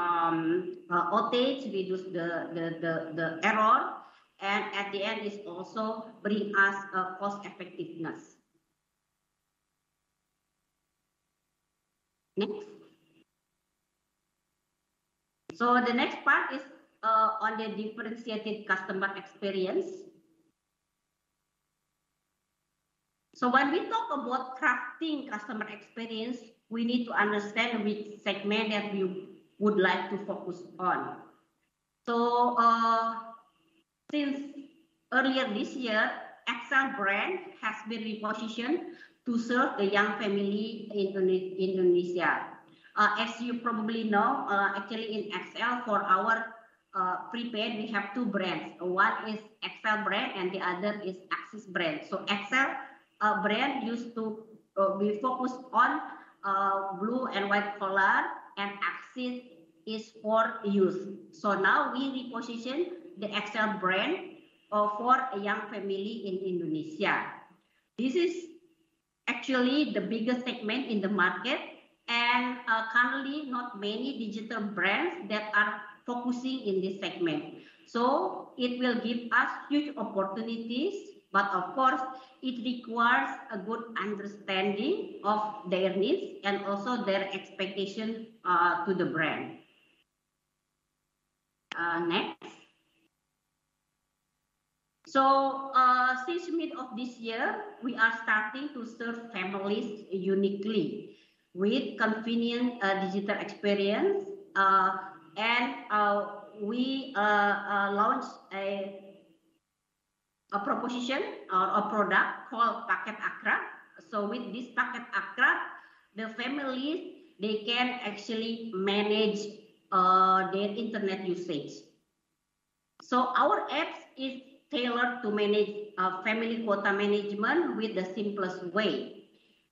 Speaker 10: outage, reduce the error. And at the end, it also brings us cost-effectiveness. Next. So the next part is on the differentiated customer experience. So when we talk about crafting customer experience, we need to understand which segment that we would like to focus on. So since earlier this year, XL brand has been repositioned to serve the young family in Indonesia. As you probably know, actually, in XL, for our prepaid, we have two brands. One is XL brand, and the other is Axis brand. So XL brand used to be focused on blue and white color, and Axis is for youth. So now we reposition the XL brand for a young family in Indonesia. This is actually the biggest segment in the market, and currently, not many digital brands that are focusing in this segment. So it will give us huge opportunities, but of course, it requires a good understanding of their needs and also their expectations to the brand. Next. So since mid of this year, we are starting to serve families uniquely with convenient digital experience. And we launched a proposition or a product called Paket Akrab. So with this Paket Akrab, the families, they can actually manage their internet usage. So our app is tailored to manage family quota management with the simplest way.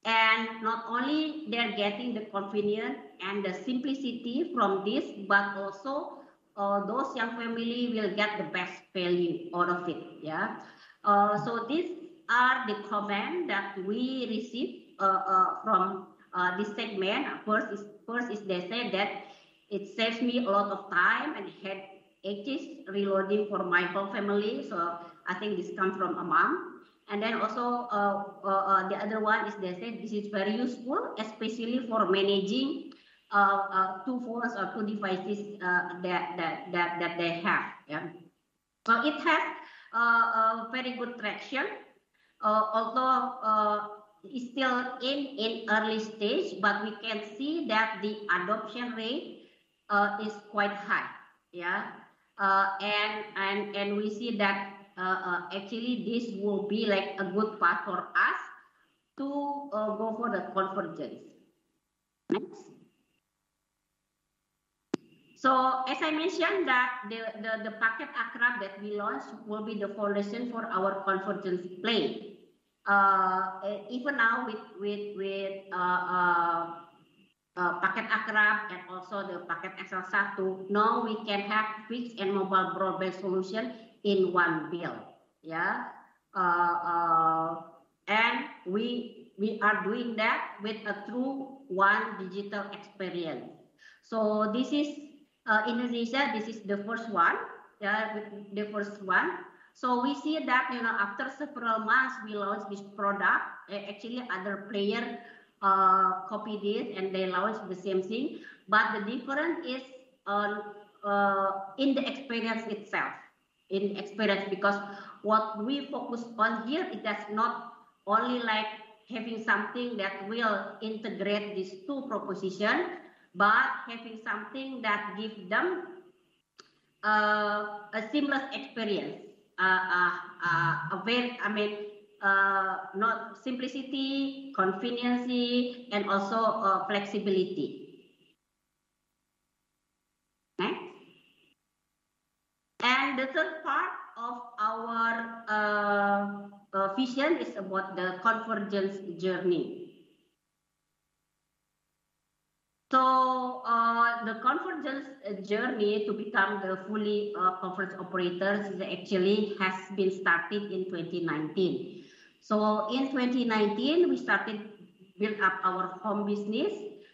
Speaker 10: And not only they're getting the convenience and the simplicity from this, but also those young families will get the best value out of it. Yeah. So these are the comments that we received from this segment. First is they said that it saves me a lot of time and headaches reloading for my whole family. So I think this comes from a mom. And then also the other one is they said this is very useful, especially for managing two phones or two devices that they have. Yeah. So it has very good traction. Although it's still in early stage, but we can see that the adoption rate is quite high. Yeah. And we see that actually this will be like a good path for us to go for the convergence. Next. So as I mentioned, the Paket Akrab that we launched will be the foundation for our convergence plan. Even now with Paket Akrab and also the Paket XL SATU, now we can have fixed and mobile broadband solution in one bundle. Yeah. And we are doing that with a true one digital experience. So this is Indonesia. This is the first one. Yeah, the first one. So we see that after several months, we launched this product. Actually, other players copied it, and they launched the same thing. But the difference is in the experience itself. In the experience, because what we focus on here, it does not only like having something that will integrate these two propositions, but having something that gives them a seamless experience. I mean, not simplicity, convenience, and also flexibility. Next. And the third part of our vision is about the convergence journey. The convergence journey to become the fully converged operators actually has been started in 2019. In 2019, we started to build up our home business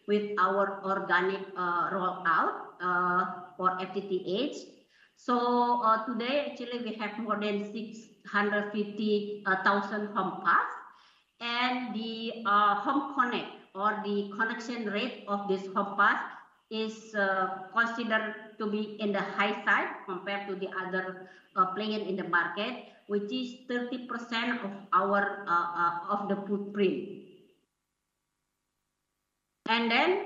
Speaker 10: with our organic rollout for FTTH. Today, actually, we have more than 650,000 home passed. And the home connect or the connection rate of this home passed is considered to be in the high side compared to the other player in the market, which is 30% of the footprint. And then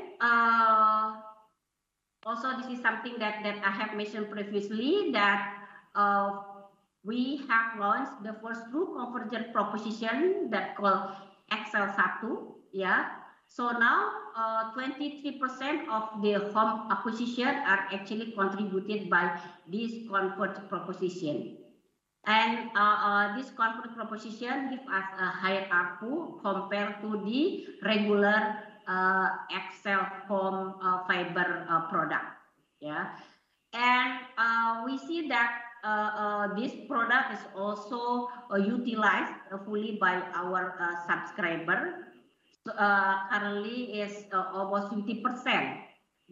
Speaker 10: also this is something that I have mentioned previously that we have launched the first true convergent proposition that called XL SATU. Yeah. Now 23% of the home acquisition are actually contributed by this converged proposition. And this converged proposition gives us a higher RPU compared to the regular XL Home fiber product. Yeah. And we see that this product is also utilized fully by our subscriber. Currently, it's almost 50%.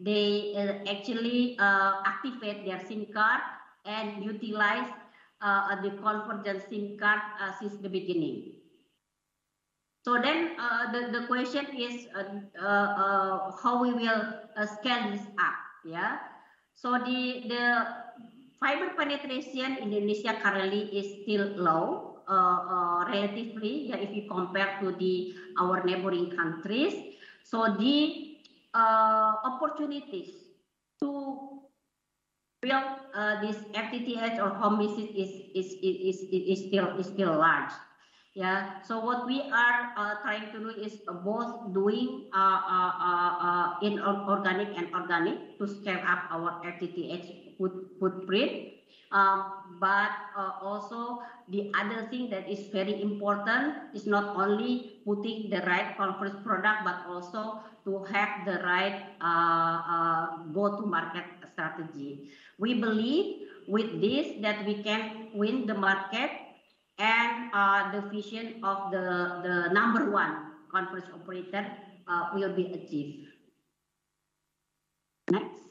Speaker 10: They actually activate their SIM card and utilize the convergent SIM card since the beginning. So then the question is how we will scale this up. Yeah. So the fiber penetration in Indonesia currently is still low, relatively, if you compare to our neighboring countries. So the opportunities to build this FTTH or home business is still large. Yeah. So what we are trying to do is both doing inorganic and organic to scale up our FTTH footprint. But also the other thing that is very important is not only putting the right converged product, but also to have the right go-to-market strategy. We believe with this that we can win the market and the vision of the number one converged operator will be achieved. Next.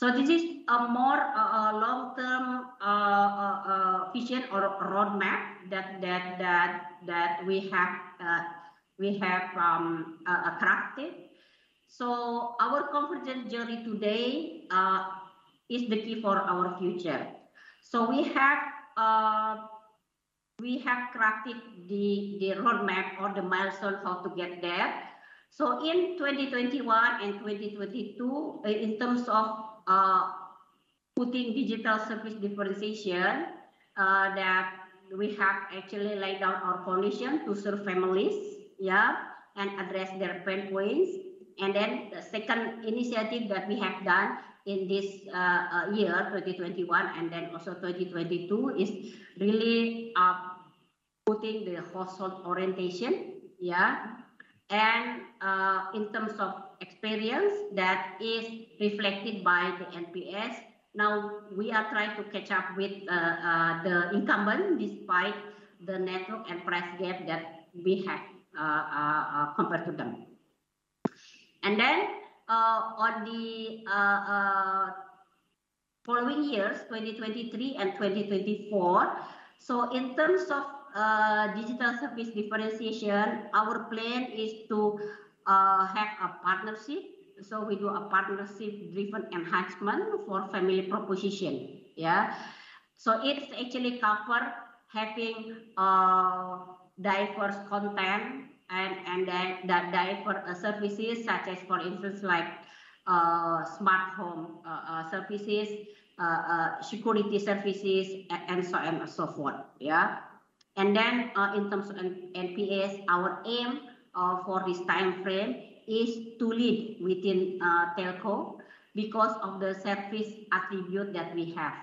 Speaker 10: So this is a more long-term vision or roadmap that we have crafted. Our convergent journey today is the key for our future. We have crafted the roadmap or the milestone how to get there. In 2021 and 2022, in terms of putting digital service differentiation, that we have actually laid out our foundation to serve families, yeah, and address their pain points. The second initiative that we have done in this year, 2021, and then also 2022, is really putting the household orientation, yeah. In terms of experience, that is reflected by the NPS. Now, we are trying to catch up with the incumbents despite the network and price gap that we have compared to them. On the following years, 2023 and 2024, in terms of digital service differentiation, our plan is to have a partnership. We do a partnership-driven enhancement for family proposition. Yeah. So it's actually covered having diverse content and that diverse services such as, for instance, like smart home services, security services, and so on and so forth. Yeah. And then in terms of NPS, our aim for this timeframe is to lead within telco because of the service attribute that we have.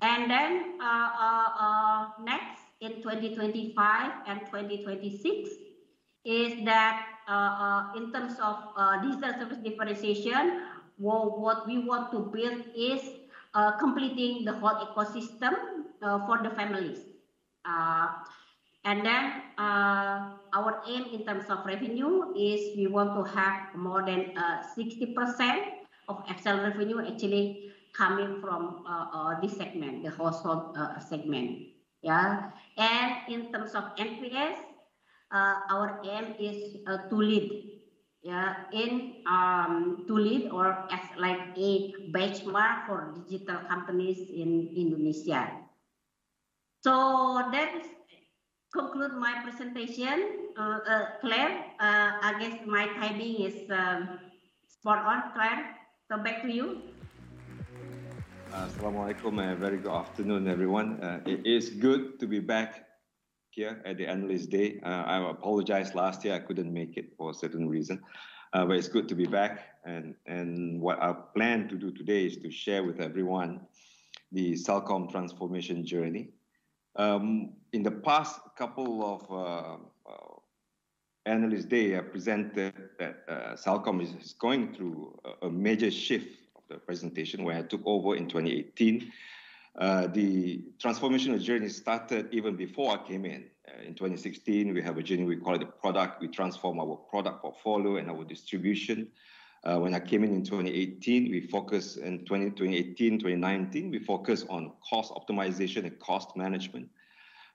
Speaker 10: And then next in 2025 and 2026 is that in terms of digital service differentiation, what we want to build is completing the whole ecosystem for the families. And then our aim in terms of revenue is we want to have more than 60% of XL revenue actually coming from this segment, the household segment. Yeah. And in terms of NPS, our aim is to lead, yeah, to lead or as like a benchmark for digital companies in Indonesia. So that concludes my presentation, Claire. I guess my timing is spot on, Claire. So back to you.
Speaker 11: Assalamualaikum and a very good afternoon, everyone. It is good to be back here at the end of this day. I apologize last year. I couldn't make it for a certain reason. But it's good to be back. And what I plan to do today is to share with everyone the Celcom transformation journey. In the past couple of analyst days, I presented that Celcom is going through a major shift of the presentation where I took over in 2018. The transformation journey started even before I came in. In 2016, we have a journey we call the product. We transform our product portfolio and our distribution. When I came in in 2018, we focused in 2018, 2019, we focused on cost optimization and cost management.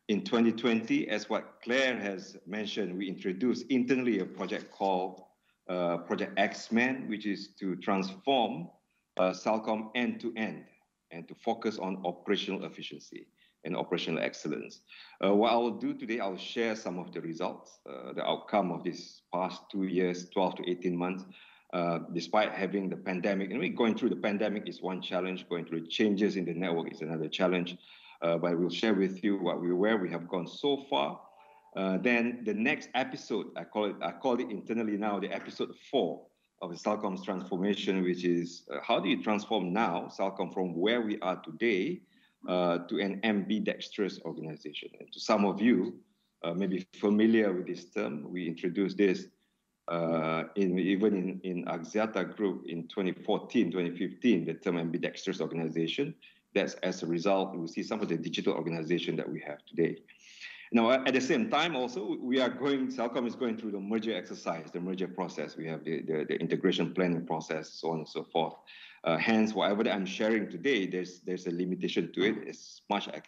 Speaker 11: In 2020, as what Claire has mentioned, we introduced internally a project called Project X-Men, which is to transform Celcom end-to-end and to focus on operational efficiency and operational excellence. What I'll do today, I'll share some of the results, the outcome of these past two years, 12 to 18 months, despite having the pandemic. And going through the pandemic is one challenge. Going through changes in the network is another challenge. But we'll share with you where we have gone so far. Then the next episode, I call it internally now, the episode four of Celcom's transformation, which is how do you transform now Celcom from where we are today to an ambidextrous organization. And to some of you, maybe familiar with this term, we introduced this even in Axiata Group in 2014, 2015, the term ambidextrous organization. That's as a result. We see some of the digital organization that we have today. Now, at the same time, also, Celcom is going through the merger exercise, the merger process. We have the integration planning process, so on and so forth. Hence, whatever I'm sharing today, there's a limitation to it. As much as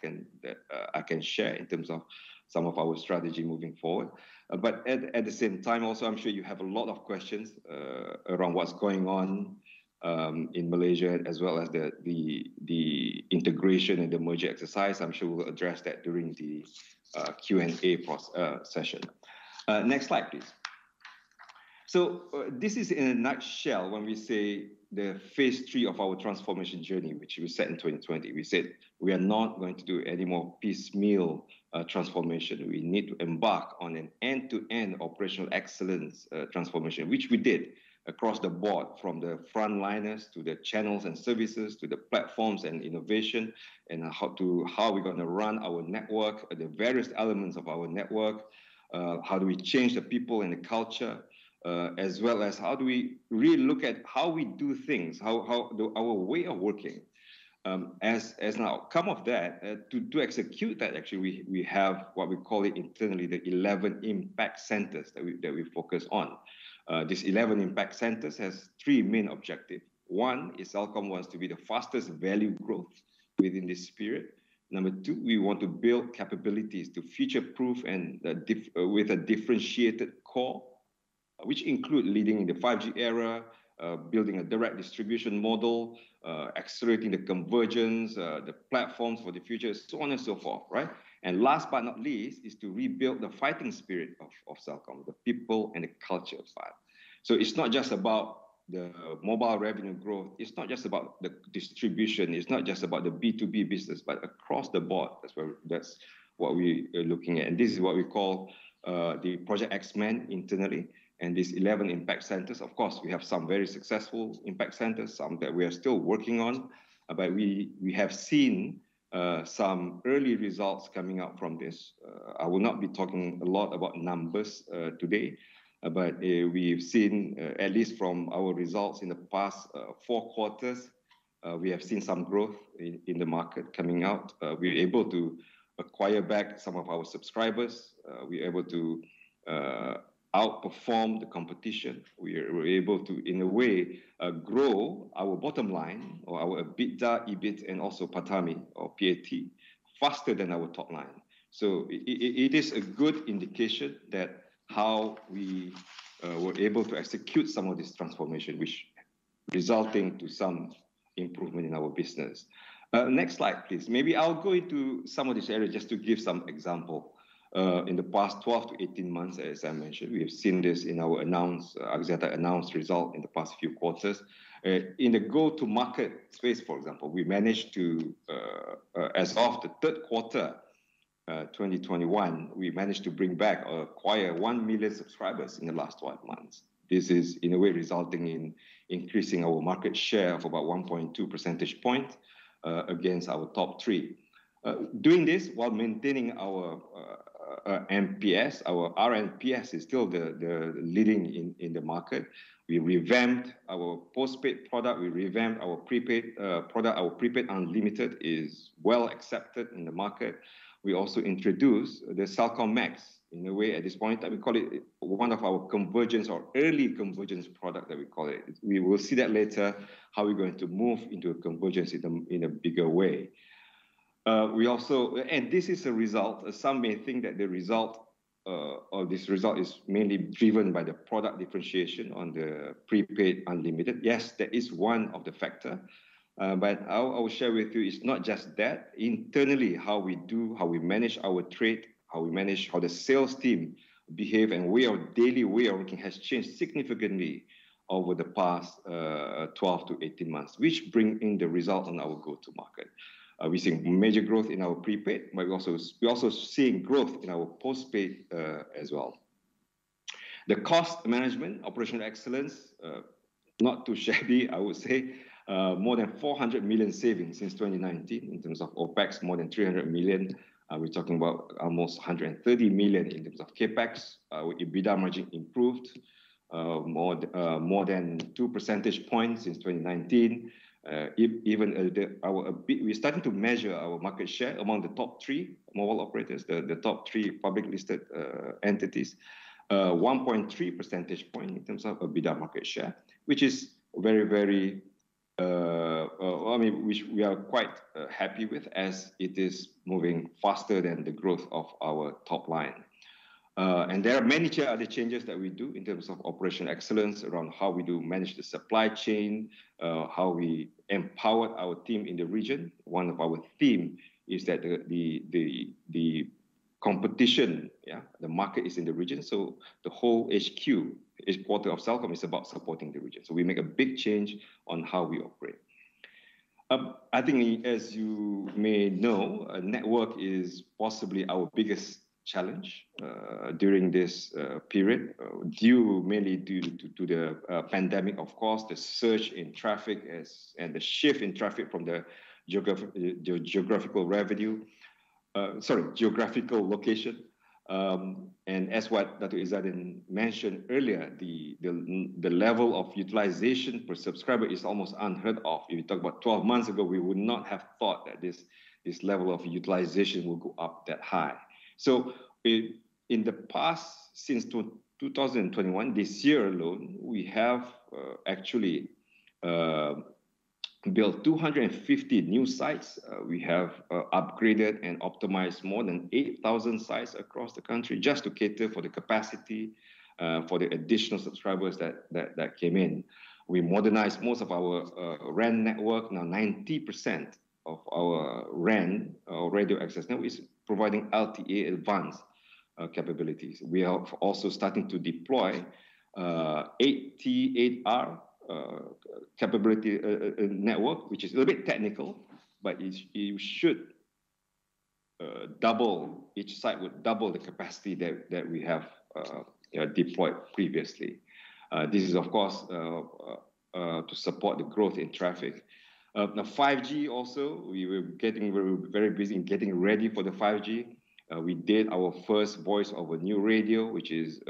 Speaker 11: I can share in terms of some of our strategy moving forward. But at the same time, also, I'm sure you have a lot of questions around what's going on in Malaysia, as well as the integration and the merger exercise. I'm sure we'll address that during the Q&A session. Next slide, please. So this is in a nutshell when we say the phase three of our transformation journey, which we said in 2020. We said we are not going to do any more piecemeal transformation. We need to embark on an end-to-end operational excellence transformation, which we did across the board from the frontliners to the channels and services to the platforms and innovation and how we're going to run our network, the various elements of our network, how do we change the people and the culture, as well as how do we really look at how we do things, our way of working. As an outcome of that, to execute that, actually, we have what we call internally the 11 impact centers that we focus on. This 11 impact centers has three main objectives. One is Celcom wants to be the fastest value growth within this sphere. Number two, we want to build capabilities to future-proof and with a differentiated core, which includes leading the 5G era, building a direct distribution model, accelerating the convergence, the platforms for the future, so on and so forth. Right? And last but not least is to rebuild the fighting spirit of Celcom, the people and the culture of it. So it's not just about the mobile revenue growth. It's not just about the distribution. It's not just about the B2B business, but across the board. That's what we are looking at. And this is what we call the Project X-Men internally. And these 11 impact centers, of course, we have some very successful impact centers, some that we are still working on. But we have seen some early results coming out from this. I will not be talking a lot about numbers today, but we've seen, at least from our results in the past four quarters, we have seen some growth in the market coming out. We're able to acquire back some of our subscribers. We're able to outperform the competition. We were able to, in a way, grow our bottom line or our EBITDA, EBIT, and also PATAMI or PAT faster than our top line. So it is a good indication that how we were able to execute some of this transformation, which resulted in some improvement in our business. Next slide, please. Maybe I'll go into some of these areas just to give some examples. In the past 12 to 18 months, as I mentioned, we have seen this in our Axiata's announced results in the past few quarters. In the go-to-market space, for example, we managed to, as of the third quarter 2021, we managed to bring back or acquire one million subscribers in the last 12 months. This is, in a way, resulting in increasing our market share of about 1.2 percentage points against our top three. Doing this while maintaining our NPS, our RNPS is still the leading in the market. We revamped our postpaid product. We revamped our prepaid product. Our prepaid unlimited is well accepted in the market. We also introduced the Celcom MAX. In a way, at this point, we call it one of our convergence or early convergence products that we call it. We will see that later, how we're going to move into a convergence in a bigger way. This is a result. Some may think that the result of this result is mainly driven by the product differentiation on the prepaid unlimited. Yes, that is one of the factors. But I will share with you, it's not just that. Internally, how we do, how we manage our trade, how we manage how the sales team behave, and our daily way of working has changed significantly over the past 12 to 18 months, which brings in the result on our go-to-market. We see major growth in our prepaid, but we're also seeing growth in our postpaid as well. The cost management, operational excellence, not too shabby, I would say, more than 400 million savings since 2019 in terms of OpEx, more than 300 million. We're talking about almost 130 million in terms of CapEx. EBITDA margin improved more than 2 percentage points since 2019. Even a bit, we're starting to measure our market share among the top three mobile operators, the top three public-listed entities, 1.3 percentage points in terms of EBITDA market share, which is very, very, I mean, which we are quite happy with as it is moving faster than the growth of our top line. There are many other changes that we do in terms of operational excellence around how we do manage the supply chain, how we empower our team in the region. One of our themes is that the competition, the market is in the region. The whole HQ, each quarter of Celcom is about supporting the region. We make a big change on how we operate. I think, as you may know, network is possibly our biggest challenge during this period, mainly due to the pandemic, of course, the surge in traffic and the shift in traffic from the geographical revenue, sorry, geographical location. And as what Dato' Izzaddin mentioned earlier, the level of utilization per subscriber is almost unheard of. If you talk about 12 months ago, we would not have thought that this level of utilization would go up that high. So in the past, since 2021, this year alone, we have actually built 250 new sites. We have upgraded and optimized more than 8,000 sites across the country just to cater for the capacity for the additional subscribers that came in. We modernized most of our RAN network. Now, 90% of our RAN or radio access network is providing LTE Advanced capabilities. We are also starting to deploy 8T8R capability network, which is a little bit technical, but it should double each site with double the capacity that we have deployed previously. This is, of course, to support the growth in traffic. Now, 5G also, we were very busy in getting ready for the 5G. We did our first Voice over New Radio, which is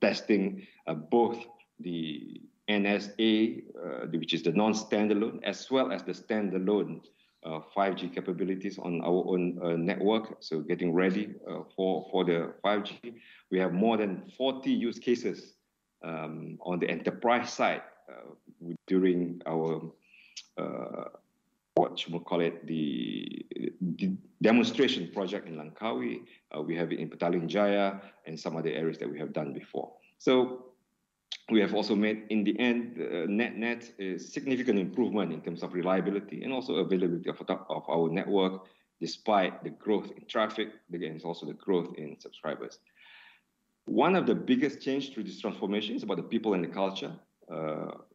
Speaker 11: testing both the NSA, which is the non-standalone, as well as the standalone 5G capabilities on our own network. So getting ready for the 5G. We have more than 40 use cases on the enterprise side during our, what should we call it, the demonstration project in Langkawi. We have it in Petaling Jaya and some other areas that we have done before. So we have also made, in the end, net-net significant improvement in terms of reliability and also availability of our network despite the growth in traffic, but again, it's also the growth in subscribers. One of the biggest changes through this transformation is about the people and the culture.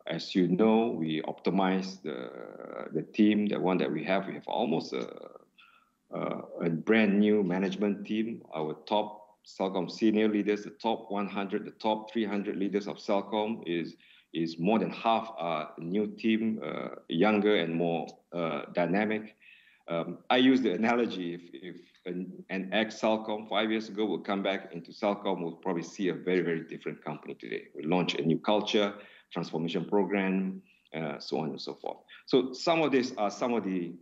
Speaker 11: As you know, we optimized the team, the one that we have. We have almost a brand new management team. Our top Celcom senior leaders, the top 100, the top 300 leaders of Celcom is more than half our new team, younger and more dynamic. I use the analogy if an ex-Celcom five years ago would come back into Celcom, we'll probably see a very, very different company today. We launch a new culture, transformation program, so on and so forth. Some of these are some of the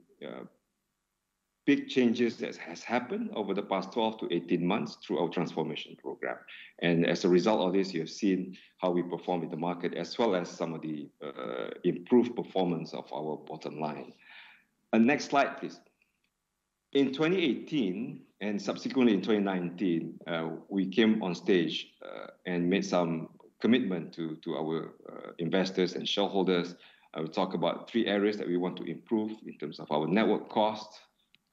Speaker 11: big changes that have happened over the past 12 to 18 months through our transformation program. As a result of this, you have seen how we perform in the market, as well as some of the improved performance of our bottom line. Next slide, please. In 2018 and subsequently in 2019, we came on stage and made some commitment to our investors and shareholders. I will talk about three areas that we want to improve in terms of our network cost,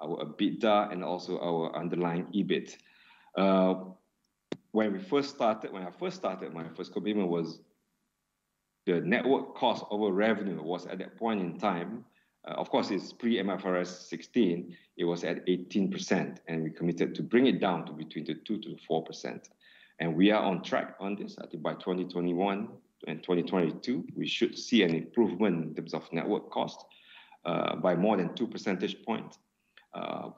Speaker 11: our EBITDA, and also our underlying EBIT. When we first started, when I first started, my first commitment was the network cost over revenue was at that point in time, of course, it's pre-MFRS 16, it was at 18%, and we committed to bring it down to between the 2% to 4%. We are on track on this. I think by 2021 and 2022, we should see an improvement in terms of network cost by more than two percentage points.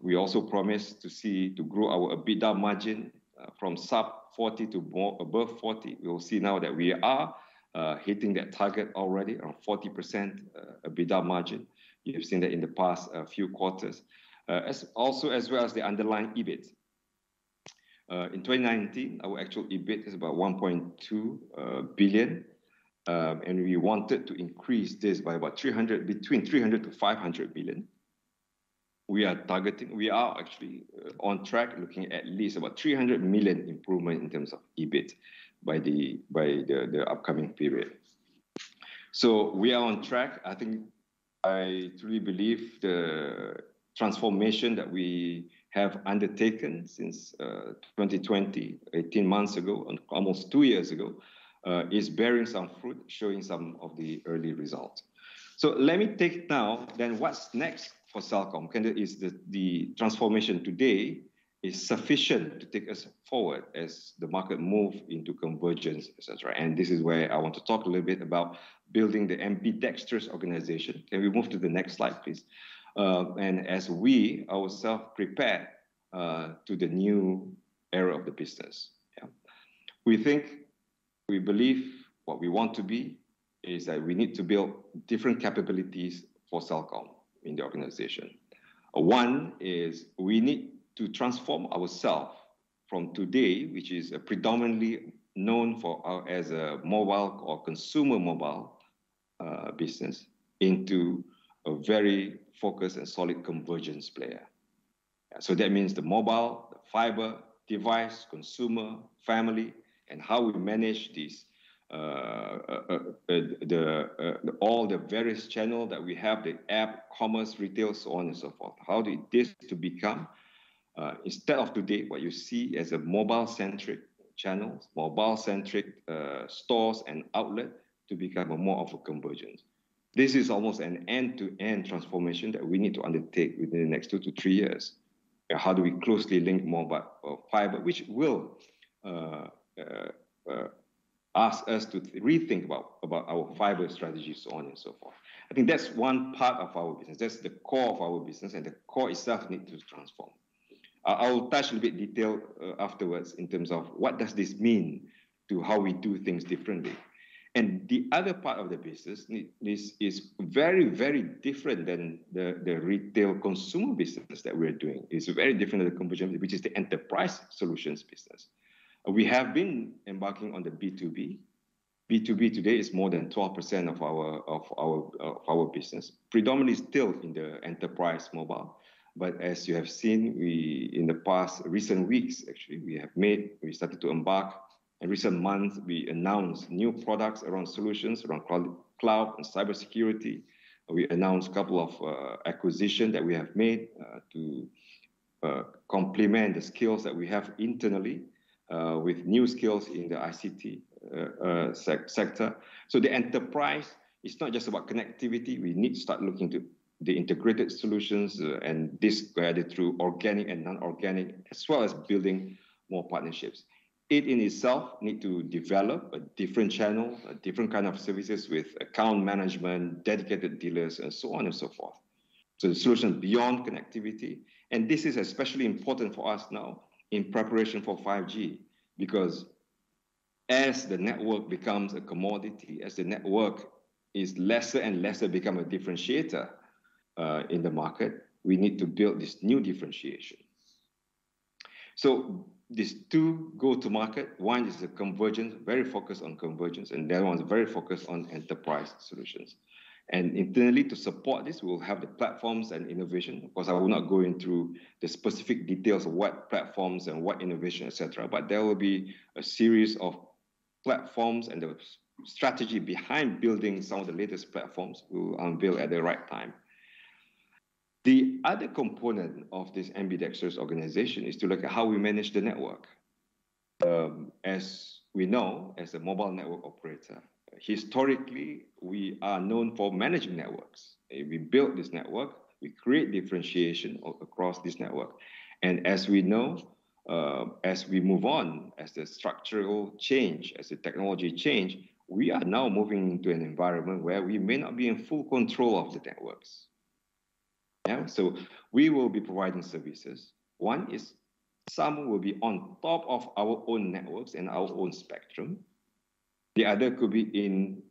Speaker 11: We also promised to see to grow our EBITDA margin from sub 40 to above 40. We will see now that we are hitting that target already around 40% EBITDA margin. You've seen that in the past few quarters, also as well as the underlying EBIT. In 2019, our actual EBIT is about 1.2 billion, and we wanted to increase this by about 300, between 300 million to 500 million. We are targeting, we are actually on track looking at least about 300 million improvement in terms of EBIT by the upcoming period. So we are on track. I think I truly believe the transformation that we have undertaken since 2020, 18 months ago, almost two years ago, is bearing some fruit, showing some of the early results. So let me take now, then what's next for Celcom? Is the transformation today sufficient to take us forward as the market moves into convergence, etc.? And this is where I want to talk a little bit about building the ambidextrous organization. Can we move to the next slide, please? And as we ourselves prepare for the new era of the business, we think, we believe what we want to be is that we need to build different capabilities for Celcom in the organization. One is we need to transform ourselves from today, which is predominantly known as a mobile or consumer mobile business, into a very focused and solid convergence player. So that means the mobile, the fiber, device, consumer, family, and how we manage these, all the various channels that we have, the app, commerce, retail, so on and so forth. How do we do this to become, instead of today, what you see as a mobile-centric channel, mobile-centric stores and outlets to become more of a convergence? This is almost an end-to-end transformation that we need to undertake within the next two to three years. How do we closely link mobile or fiber, which will ask us to rethink about our fiber strategy, so on and so forth? I think that's one part of our business. That's the core of our business, and the core itself needs to transform. I'll touch a little bit detail afterwards in terms of what does this mean to how we do things differently, and the other part of the business, this is very, very different than the retail consumer business that we're doing. It's very different than the convergence, which is the enterprise solutions business. We have been embarking on the B2B. B2B today is more than 12% of our business, predominantly still in the enterprise mobile. But as you have seen, in the past recent weeks, actually, we have made, we started to embark, and recent months, we announced new products around solutions, around cloud and cybersecurity. We announced a couple of acquisitions that we have made to complement the skills that we have internally with new skills in the ICT sector. So the enterprise, it's not just about connectivity. We need to start looking to the integrated solutions and this guided through organic and non-organic, as well as building more partnerships. It in itself needs to develop a different channel, a different kind of services with account management, dedicated dealers, and so on and so forth. So the solution beyond connectivity, and this is especially important for us now in preparation for 5G, because as the network becomes a commodity, as the network is less and less a differentiator in the market, we need to build this new differentiation. So these two go-to-market, one is a convergence, very focused on convergence, and the other one is very focused on enterprise solutions. And internally, to support this, we will have the platforms and innovation. Of course, I will not go into the specific details of what platforms and what innovation, etc., but there will be a series of platforms and the strategy behind building some of the latest platforms we will unveil at the right time. The other component of this ambidextrous organization is to look at how we manage the network. As we know, as a mobile network operator, historically, we are known for managing networks. We build this network, we create differentiation across this network. And as we know, as we move on, as the structural change, as the technology change, we are now moving into an environment where we may not be in full control of the networks. So we will be providing services. One is some will be on top of our own networks and our own spectrum. The other could be in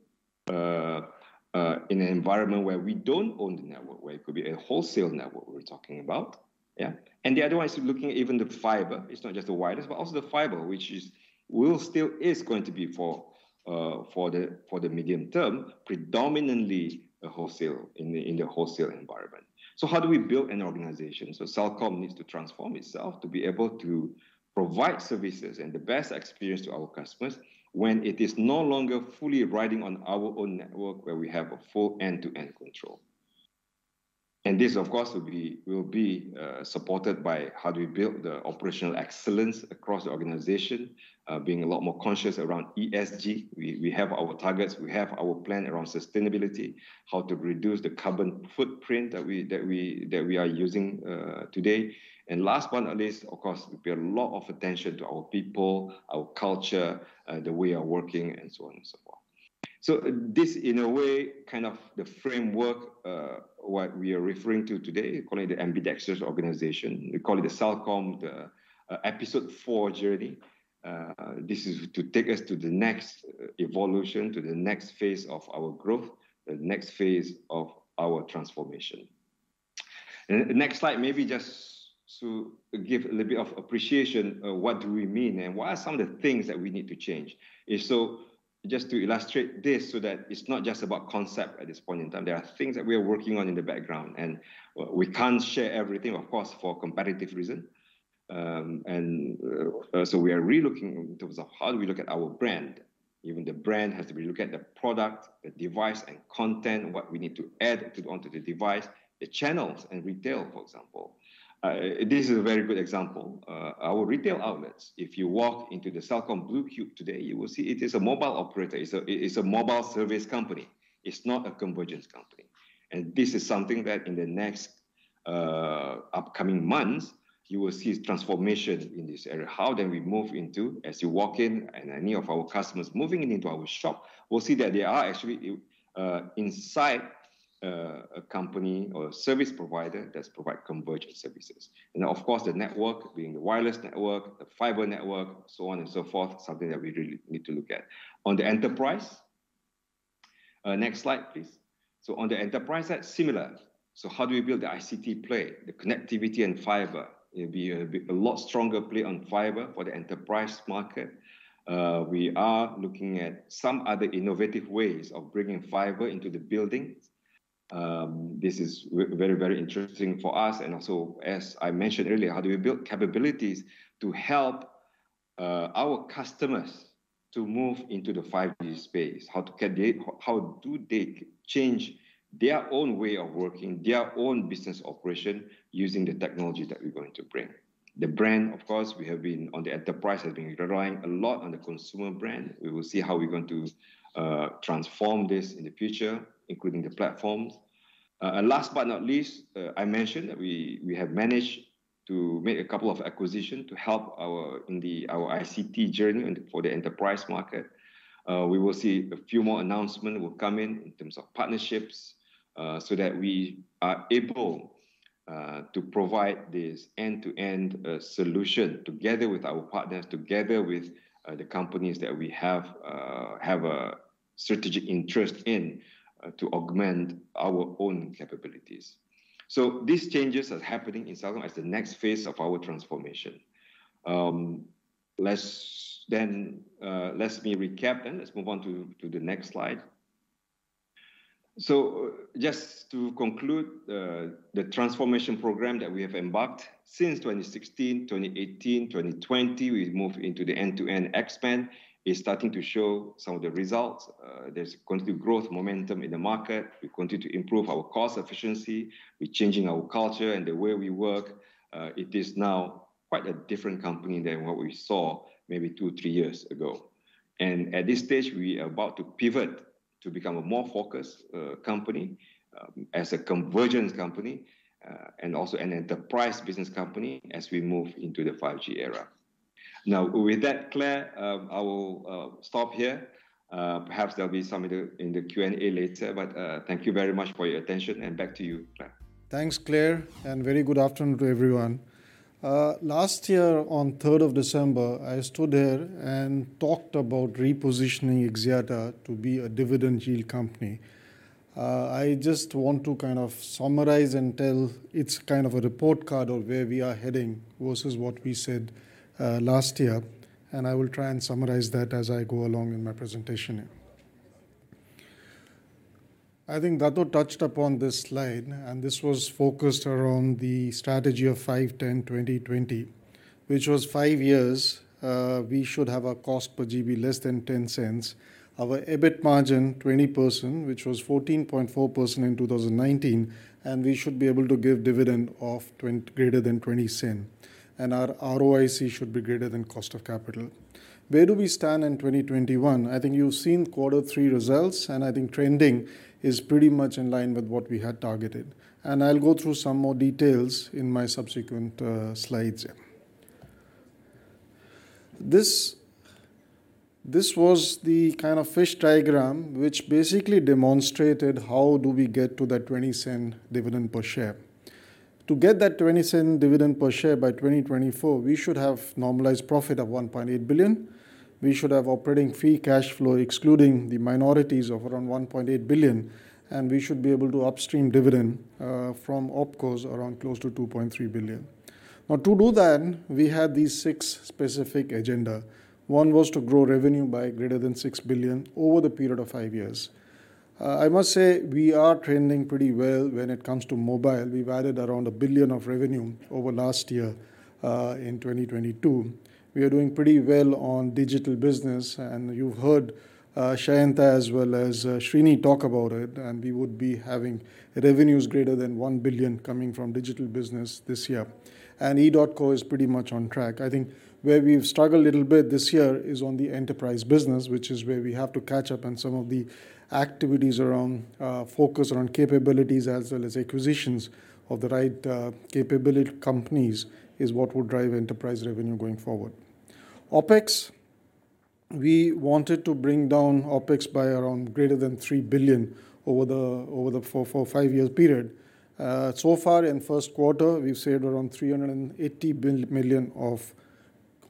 Speaker 11: an environment where we don't own the network, where it could be a wholesale network we're talking about. And the other one is looking at even the fiber. It's not just the wireless, but also the fiber, which will still be for the medium term, predominantly a wholesale in the wholesale environment. So how do we build an organization? Celcom needs to transform itself to be able to provide services and the best experience to our customers when it is no longer fully riding on our own network where we have a full end-to-end control. This, of course, will be supported by how we build the operational excellence across the organization, being a lot more conscious around ESG. We have our targets. We have our plan around sustainability, how to reduce the carbon footprint that we are using today. Last but not least, of course, we pay a lot of attention to our people, our culture, the way we are working, and so on and so forth. This, in a way, kind of the framework what we are referring to today, calling it the Ambidextrous Organization. We call it the Celcom Episode Four journey. This is to take us to the next evolution, to the next phase of our growth, the next phase of our transformation. Next slide, maybe just to give a little bit of appreciation of what do we mean and what are some of the things that we need to change. So just to illustrate this so that it's not just about concept at this point in time, there are things that we are working on in the background, and we can't share everything, of course, for competitive reasons, and so we are re-looking in terms of how do we look at our brand. Even the brand has to be looked at, the product, the device, and content, what we need to add onto the device, the channels and retail, for example. This is a very good example. Our retail outlets, if you walk into the Celcom Bluecube today, you will see it is a mobile operator. It's a mobile service company. It's not a convergence company. And this is something that in the next upcoming months, you will see transformation in this area. How then we move into, as you walk in and any of our customers moving into our shop, we'll see that they are actually inside a company or a service provider that provides convergence services. And of course, the network, being the wireless network, the fiber network, so on and so forth, something that we really need to look at. On the enterprise, next slide, please. So on the enterprise side, similar. So how do we build the ICT play? The connectivity and fiber. It'll be a lot stronger play on fiber for the enterprise market. We are looking at some other innovative ways of bringing fiber into the building. This is very, very interesting for us. And also, as I mentioned earlier, how do we build capabilities to help our customers to move into the 5G space? How do they change their own way of working, their own business operation using the technology that we're going to bring? The brand, of course, we have been on. The enterprise has been relying a lot on the consumer brand. We will see how we're going to transform this in the future, including the platforms. And last but not least, I mentioned that we have managed to make a couple of acquisitions to help our ICT journey for the enterprise market. We will see a few more announcements will come in terms of partnerships so that we are able to provide this end-to-end solution together with our partners, together with the companies that we have a strategic interest in to augment our own capabilities. These changes are happening in Celcom as the next phase of our transformation. Let me recap, then let's move on to the next slide. Just to conclude the transformation program that we have embarked since 2016, 2018, 2020, we moved into the end-to-end expand. It's starting to show some of the results. There's a continued growth momentum in the market. We continue to improve our cost efficiency. We're changing our culture and the way we work. It is now quite a different company than what we saw maybe two, three years ago. At this stage, we are about to pivot to become a more focused company as a convergence company and also an enterprise business company as we move into the 5G era. Now, with that, Claire, I will stop here. Perhaps there'll be some in the Q&A later, but thank you very much for your attention and back to you, Claire.
Speaker 12: Thanks, Claire, and very good afternoon to everyone. Last year, on 3rd of December, I stood there and talked about repositioning Axiata to be a dividend yield company. I just want to kind of summarize and tell it's kind of a report card of where we are heading versus what we said last year. I will try and summarize that as I go along in my presentation here. I think Dato' touched upon this slide, and this was focused around the strategy of 5-10-20-20, which was five years. We should have a cost per GB less than RM 0.10. Our EBIT margin, 20%, which was 14.4% in 2019, and we should be able to give dividend of greater than RM 0.20. Our ROIC should be greater than cost of capital. Where do we stand in 2021? I think you've seen quarter three results, and I think trending is pretty much in line with what we had targeted. I'll go through some more details in my subsequent slides here. This was the kind of fish diagram, which basically demonstrated how do we get to that RM 0.20 dividend per share. To get that RM 0.20 dividend per share by 2024, we should have normalized profit of 1.8 billion. We should have operating free cash flow excluding the minorities of around 1.8 billion, and we should be able to upstream dividend from OpCos around close to 2.3 billion. Now, to do that, we had these six specific agendas. One was to grow revenue by greater than 6 billion over the period of five years. I must say we are trending pretty well when it comes to mobile. We've added around a billion of revenue over last year. In 2022, we are doing pretty well on digital business, and you've heard Sheyantha as well as Srini talk about it, and we would be having revenues greater than 1 billion coming from digital business this year. EDOTCO is pretty much on track. I think where we've struggled a little bit this year is on the enterprise business, which is where we have to catch up on some of the activities around focus on capabilities as well as acquisitions of the right capability companies is what would drive enterprise revenue going forward. OpEx, we wanted to bring down OpEx by around greater than 3 billion over the four or five-year period. So far, in first quarter, we've saved around 380 million of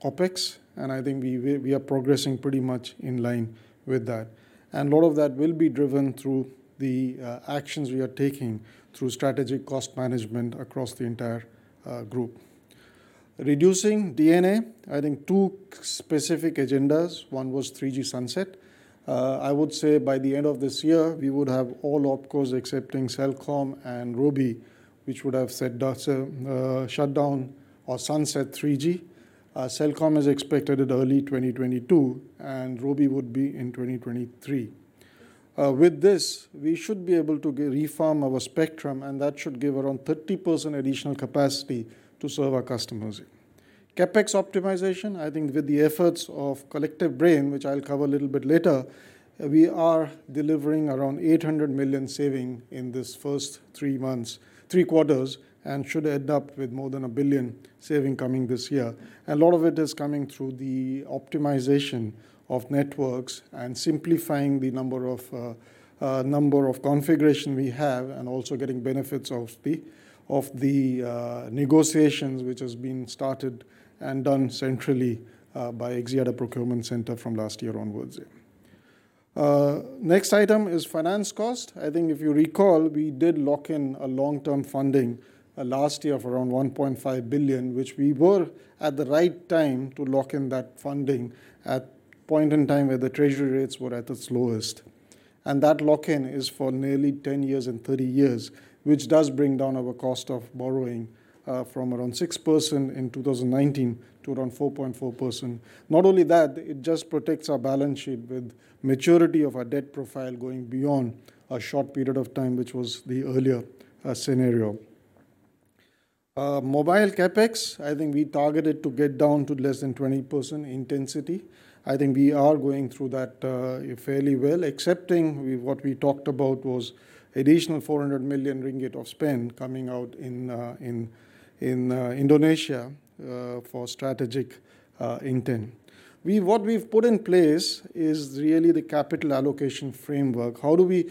Speaker 12: OpEx, and I think we are progressing pretty much in line with that. A lot of that will be driven through the actions we are taking through strategic cost management across the entire group. Reducing DNA, I think two specific agendas. One was 3G Sunset. I would say by the end of this year, we would have all OpCos excepting Celcom and Robi, which would have shut down or sunset 3G. Celcom is expected in early 2022, and Robi would be in 2023. With this, we should be able to refarm our spectrum, and that should give around 30% additional capacity to serve our customers. CapEx optimization, I think with the efforts of Collective Brain, which I'll cover a little bit later, we are delivering around 800 million savings in this first three quarters and should end up with more than a billion savings coming this year. A lot of it is coming through the optimization of networks and simplifying the number of configurations we have and also getting benefits of the negotiations, which has been started and done centrally by Axiata Procurement Centre from last year onwards. Next item is finance cost. I think if you recall, we did lock in a long-term funding last year of around 1.5 billion, which we were at the right time to lock in that funding at a point in time where the treasury rates were at the lowest. That lock-in is for nearly 10 years and 30 years, which does bring down our cost of borrowing from around 6% in 2019 to around 4.4%. Not only that, it just protects our balance sheet with maturity of our debt profile going beyond a short period of time, which was the earlier scenario. Mobile CapEx, I think we targeted to get down to less than 20% intensity. I think we are going through that fairly well, excepting what we talked about was additional 400 million ringgit of spend coming out in Indonesia for strategic intent. What we've put in place is really the capital allocation framework. How do we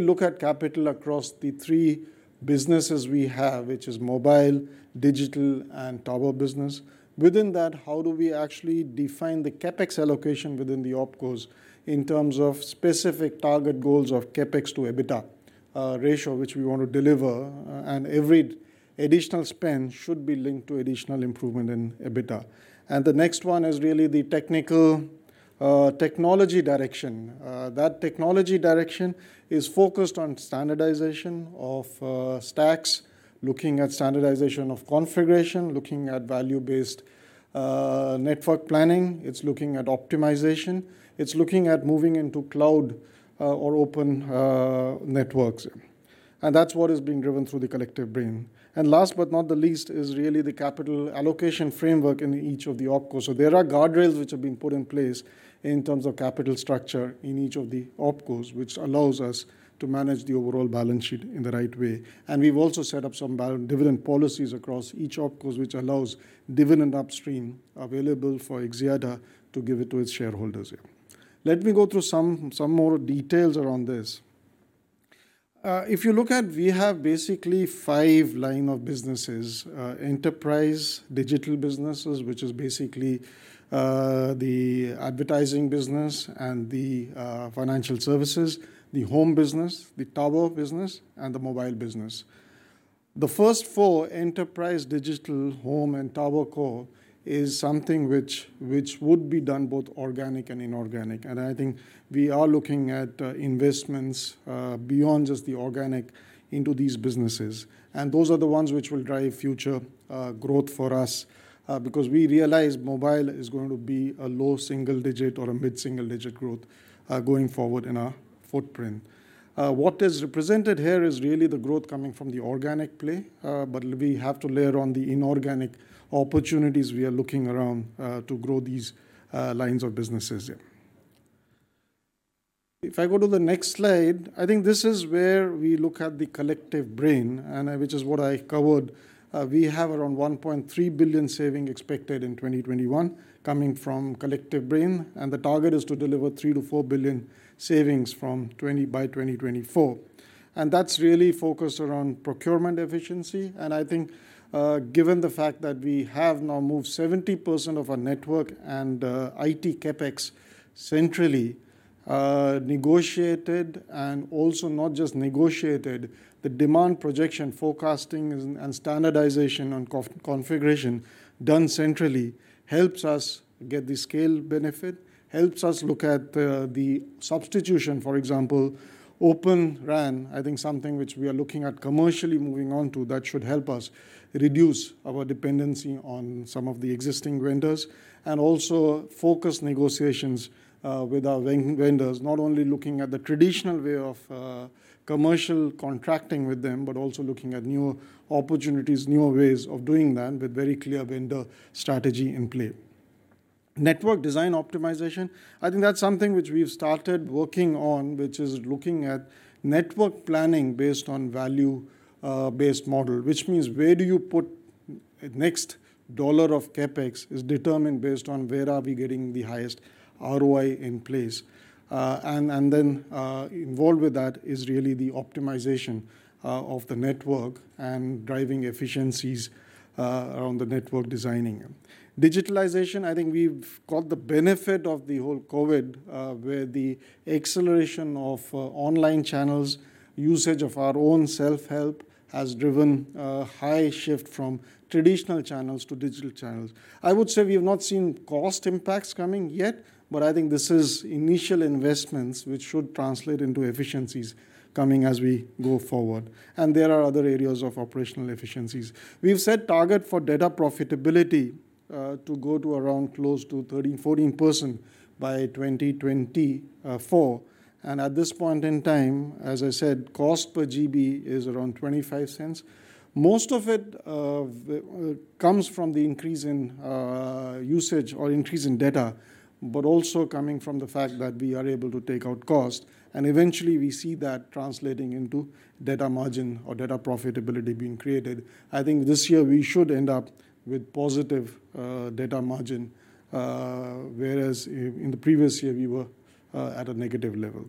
Speaker 12: look at capital across the three businesses we have, which is mobile, digital, and tower business? Within that, how do we actually define the CapEx allocation within the OpCos in terms of specific target goals of CapEx to EBITDA ratio, which we want to deliver? And every additional spend should be linked to additional improvement in EBITDA. And the next one is really the technical technology direction. That technology direction is focused on standardization of stacks, looking at standardization of configuration, looking at value-based network planning. It's looking at optimization. It's looking at moving into cloud or open networks. And that's what is being driven through the Collective Brain. And last but not the least is really the capital allocation framework in each of the OpCos. So there are guardrails which have been put in place in terms of capital structure in each of the OpCos, which allows us to manage the overall balance sheet in the right way. We've also set up some dividend policies across each OpCos, which allows dividend upstream available for Axiata to give it to its shareholders. Let me go through some more details around this. If you look at, we have basically five lines of businesses: enterprise digital businesses, which is basically the advertising business and the financial services, the home business, the tower business, and the mobile business. The first four, enterprise, digital, home, and TowerCo, is something which would be done both organic and inorganic. I think we are looking at investments beyond just the organic into these businesses. Those are the ones which will drive future growth for us because we realize mobile is going to be a low single-digit or a mid-single-digit growth going forward in our footprint. What is represented here is really the growth coming from the organic play, but we have to layer on the inorganic opportunities we are looking around to grow these lines of businesses. If I go to the next slide, I think this is where we look at the Collective Brain, which is what I covered. We have around 1.3 billion saving expected in 2021 coming from Collective Brain, and the target is to deliver 3-4 billion savings by 2024. And that's really focused around procurement efficiency. And I think given the fact that we have now moved 70% of our network and IT CapEx centrally, negotiated, and also not just negotiated, the demand projection forecasting and standardization on configuration done centrally helps us get the scale benefit, helps us look at the substitution. For example, Open RAN, I think something which we are looking at commercially moving on to that should help us reduce our dependency on some of the existing vendors and also focus negotiations with our vendors, not only looking at the traditional way of commercial contracting with them, but also looking at new opportunities, new ways of doing that with very clear vendor strategy in play. Network design optimization, I think that's something which we've started working on, which is looking at network planning based on value-based model, which means where do you put the next dollar of CapEx is determined based on where are we getting the highest ROI in place, and then involved with that is really the optimization of the network and driving efficiencies around the network designing. Digitalization. I think we've got the benefit of the whole COVID where the acceleration of online channels, usage of our own self-help has driven a high shift from traditional channels to digital channels. I would say we have not seen cost impacts coming yet, but I think this is initial investments which should translate into efficiencies coming as we go forward. And there are other areas of operational efficiencies. We've set target for data profitability to go to around close to 13%-14% by 2024. And at this point in time, as I said, cost per GB is around $0.25. Most of it comes from the increase in usage or increase in data, but also coming from the fact that we are able to take out cost. And eventually, we see that translating into data margin or data profitability being created. I think this year we should end up with positive data margin, whereas in the previous year we were at a negative level.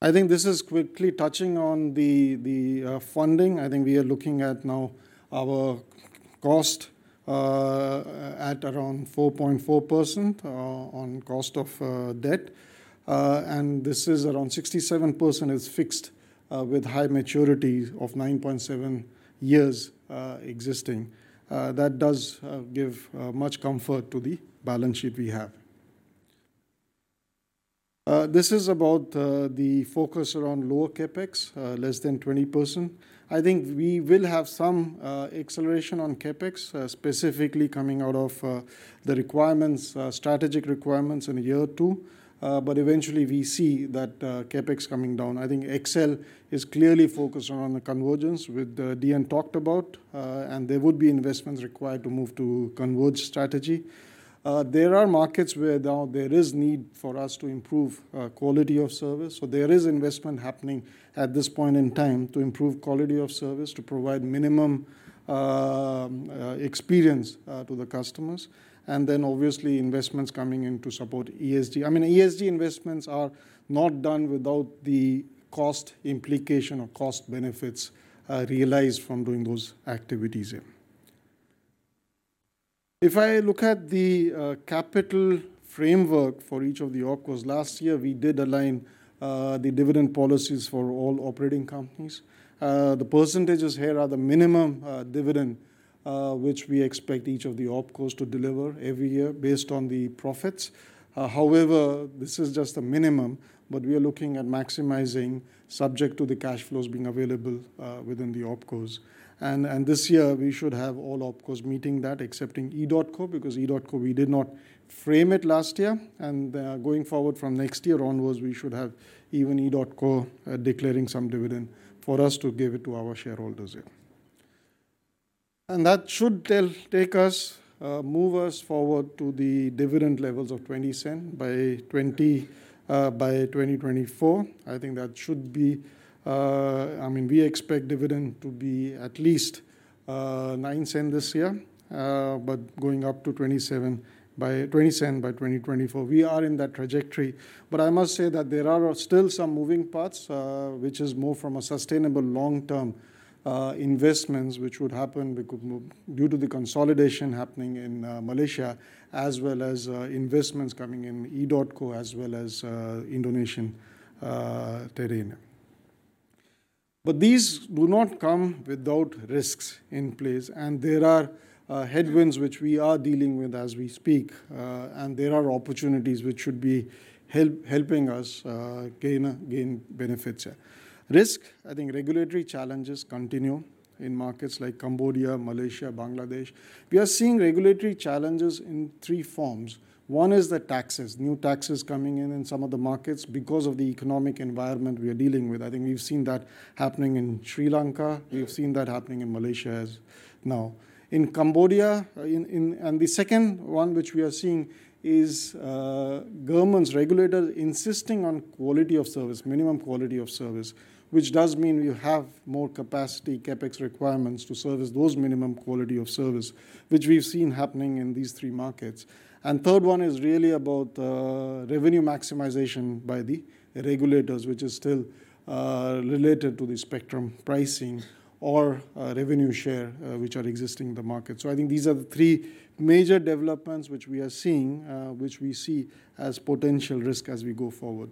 Speaker 12: I think this is quickly touching on the funding. I think we are looking at now our cost at around 4.4% on cost of debt. And this is around 67% is fixed with high maturity of 9.7 years existing. That does give much comfort to the balance sheet we have. This is about the focus around lower CapEx, less than 20%. I think we will have some acceleration on CapEx, specifically coming out of the requirements, strategic requirements in year two. But eventually, we see that CapEx coming down. I think XL Axiata is clearly focused on the convergence with the DNB talked about, and there would be investments required to move to convergence strategy. There are markets where now there is need for us to improve quality of service. So there is investment happening at this point in time to improve quality of service, to provide minimum experience to the customers. And then obviously investments coming in to support ESG. I mean, ESG investments are not done without the cost implication or cost benefits realized from doing those activities. If I look at the capital framework for each of the OpCos, last year we did align the dividend policies for all operating companies. The percentages here are the minimum dividend which we expect each of the OpCos to deliver every year based on the profits. However, this is just the minimum, but we are looking at maximizing subject to the cash flows being available within the OpCos. This year we should have all OpCos meeting that, excepting EDOTCO because EDOTCO we did not frame it last year. Going forward from next year onwards, we should have even EDOTCO declaring some dividend for us to give it to our shareholders here. That should take us, move us forward to the dividend levels of RM 0.20 by 2024. I think that should be, I mean, we expect dividend to be at least RM 0.09 this year, but going up to RM 0.27 by 2024. We are in that trajectory. I must say that there are still some moving parts, which is more from a sustainable long-term investments, which would happen due to the consolidation happening in Malaysia, as well as investments coming in EDOTCO as well as Indonesian terrain. These do not come without risks in place. And there are headwinds which we are dealing with as we speak. And there are opportunities which should be helping us gain benefits here. Risk, I think regulatory challenges continue in markets like Cambodia, Malaysia, Bangladesh. We are seeing regulatory challenges in three forms. One is the taxes, new taxes coming in in some of the markets because of the economic environment we are dealing with. I think we've seen that happening in Sri Lanka. We've seen that happening in Malaysia now, in Cambodia, and the second one which we are seeing is governments, regulators insisting on quality of service, minimum quality of service, which does mean we have more capacity CapEx requirements to service those minimum quality of service, which we've seen happening in these three markets. And the third one is really about revenue maximization by the regulators, which is still related to the spectrum pricing or revenue share which are existing in the market. So I think these are the three major developments which we are seeing, which we see as potential risk as we go forward.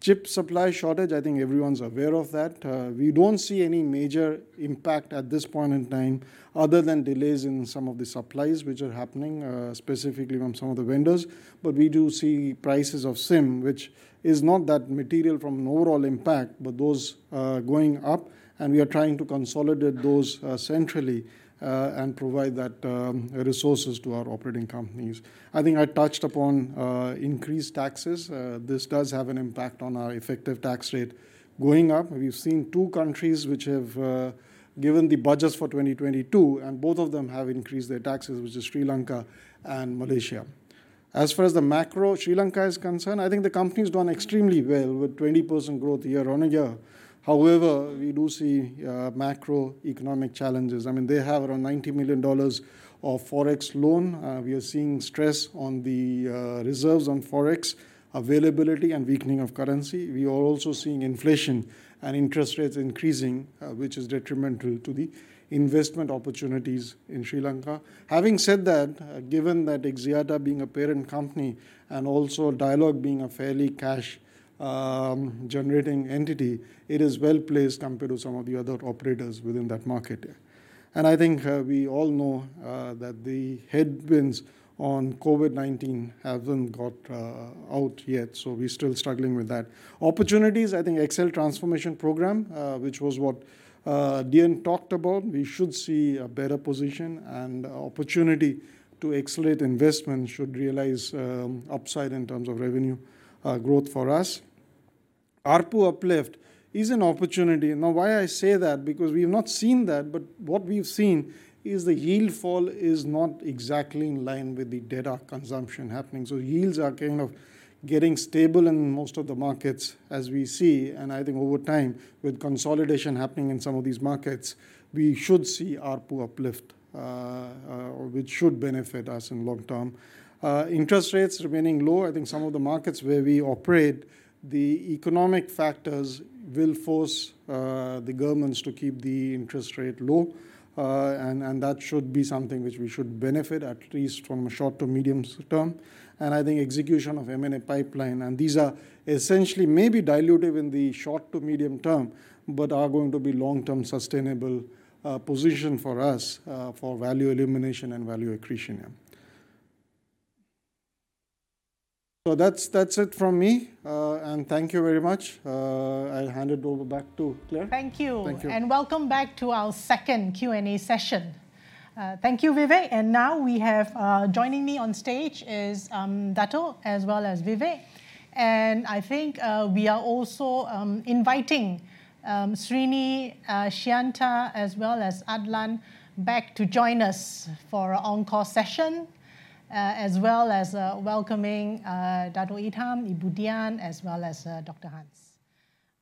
Speaker 12: Chip supply shortage, I think everyone's aware of that. We don't see any major impact at this point in time other than delays in some of the supplies which are happening specifically from some of the vendors. But we do see prices of SIM, which is not that material from an overall impact, but those going up. And we are trying to consolidate those centrally and provide those resources to our operating companies. I think I touched upon increased taxes. This does have an impact on our effective tax rate going up. We've seen two countries which have given the budgets for 2022, and both of them have increased their taxes, which is Sri Lanka and Malaysia. As far as the macro Sri Lanka is concerned, I think the companies doing extremely well with 20% growth year on a year. However, we do see macroeconomic challenges. I mean, they have around $90 million of forex loan. We are seeing stress on the reserves on forex availability and weakening of currency. We are also seeing inflation and interest rates increasing, which is detrimental to the investment opportunities in Sri Lanka. Having said that, given that Axiata being a parent company and also Dialog being a fairly cash-generating entity, it is well placed compared to some of the other operators within that market, and I think we all know that the headwinds on COVID-19 haven't got out yet, so we're still struggling with that. Opportunities, I think XL transformation program, which was what DN talked about, we should see a better position and opportunity to accelerate investment should realize upside in terms of revenue growth for us. ARPU uplift is an opportunity. Now, why I say that? Because we've not seen that, but what we've seen is the ARPU fall is not exactly in line with the data consumption happening. So ARPUs are kind of getting stable in most of the markets as we see. And I think over time with consolidation happening in some of these markets, we should see ARPU uplift, which should benefit us in long term. Interest rates remaining low. I think some of the markets where we operate, the economic factors will force the governments to keep the interest rate low. And that should be something which we should benefit at least from a short to medium term. I think execution of M&A pipeline, and these are essentially maybe dilutive in the short to medium term, but are going to be long-term sustainable position for us for value elimination and value accretion. So that's it from me. And thank you very much. I hand it over back to Claire. Thank you.
Speaker 5: Thank you. And welcome back to our second Q&A session. Thank you, Vivek. And now we have joining me on stage is Dato' as well as Vivek. And I think we are also inviting Srini, Sheyantha, as well as Adlan back to join us for our on-call session, as well as welcoming Datuk Idham, Ibu Dian, as well as Dr. Hans.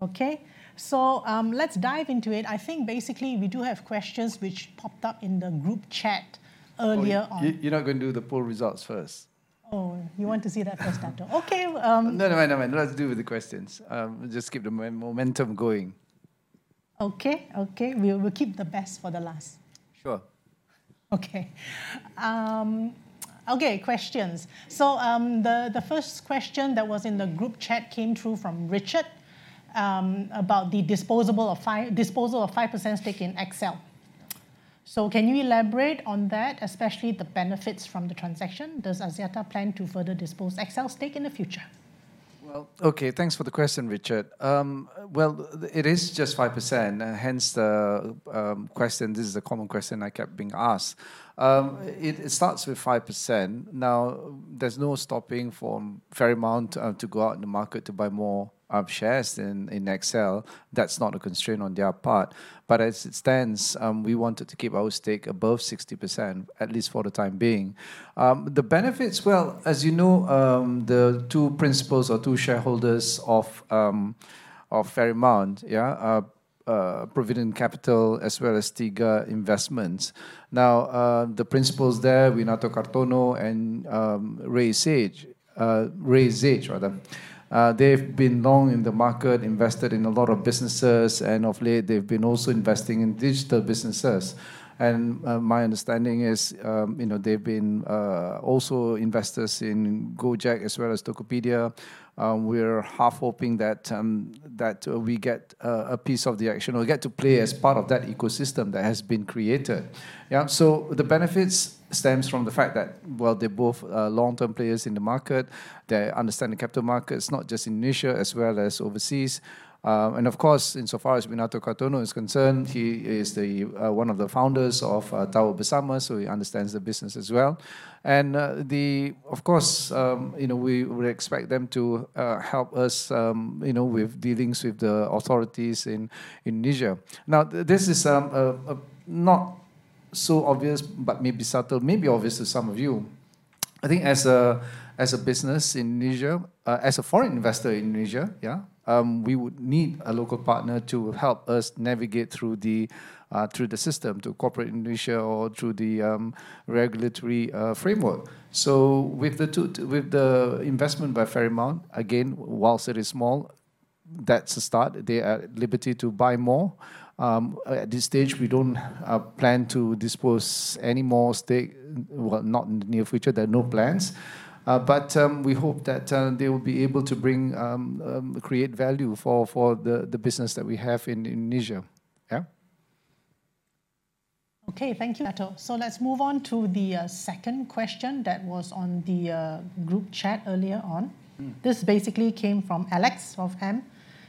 Speaker 5: Okay. So let's dive into it. I think basically we do have questions which popped up in the group chat earlier on.
Speaker 1: You're not going to do the poll results first?
Speaker 5: Oh, you want to see that first, Dato'? Okay.
Speaker 1: No, no, no, no. Let's do the questions. Just keep the momentum going.
Speaker 5: Okay, okay. We'll keep the best for the last. Sure. Okay. Okay, questions. So the first question that was in the group chat came through from Richard about the disposal of 5% stake in XL Axiata. So can you elaborate on that, especially the benefits from the transaction? Does Axiata plan to further dispose XL Axiata stake in the future?
Speaker 1: Well, okay, thanks for the question, Richard. Well, it is just 5%. Hence the question, this is a common question I kept being asked. It starts with 5%. Now, there's no stopping for Ferrymount to go out in the market to buy more shares in XL Axiata. That's not a constraint on their part. But as it stands, we wanted to keep our stake above 60%, at least for the time being. The benefits, well, as you know, the two principals or two shareholders of Ferrymount, yeah, Provident Capital, as well as Tiga Investments. Now, the principals there, Winato Kartono and Ray Zage, Ray Zage, rather, they've been long in the market, invested in a lot of businesses, and of late they've been also investing in digital businesses. And my understanding is they've been also investors in Gojek as well as Tokopedia. We're half hoping that we get a piece of the action or get to play as part of that ecosystem that has been created. So the benefits stem from the fact that, well, they're both long-term players in the market. They understand the capital markets, not just in Asia as well as overseas. Of course, insofar as Winato Kartono is concerned, he is one of the founders of Tower Bersama. So he understands the business as well. Of course, we would expect them to help us with dealings with the authorities in Indonesia. Now, this is not so obvious, but maybe subtle, maybe obvious to some of you. I think as a business in Indonesia, as a foreign investor in Indonesia, yeah, we would need a local partner to help us navigate through the system to corporate Indonesia or through the regulatory framework. So with the investment by Ferrymount, again, whilst it is small, that's a start. They are at liberty to buy more. At this stage, we don't plan to dispose any more stake, well, not in the near future. There are no plans. But we hope that they will be able to create value for the business that we have in Indonesia. Yeah.
Speaker 5: Okay, thank you, Dato'. So let's move on to the second question that was on the group chat earlier on. This basically came from Alex of AmInvestment Bank.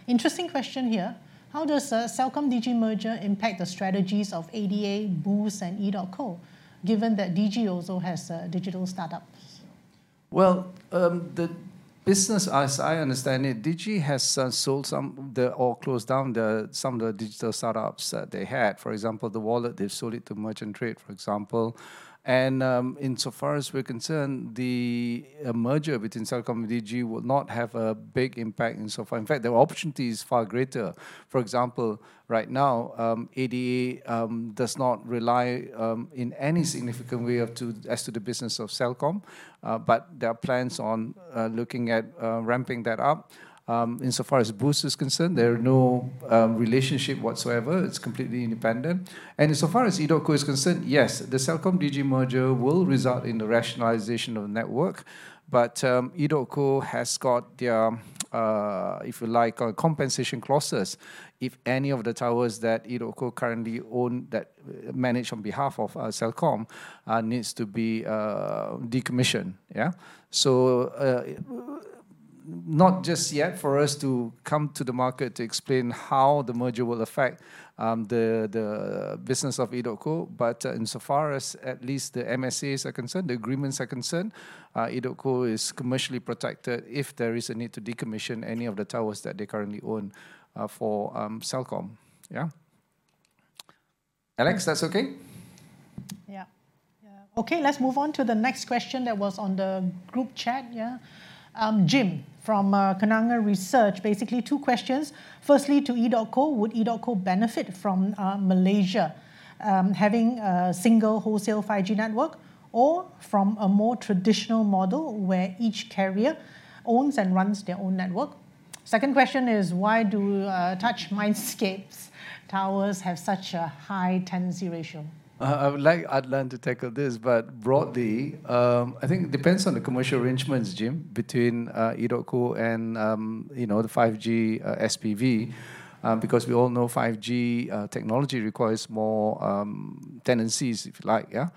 Speaker 5: Interesting question here. How does a Celcom-Digi merger impact the strategies of ADA, Boost, and EDOTCO given that Digi also has digital startups?
Speaker 1: Well, the business, as I understand it, Digi has sold some or closed down some of the digital startups that they had. For example, the wallet, they've sold it to Merchantrade, for example. And insofar as we're concerned, the merger between Celcom and Digi will not have a big impact insofar. In fact, their opportunity is far greater. For example, right now, ADA does not rely in any significant way as to the business of Celcom, but there are plans on looking at ramping that up. Insofar as Boost is concerned, there are no relationship whatsoever. It's completely independent. Insofar as EDOTCO is concerned, yes, the Celcom-Digi merger will result in the rationalization of the network. But EDOTCO has got their, if you like, compensation clauses. If any of the towers that EDOTCO currently own that manage on behalf of Celcom needs to be decommissioned, yeah. So not just yet for us to come to the market to explain how the merger will affect the business of EDOTCO, but insofar as at least the MSAs are concerned, the agreements are concerned, EDOTCO is commercially protected if there is a need to decommission any of the towers that they currently own for Celcom, yeah. Alex, that's okay? Yeah.
Speaker 5: Yeah. Okay, let's move on to the next question that was on the group chat, yeah. Jim from Kenanga Research, basically two questions. Firstly, to EDOTCO, would EDOTCO benefit from Malaysia having a single wholesale 5G network or from a more traditional model where each carrier owns and runs their own network? Second question is, why do Touch Mindscape's towers have such a high tenancy ratio?
Speaker 1: I would like Adlan to tackle this, but broadly, I think it depends on the commercial arrangements, Jim, between EDOTCO and the 5G SPV, because we all know 5G technology requires more tenancies, if you like, yeah,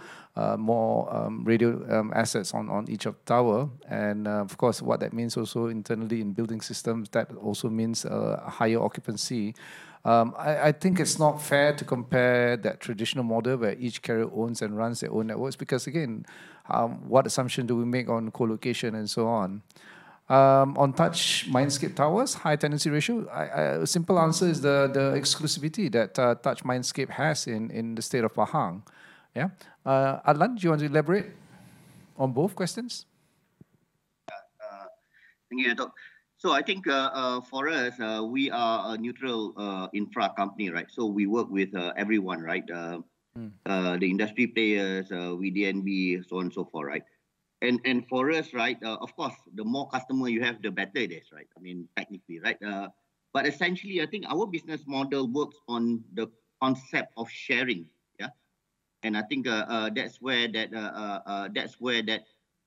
Speaker 1: more radio assets on each of the towers. And of course, what that means also internally in building systems, that also means a higher occupancy. I think it's not fair to compare that traditional model where each carrier owns and runs their own networks because, again, what assumption do we make on co-location and so on? On Touch Mindscape towers, high tenancy ratio, a simple answer is the exclusivity that Touch Mindscape has in the state of Pahang. Yeah. Adlan, do you want to elaborate on both questions?
Speaker 4: Thank you, Dato'. So I think for us, we are a neutral infra company, right? So we work with everyone, right? The industry players, DNB, so on and so forth, right? And for us, right, of course, the more customers you have, the better it is, right? I mean, technically, right? But essentially, I think our business model works on the concept of sharing, yeah? And I think that's where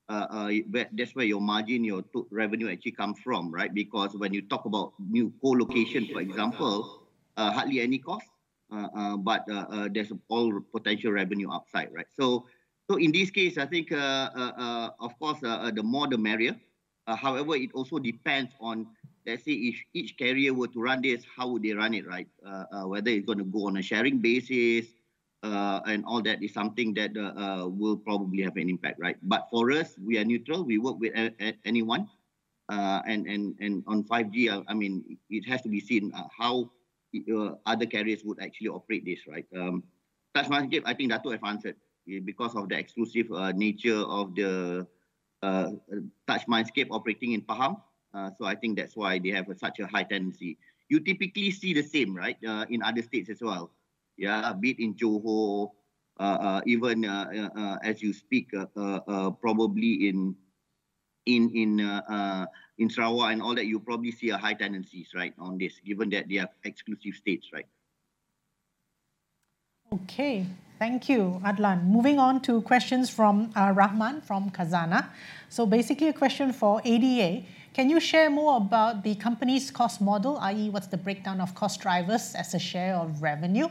Speaker 4: that's where your margin, your revenue actually comes from, right? Because when you talk about new co-location, for example, hardly any cost, but there's all potential revenue upside, right? So in this case, I think, of course, the more the merrier. However, it also depends on, let's say, if each carrier were to run this, how would they run it, right? Whether it's going to go on a sharing basis and all that is something that will probably have an impact, right? But for us, we are neutral. We work with anyone. And on 5G, I mean, it has to be seen how other carriers would actually operate this, right? Touch Mindscape, I think Dato' have answered because of the exclusive nature of the Touch Mindscape operating in Pahang. So I think that's why they have such a high tenancy. You typically see the same, right, in other states as well. Yeah, a bit in Johor, even as you speak, probably in Sarawak and all that, you probably see a high tenancies, right, on this, given that they have exclusive states, right?
Speaker 5: Okay, thank you, Adlan. Moving on to questions from Rahman from Khazanah. So basically a question for ADA. Can you share more about the company's cost model, i.e., what's the breakdown of cost drivers as a share of revenue?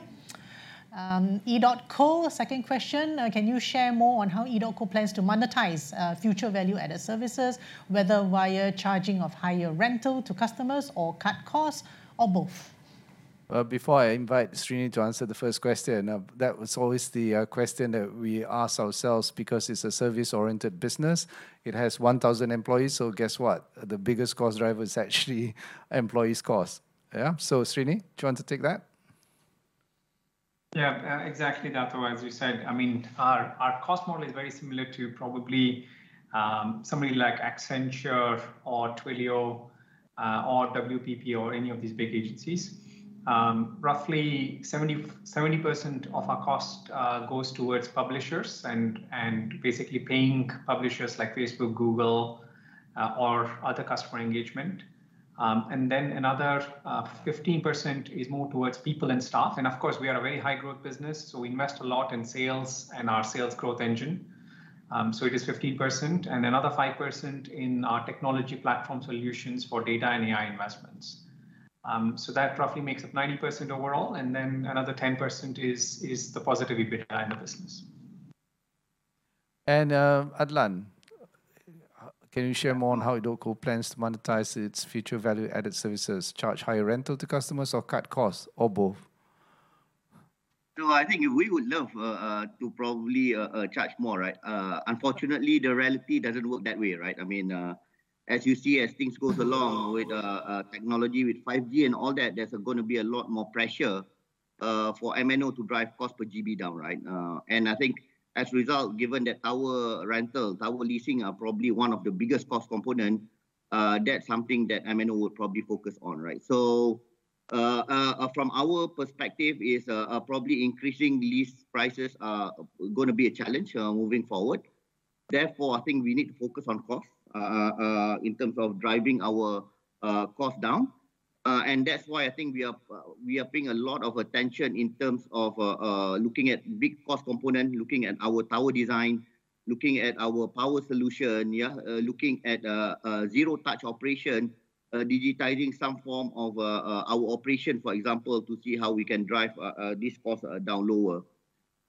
Speaker 5: EDOTCO, second question. Can you share more on how EDOTCO plans to monetize future value-added services, whether via charging of higher rental to customers or cut costs or both?
Speaker 1: Before I invite Srini to answer the first question, that was always the question that we ask ourselves because it's a service-oriented business. It has 1,000 employees, so guess what? The biggest cost driver is actually employees' costs. Yeah? So Srini, do you want to take that?
Speaker 2: Yeah, exactly that way as you said. I mean, our cost model is very similar to probably somebody like Accenture or Twilio or WPP or any of these big agencies. Roughly 70% of our cost goes towards publishers and basically paying publishers like Facebook, Google, or other customer engagement. Then another 15% is more towards people and staff. Of course, we are a very high-growth business, so we invest a lot in sales and our sales growth engine, so it is 15%, and another 5% in our technology platform solutions for data and AI investments. That roughly makes up 90% overall, and then another 10% is the positive EBITDA in the business. Adlan, can you share more on how EDOTCO plans to monetize its future value-added services, charge higher rental to customers or cut costs or both?
Speaker 4: No, I think we would love to probably charge more, right? Unfortunately, the reality doesn't work that way, right? I mean, as you see, as things go along with technology, with 5G and all that, there's going to be a lot more pressure for M&O to drive cost per GB down, right? And I think as a result, given that our rental, our leasing are probably one of the biggest cost components, that's something that M&O would probably focus on, right? So from our perspective, probably increasing lease prices are going to be a challenge moving forward. Therefore, I think we need to focus on cost in terms of driving our cost down. That's why I think we are paying a lot of attention in terms of looking at big cost components, looking at our tower design, looking at our power solution, yeah, looking at zero-touch operation, digitizing some form of our operation, for example, to see how we can drive these costs down lower.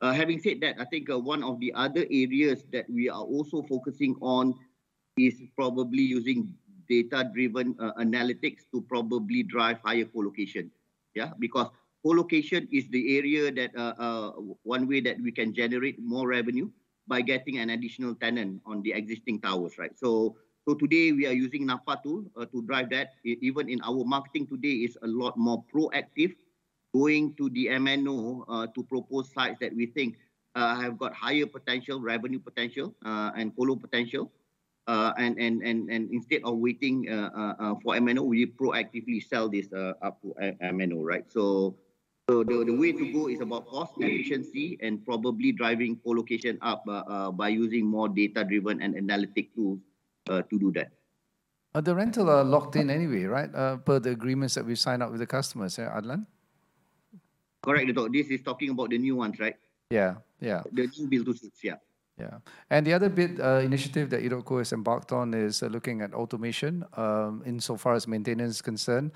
Speaker 4: Having said that, I think one of the other areas that we are also focusing on is probably using data-driven analytics to probably drive higher co-location, yeah? Because co-location is the area that one way that we can generate more revenue by getting an additional tenant on the existing towers, right? So today, we are using Nava to drive that. Even in our marketing today, it's a lot more proactive going to the MNO to propose sites that we think have got higher potential revenue potential and follow potential. Instead of waiting for MNO, we proactively sell this up to MNO, right? So the way to go is about cost efficiency and probably driving co-location up by using more data-driven and analytic tools to do that.
Speaker 1: Are the rentals locked in anyway, right, per the agreements that we sign up with the customers, Adlan?
Speaker 4: Correct, Dato'. This is talking about the new ones, right?
Speaker 1: Yeah, yeah.
Speaker 4: The new build-to-suit, yeah.
Speaker 1: Yeah. And the other big initiative that EDOTCO has embarked on is looking at automation insofar as maintenance is concerned,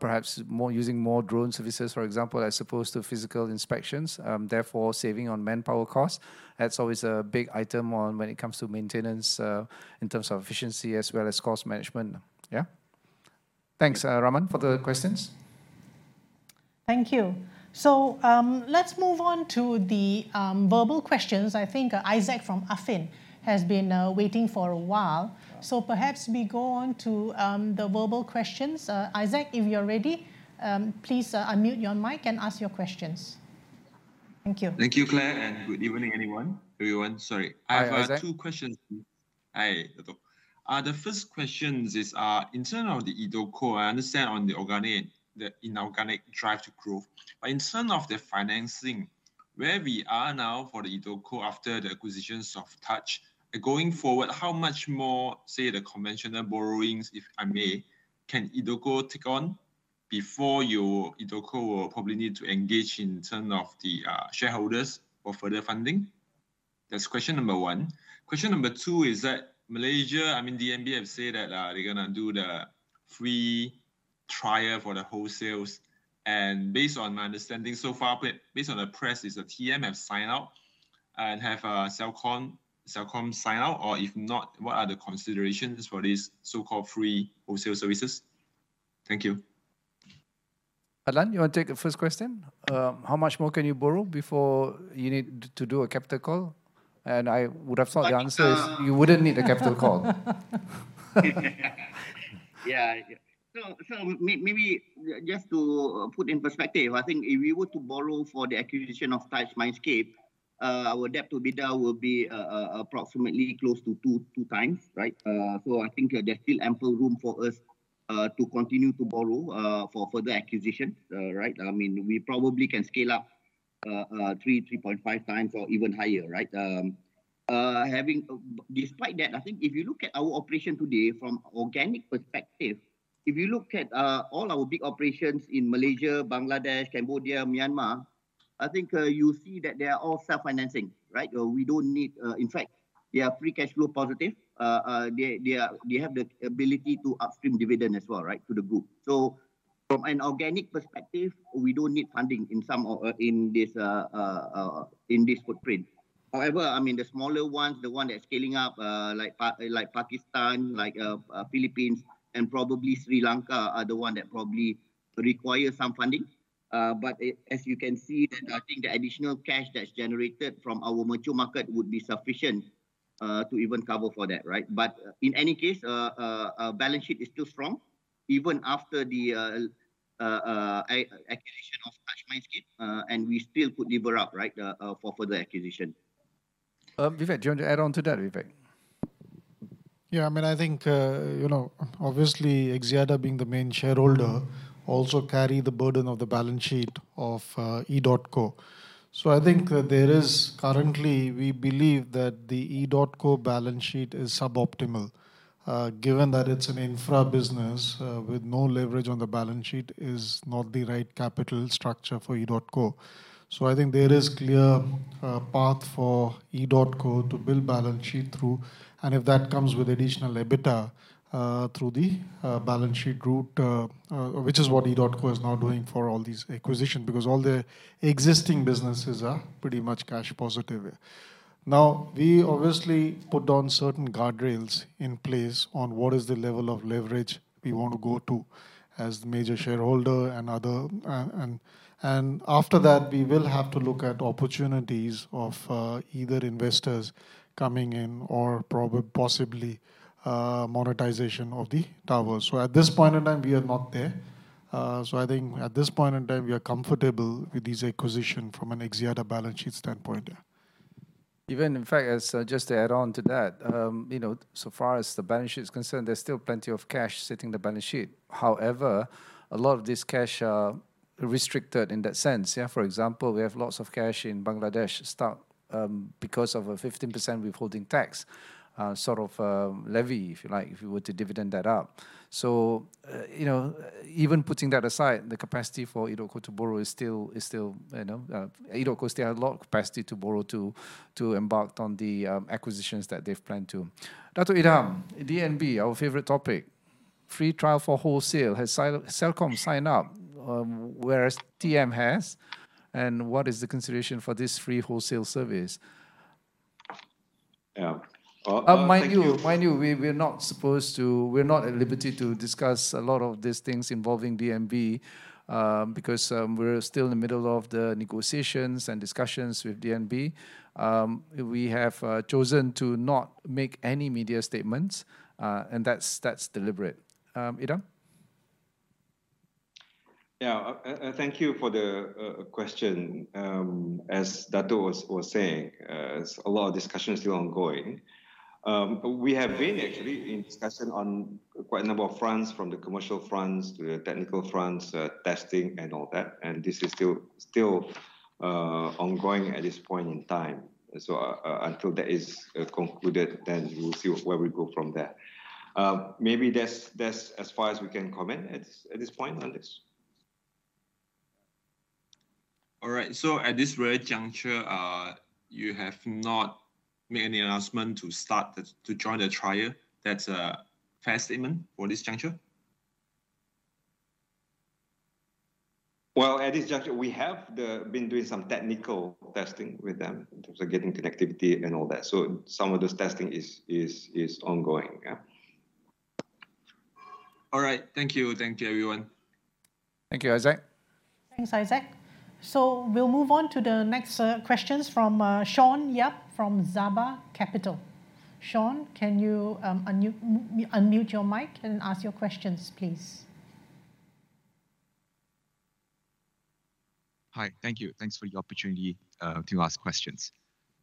Speaker 1: perhaps using more drone services, for example, as opposed to physical inspections, therefore saving on manpower costs. That's always a big item when it comes to maintenance in terms of efficiency as well as cost management, yeah? Thanks, Rahman, for the questions.
Speaker 5: Thank you. So let's move on to the verbal questions. I think Isaac from Affin has been waiting for a while. So perhaps we go on to the verbal questions. Isaac, if you're ready, please unmute your mic and ask your questions. Thank you.
Speaker 13: Thank you, Claire, and good evening, everyone. Sorry. I have two questions. Hi, Dato'. The first question is, in terms of the EDOTCO, I understand on the organic, the inorganic drive to growth. But in terms of the financing, where we are now for the EDOTCO after the acquisitions of Touch, going forward, how much more, say, the conventional borrowings, if I may, can EDOTCO take on before your EDOTCO will probably need to engage in terms of the shareholders or further funding? That's question number one. Question number two is that Malaysia, I mean, DNB have said that they're going to do the free trial for the wholesale. Based on my understanding so far, based on the press, is the TM have signed out and have Celcom signed out? Or if not, what are the considerations for these so-called free wholesale services?
Speaker 1: Thank you. Adlan, you want to take the first question? How much more can you borrow before you need to do a capital call? And I would have thought the answer is you wouldn't need a capital call.
Speaker 4: Yeah. So maybe just to put in perspective, I think if we were to borrow for the acquisition of Touch Mindscape, our debt to EBITDA will be approximately close to two times, right? So I think there's still ample room for us to continue to borrow for further acquisition, right? I mean, we probably can scale up three, 3.5 times or even higher, right? Despite that, I think if you look at our operation today from an organic perspective, if you look at all our big operations in Malaysia, Bangladesh, Cambodia, Myanmar, I think you see that they are all self-financing, right? We don't need, in fact, they are free cash flow positive. They have the ability to upstream dividend as well, right, to the group. So from an organic perspective, we don't need funding in this footprint. However, I mean, the smaller ones, the ones that are scaling up like Pakistan, like the Philippines, and probably Sri Lanka are the ones that probably require some funding. But as you can see, I think the additional cash that's generated from our mature market would be sufficient to even cover for that, right? But in any case, our balance sheet is still strong even after the acquisition of Touch Mindscape, and we still could lever up, right, for further acquisition.
Speaker 1: Vivek, do you want to add on to that, Vivek?
Speaker 12: Yeah, I mean, I think, you know, obviously, Axiata being the main shareholder also carries the burden of the balance sheet of EDOTCO. So I think that there is currently, we believe that the EDOTCO balance sheet is suboptimal given that it's an infra business with no leverage on the balance sheet is not the right capital structure for EDOTCO. So I think there is a clear path for EDOTCO to build balance sheet through, and if that comes with additional EBITDA through the balance sheet route, which is what EDOTCO is now doing for all these acquisitions because all the existing businesses are pretty much cash positive. Now, we obviously put on certain guardrails in place on what is the level of leverage we want to go to as the major shareholder and other. And after that, we will have to look at opportunities of either investors coming in or possibly monetization of the towers. So at this point in time, we are not there. So I think at this point in time, we are comfortable with these acquisitions from an Axiata balance sheet standpoint.
Speaker 1: Even, in fact, just to add on to that, you know, so far as the balance sheet is concerned, there's still plenty of cash sitting in the balance sheet. However, a lot of this cash is restricted in that sense. Yeah, for example, we have lots of cash in Bangladesh stuck because of a 15% withholding tax sort of levy, if you like, if you were to dividend that up. So, you know, even putting that aside, the capacity for EDOTCO to borrow is still, you know, EDOTCO still has a lot of capacity to borrow to embark on the acquisitions that they've planned to. Datuk Idham, DNB, our favorite topic. Free trial for wholesale. Has Celcom signed up, whereas TM has? And what is the consideration for this free wholesale service? Yeah. Mind you, we're not supposed to, we're not at liberty to discuss a lot of these things involving DNB because we're still in the middle of the negotiations and discussions with DNB. We have chosen to not make any media statements, and that's deliberate. Idham?
Speaker 11: Yeah, thank you for the question. As Dato' was saying, a lot of discussion is still ongoing. We have been actually in discussion on quite a number of fronts, from the commercial fronts to the technical fronts, testing and all that, and this is still ongoing at this point in time, so until that is concluded, then we'll see where we go from there. Maybe that's as far as we can comment at this point on this.
Speaker 13: All right, so at this rare juncture, you have not made any announcement to start to join the trial. That's a fair statement for this juncture?
Speaker 1: Well, at this juncture, we have been doing some technical testing with them in terms of getting connectivity and all that, so some of this testing is ongoing, yeah.
Speaker 13: All right. Thank you. Thank you, everyone.
Speaker 1: Thank you, Isaac.
Speaker 5: Thanks, Isaac. So we'll move on to the next questions from Sean Yap from Zaba Capital. Sean, can you unmute your mic and ask your questions, please?
Speaker 14: Hi, thank you. Thanks for the opportunity to ask questions.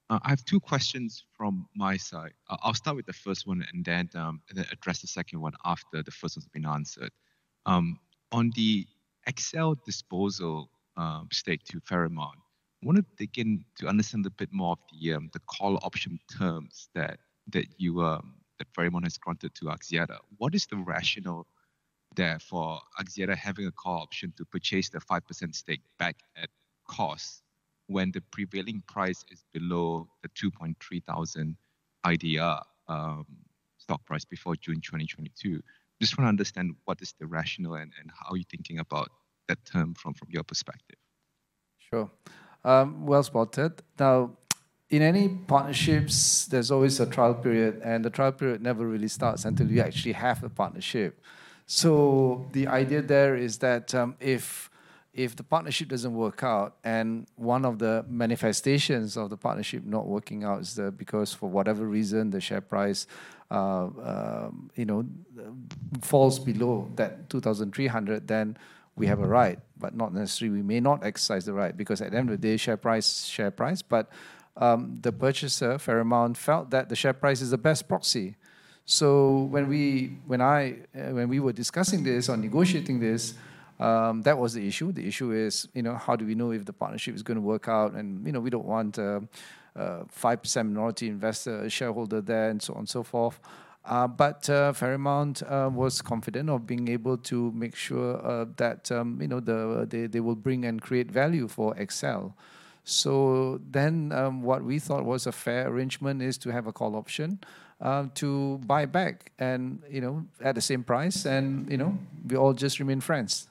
Speaker 14: I have two questions from my side. I'll start with the first one and then address the second one after the first one's been answered. On the XL Axiata disposal stake to Ferrymount, I want to dig in to understand a bit more of the call option terms that Ferrymount has granted to Axiata. What is the rationale there for Axiata having a call option to purchase the 5% stake back at cost when the prevailing price is below the 2,300 IDR stock price before June 2022? Just want to understand what is the rationale and how are you thinking about that term from your perspective?
Speaker 1: Sure. Well spotted. Now, in any partnerships, there's always a trial period, and the trial period never really starts until you actually have a partnership. So the idea there is that if the partnership doesn't work out and one of the manifestations of the partnership not working out is that because for whatever reason the share price, you know, falls below that 2,300, then we have a right, but not necessarily we may not exercise the right because at the end of the day, share price, share price, but the purchaser, Ferrymount, felt that the share price is the best proxy. So when we, when I, when we were discussing this or negotiating this, that was the issue. The issue is, you know, how do we know if the partnership is going to work out? You know, we don't want a 5% minority investor, a shareholder there, and so on and so forth. Ferrymount was confident of being able to make sure that, you know, they will bring and create value for XL Axiata. Then what we thought was a fair arrangement is to have a call option to buy back and, you know, at the same price, and, you know, we all just remain friends.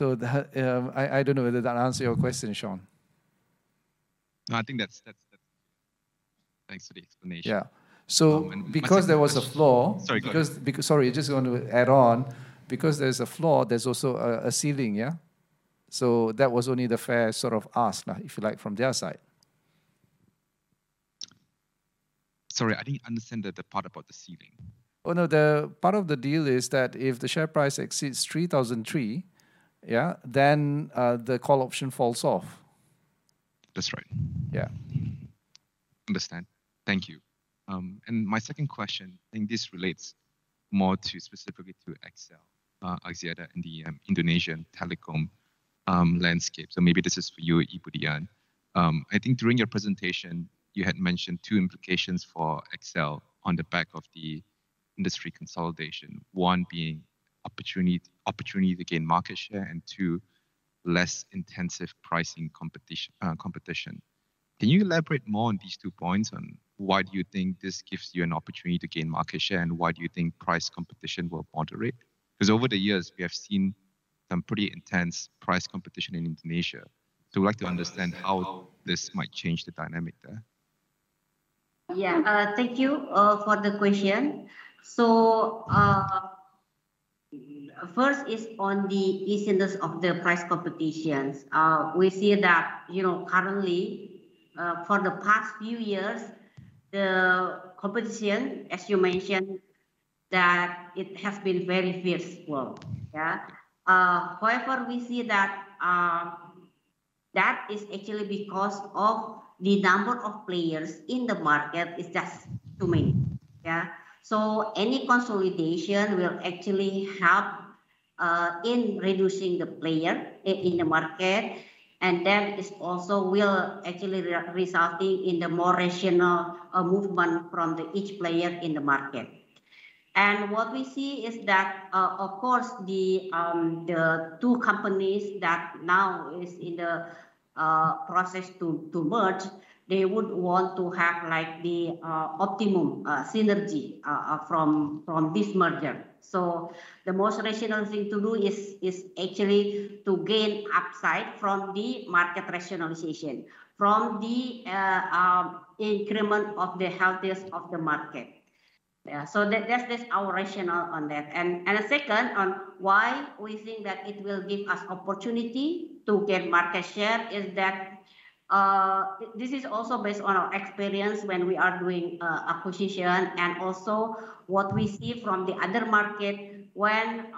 Speaker 1: I don't know whether that answers your question, Sean.
Speaker 14: No, I think that's thanks for the explanation. Yeah.
Speaker 1: Because there was a floor, sorry, just going to add on, because there's a floor, there's also a ceiling, yeah? That was only the fair sort of ask, if you like, from their side. Sorry, I didn't understand the part about the ceiling. Oh, no, the part of the deal is that if the share price exceeds 3,000, yeah, then the call option falls off. That's right.
Speaker 14: Yeah. Understand. Thank you. And my second question, I think this relates more to specifically to XL Axiata and the Indonesian telecom landscape. So maybe this is for you, Ibu Dian. I think during your presentation, you had mentioned two implications for XL on the back of the industry consolidation, one being opportunity to gain market share and two, less intensive pricing competition. Can you elaborate more on these two points on why do you think this gives you an opportunity to gain market share and why do you think price competition will moderate? Because over the years, we have seen some pretty intense price competition in Indonesia. So we'd like to understand how this might change the dynamic there.
Speaker 10: Yeah, thank you for the question. So first is on the easiness of the price competitions. We see that, you know, currently for the past few years, the competition, as you mentioned, that it has been very fierce, worldwide. Yeah. However, we see that that is actually because of the number of players in the market is just too many. Yeah. So any consolidation will actually help in reducing the players in the market. And that is also will actually result in the more rational movement from each player in the market. And what we see is that, of course, the two companies that now are in the process to merge, they would want to have like the optimum synergy from this merger. So the most rational thing to do is actually to gain upside from the market rationalization, from the increment of the healthiness of the market. Yeah. So that's our rationale on that. The second on why we think that it will give us opportunity to get market share is that this is also based on our experience when we are doing acquisition and also what we see from the other market when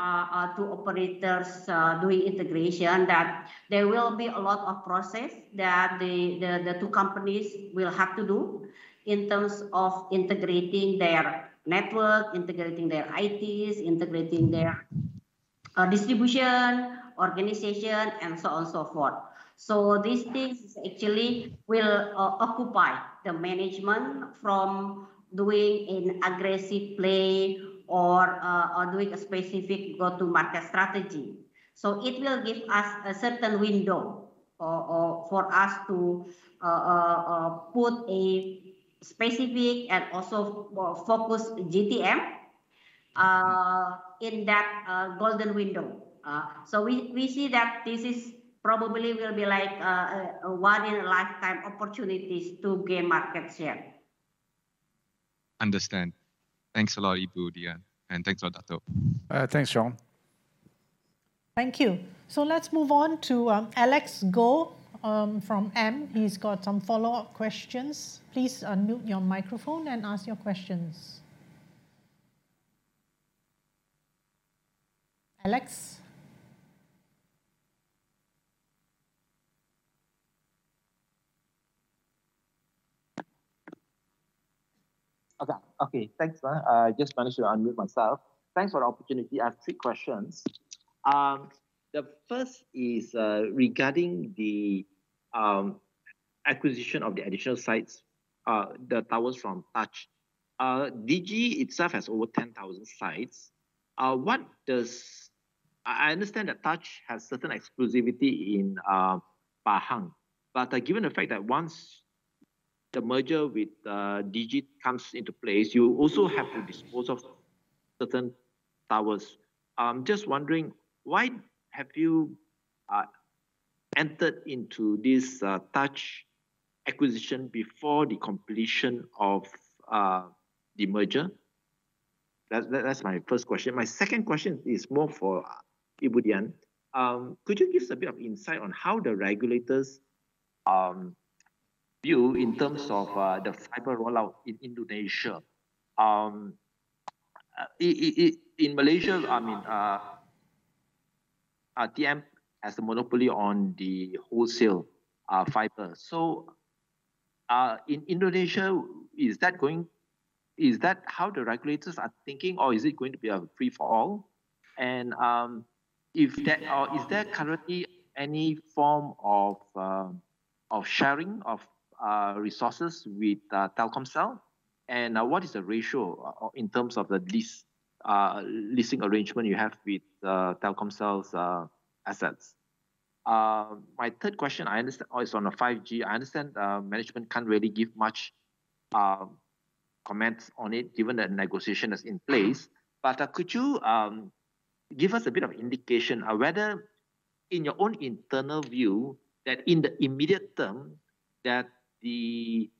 Speaker 10: two operators are doing integration, that there will be a lot of process that the two companies will have to do in terms of integrating their network, integrating their ITs, integrating their distribution organization, and so on and so forth. So these things actually will occupy the management from doing an aggressive play or doing a specific go-to-market strategy. So it will give us a certain window for us to put a specific and also focus GTM in that golden window. So we see that this is probably will be like one in a lifetime opportunities to gain market share.
Speaker 15: Understand. Thanks a lot, Ibu Dian. Thanks a lot, Dato'.
Speaker 1: Thanks, Sean.
Speaker 5: Thank you. Let's move on to Alex Goh from AmInvestment Bank. He's got some follow-up questions. Please unmute your microphone and ask your questions. Alex?
Speaker 16: Thanks, man. I just managed to unmute myself. Thanks for the opportunity. I have three questions. The first is regarding the acquisition of the additional sites, the towers from Touch. Digi itself has over 10,000 sites. As I understand, Touch has certain exclusivity in Pahang. But given the fact that once the merger with Digi comes into place, you also have to dispose of certain towers. I'm just wondering, why have you entered into this Touch acquisition before the completion of the merger? That's my first question. My second question is more for Ibu Dian. Could you give us a bit of insight on how the regulators view in terms of the fiber rollout in Indonesia? In Malaysia, I mean, TM has the monopoly on the wholesale fiber. So in Indonesia, is that going, is that how the regulators are thinking, or is it going to be a free-for-all? And is there currently any form of sharing of resources with Telkomsel? And what is the ratio in terms of the leasing arrangement you have with Telkomsel's assets? My third question, I understand, oh, it's on the 5G. I understand management can't really give much comments on it, given that negotiation is in place. But could you give us a bit of indication whether in your own internal view, that in the immediate term, that the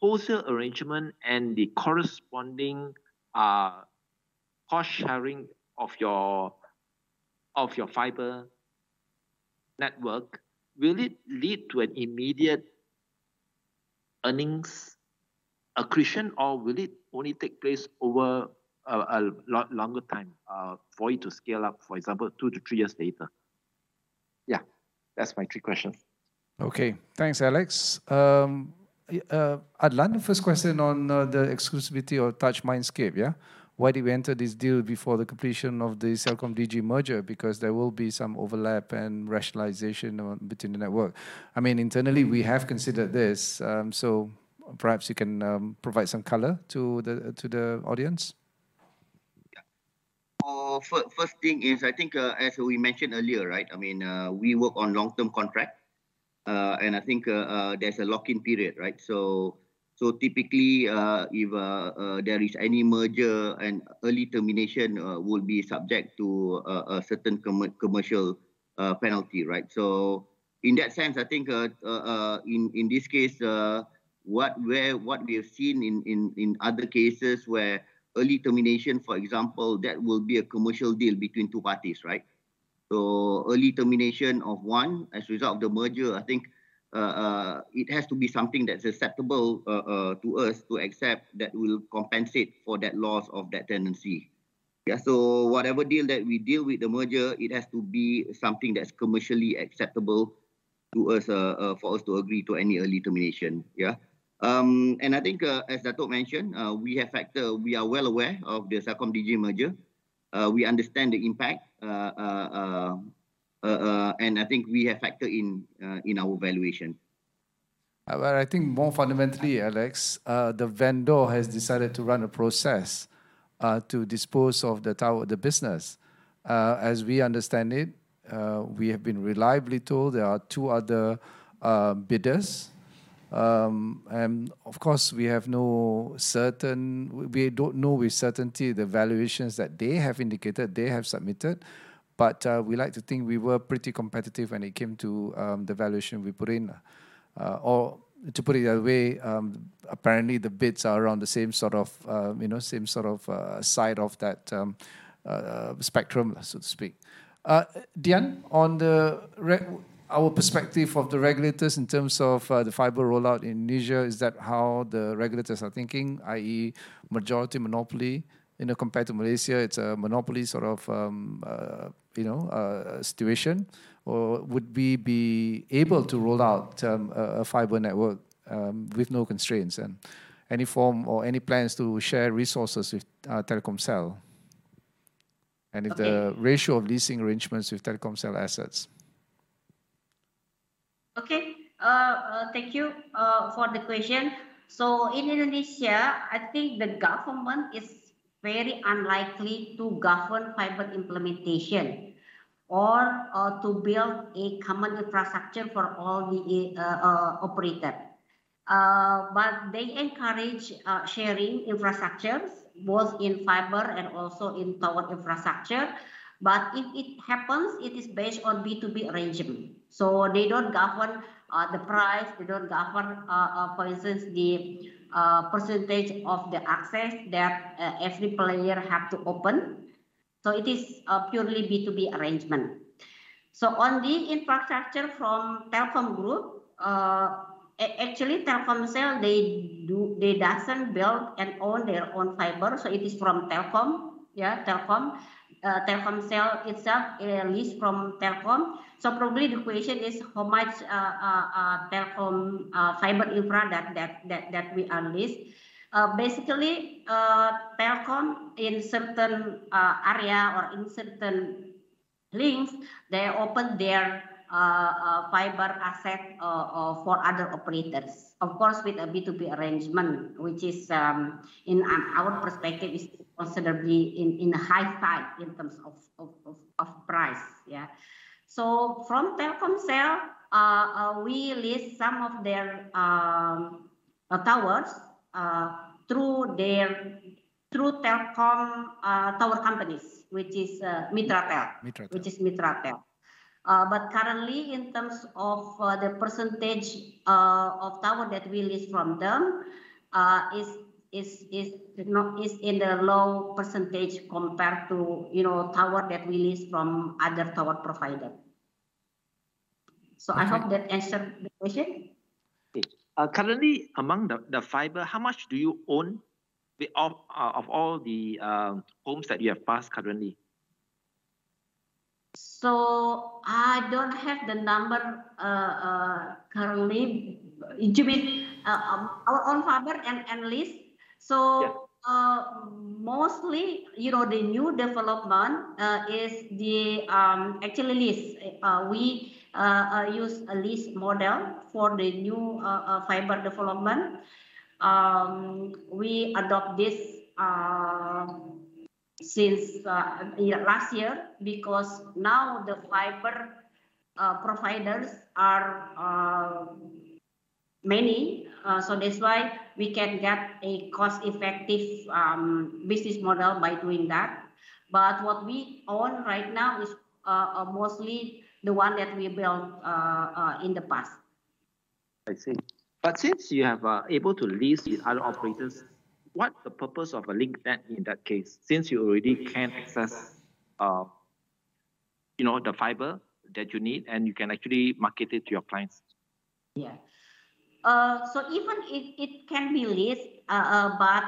Speaker 16: wholesale arrangement and the corresponding cost sharing of your fiber network, will it lead to an immediate earnings accretion, or will it only take place over a longer time for you to scale up, for example, two-to-three years later? Yeah, that's my three questions.
Speaker 1: Okay, thanks, Alex. Adlan, the first question on the exclusivity of Touch Mindscape, yeah? Why did we enter this deal before the completion of the Celcom-Digi merger? Because there will be some overlap and rationalization between the network. I mean, internally, we have considered this. So perhaps you can provide some color to the audience.
Speaker 4: First thing is, I think, as we mentioned earlier, right? I mean, we work on long-term contracts. And I think there's a lock-in period, right? Typically, if there is any merger, an early termination will be subject to a certain commercial penalty, right? So in that sense, I think in this case, what we have seen in other cases where early termination, for example, that will be a commercial deal between two parties, right? So early termination of one as a result of the merger, I think it has to be something that's acceptable to us to accept that will compensate for that loss of that tenancy. So whatever deal that we deal with the merger, it has to be something that's commercially acceptable to us for us to agree to any early termination, yeah? And I think, as Dato' mentioned, we have factored. We are well aware of the Celcom-Digi merger. We understand the impact. And I think we have factored in our valuation.
Speaker 1: But I think more fundamentally, Alex, the vendor has decided to run a process to dispose of the tower, the business. As we understand it, we have been reliably told there are two other bidders. And of course, we have no certain, we don't know with certainty the valuations that they have indicated, they have submitted. But we like to think we were pretty competitive when it came to the valuation we put in. Or to put it that way, apparently the bids are around the same sort of, you know, same sort of side of that spectrum, so to speak. Dian, on our perspective of the regulators in terms of the fiber rollout in Indonesia, is that how the regulators are thinking, i.e., majority monopoly? You know, compared to Malaysia, it's a monopoly sort of, you know, situation. Or would we be able to roll out a fiber network with no constraints and any form or any plans to share resources with Telkomsel? And if the ratio of leasing arrangements with Telkomsel assets?
Speaker 10: Okay, thank you for the question. So in Indonesia, I think the government is very unlikely to govern fiber implementation or to build a common infrastructure for all the operators. But they encourage sharing infrastructures, both in fiber and also in tower infrastructure. But if it happens, it is based on B2B arrangement. So they don't govern the price, they don't govern, for instance, the percentage of the access that every player has to open. So it is purely B2B arrangement. So on the infrastructure from Telkom Group, actually Telkomsel, they do, they doesn't build and own their own fiber. So it is from Telkom, yeah, Telkom. Telkomsel itself leases from Telkom. Probably the question is how much Telkom fiber infra that we unleash. Basically, Telkom in certain area or in certain links, they open their fiber asset for other operators, of course, with a B2B arrangement, which is, in our perspective, considerably in a high side in terms of price, yeah. So from Telkomsel, we lease some of their towers through Telkom tower companies, which is Mitratel. But currently, in terms of the percentage of tower that we lease from them, it's in the low percentage compared to, you know, tower that we lease from other tower providers. So I hope that answered the question.
Speaker 16: Currently, among the fiber, how much do you own of all the homes that you have passed currently?
Speaker 10: So I don't have the number currently. Our own fiber and lease. So mostly, you know, the new development is the actually lease. We use a lease model for the new fiber development. We adopt this since last year because now the fiber providers are many. So that's why we can get a cost-effective business model by doing that. But what we own right now is mostly the one that we built in the past.
Speaker 16: I see. But since you have been able to lease with other operators, what's the purpose of Link Net in that case, since you already can access, you know, the fiber that you need and you can actually market it to your clients?
Speaker 10: Yeah. So even if it can be leased, but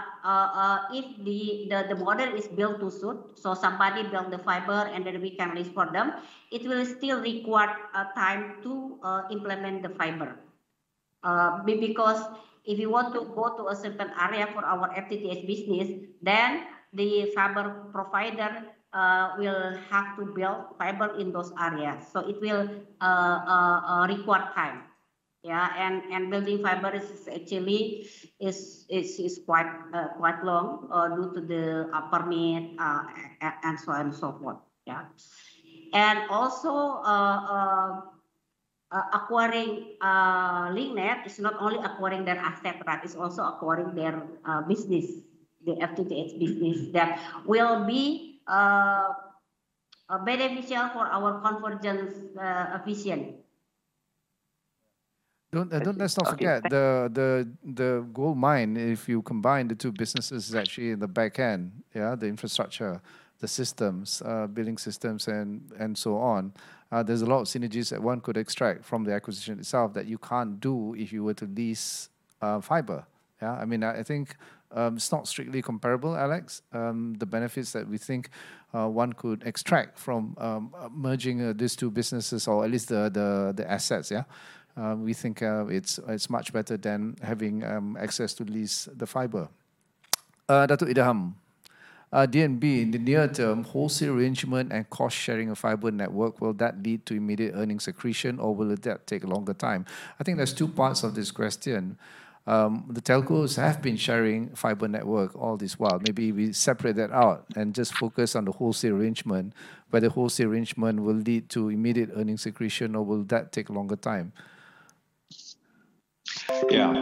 Speaker 10: if the model is built to suit, so somebody built the fiber and then we can lease for them, it will still require time to implement the fiber. Because if you want to go to a certain area for our FTTH business, then the fiber provider will have to build fiber in those areas. So it will require time, yeah? And building fiber is actually quite long due to the permit and so on and so forth, yeah? And also acquiring Link Net is not only acquiring their asset, but it's also acquiring their business, the FTTH business that will be beneficial for our convergence vision.
Speaker 1: Don't let us forget the gold mine, if you combine the two businesses actually in the back end, yeah? The infrastructure, the systems, billing systems, and so on. There's a lot of synergies that one could extract from the acquisition itself that you can't do if you were to lease fiber, yeah? I mean, I think it's not strictly comparable, Alex, the benefits that we think one could extract from merging these two businesses or at least the assets, yeah? We think it's much better than having access to lease the fiber. Datuk Idham, DNB, in the near term, wholesale arrangement and cost sharing of fiber network, will that lead to immediate earnings accretion or will that take a longer time? I think there's two parts of this question. The telcos have been sharing fiber network all this while. Maybe we separate that out and just focus on the wholesale arrangement, whether wholesale arrangement will lead to immediate earnings accretion or will that take a longer time?
Speaker 11: Yeah,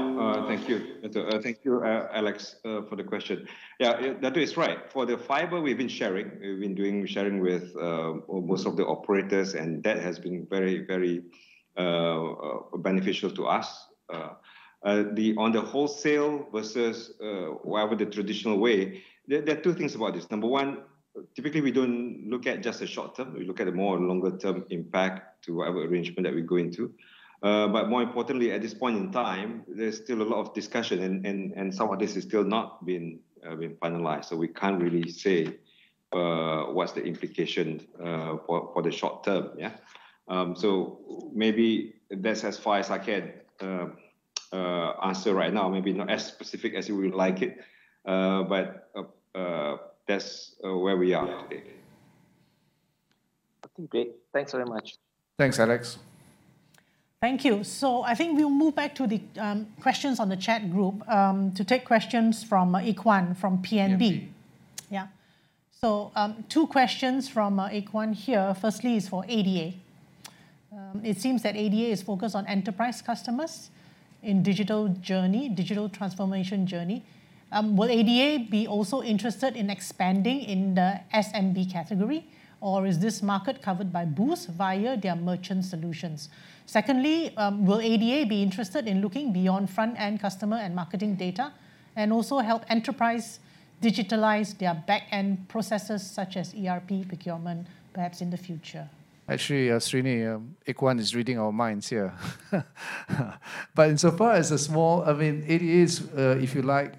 Speaker 11: thank you. Thank you, Alex, for the question. Yeah, Dato' is right. For the fiber, we've been sharing. We've been doing sharing with most of the operators, and that has been very, very beneficial to us. On the wholesale versus whatever the traditional way, there are two things about this. Number one, typically we don't look at just the short term. We look at the more longer-term impact to whatever arrangement that we go into. But more importantly, at this point in time, there's still a lot of discussion, and some of this has still not been finalized. So we can't really say what's the implication for the short term, yeah? So maybe that's as far as I can answer right now. Maybe not as specific as you would like it. But that's where we are today.
Speaker 16: Okay, great. Thanks very much.
Speaker 1: Thanks, Alex.
Speaker 5: Thank you. So I think we'll move back to the questions on the chat group to take questions from Ikhwan from PNB. Yeah? Two questions from Ikhwan here. Firstly is for ADA. It seems that ADA is focused on enterprise customers in digital journey, digital transformation journey. Will ADA be also interested in expanding in the SMB category, or is this market covered by Boost via their merchant solutions? Secondly, will ADA be interested in looking beyond front-end customer and marketing data and also help enterprise digitalize their back-end processes such as ERP procurement, perhaps in the future?
Speaker 1: Actually, Srini, Ikhwan is reading our minds here. But insofar as a small, I mean, ADA is, if you like,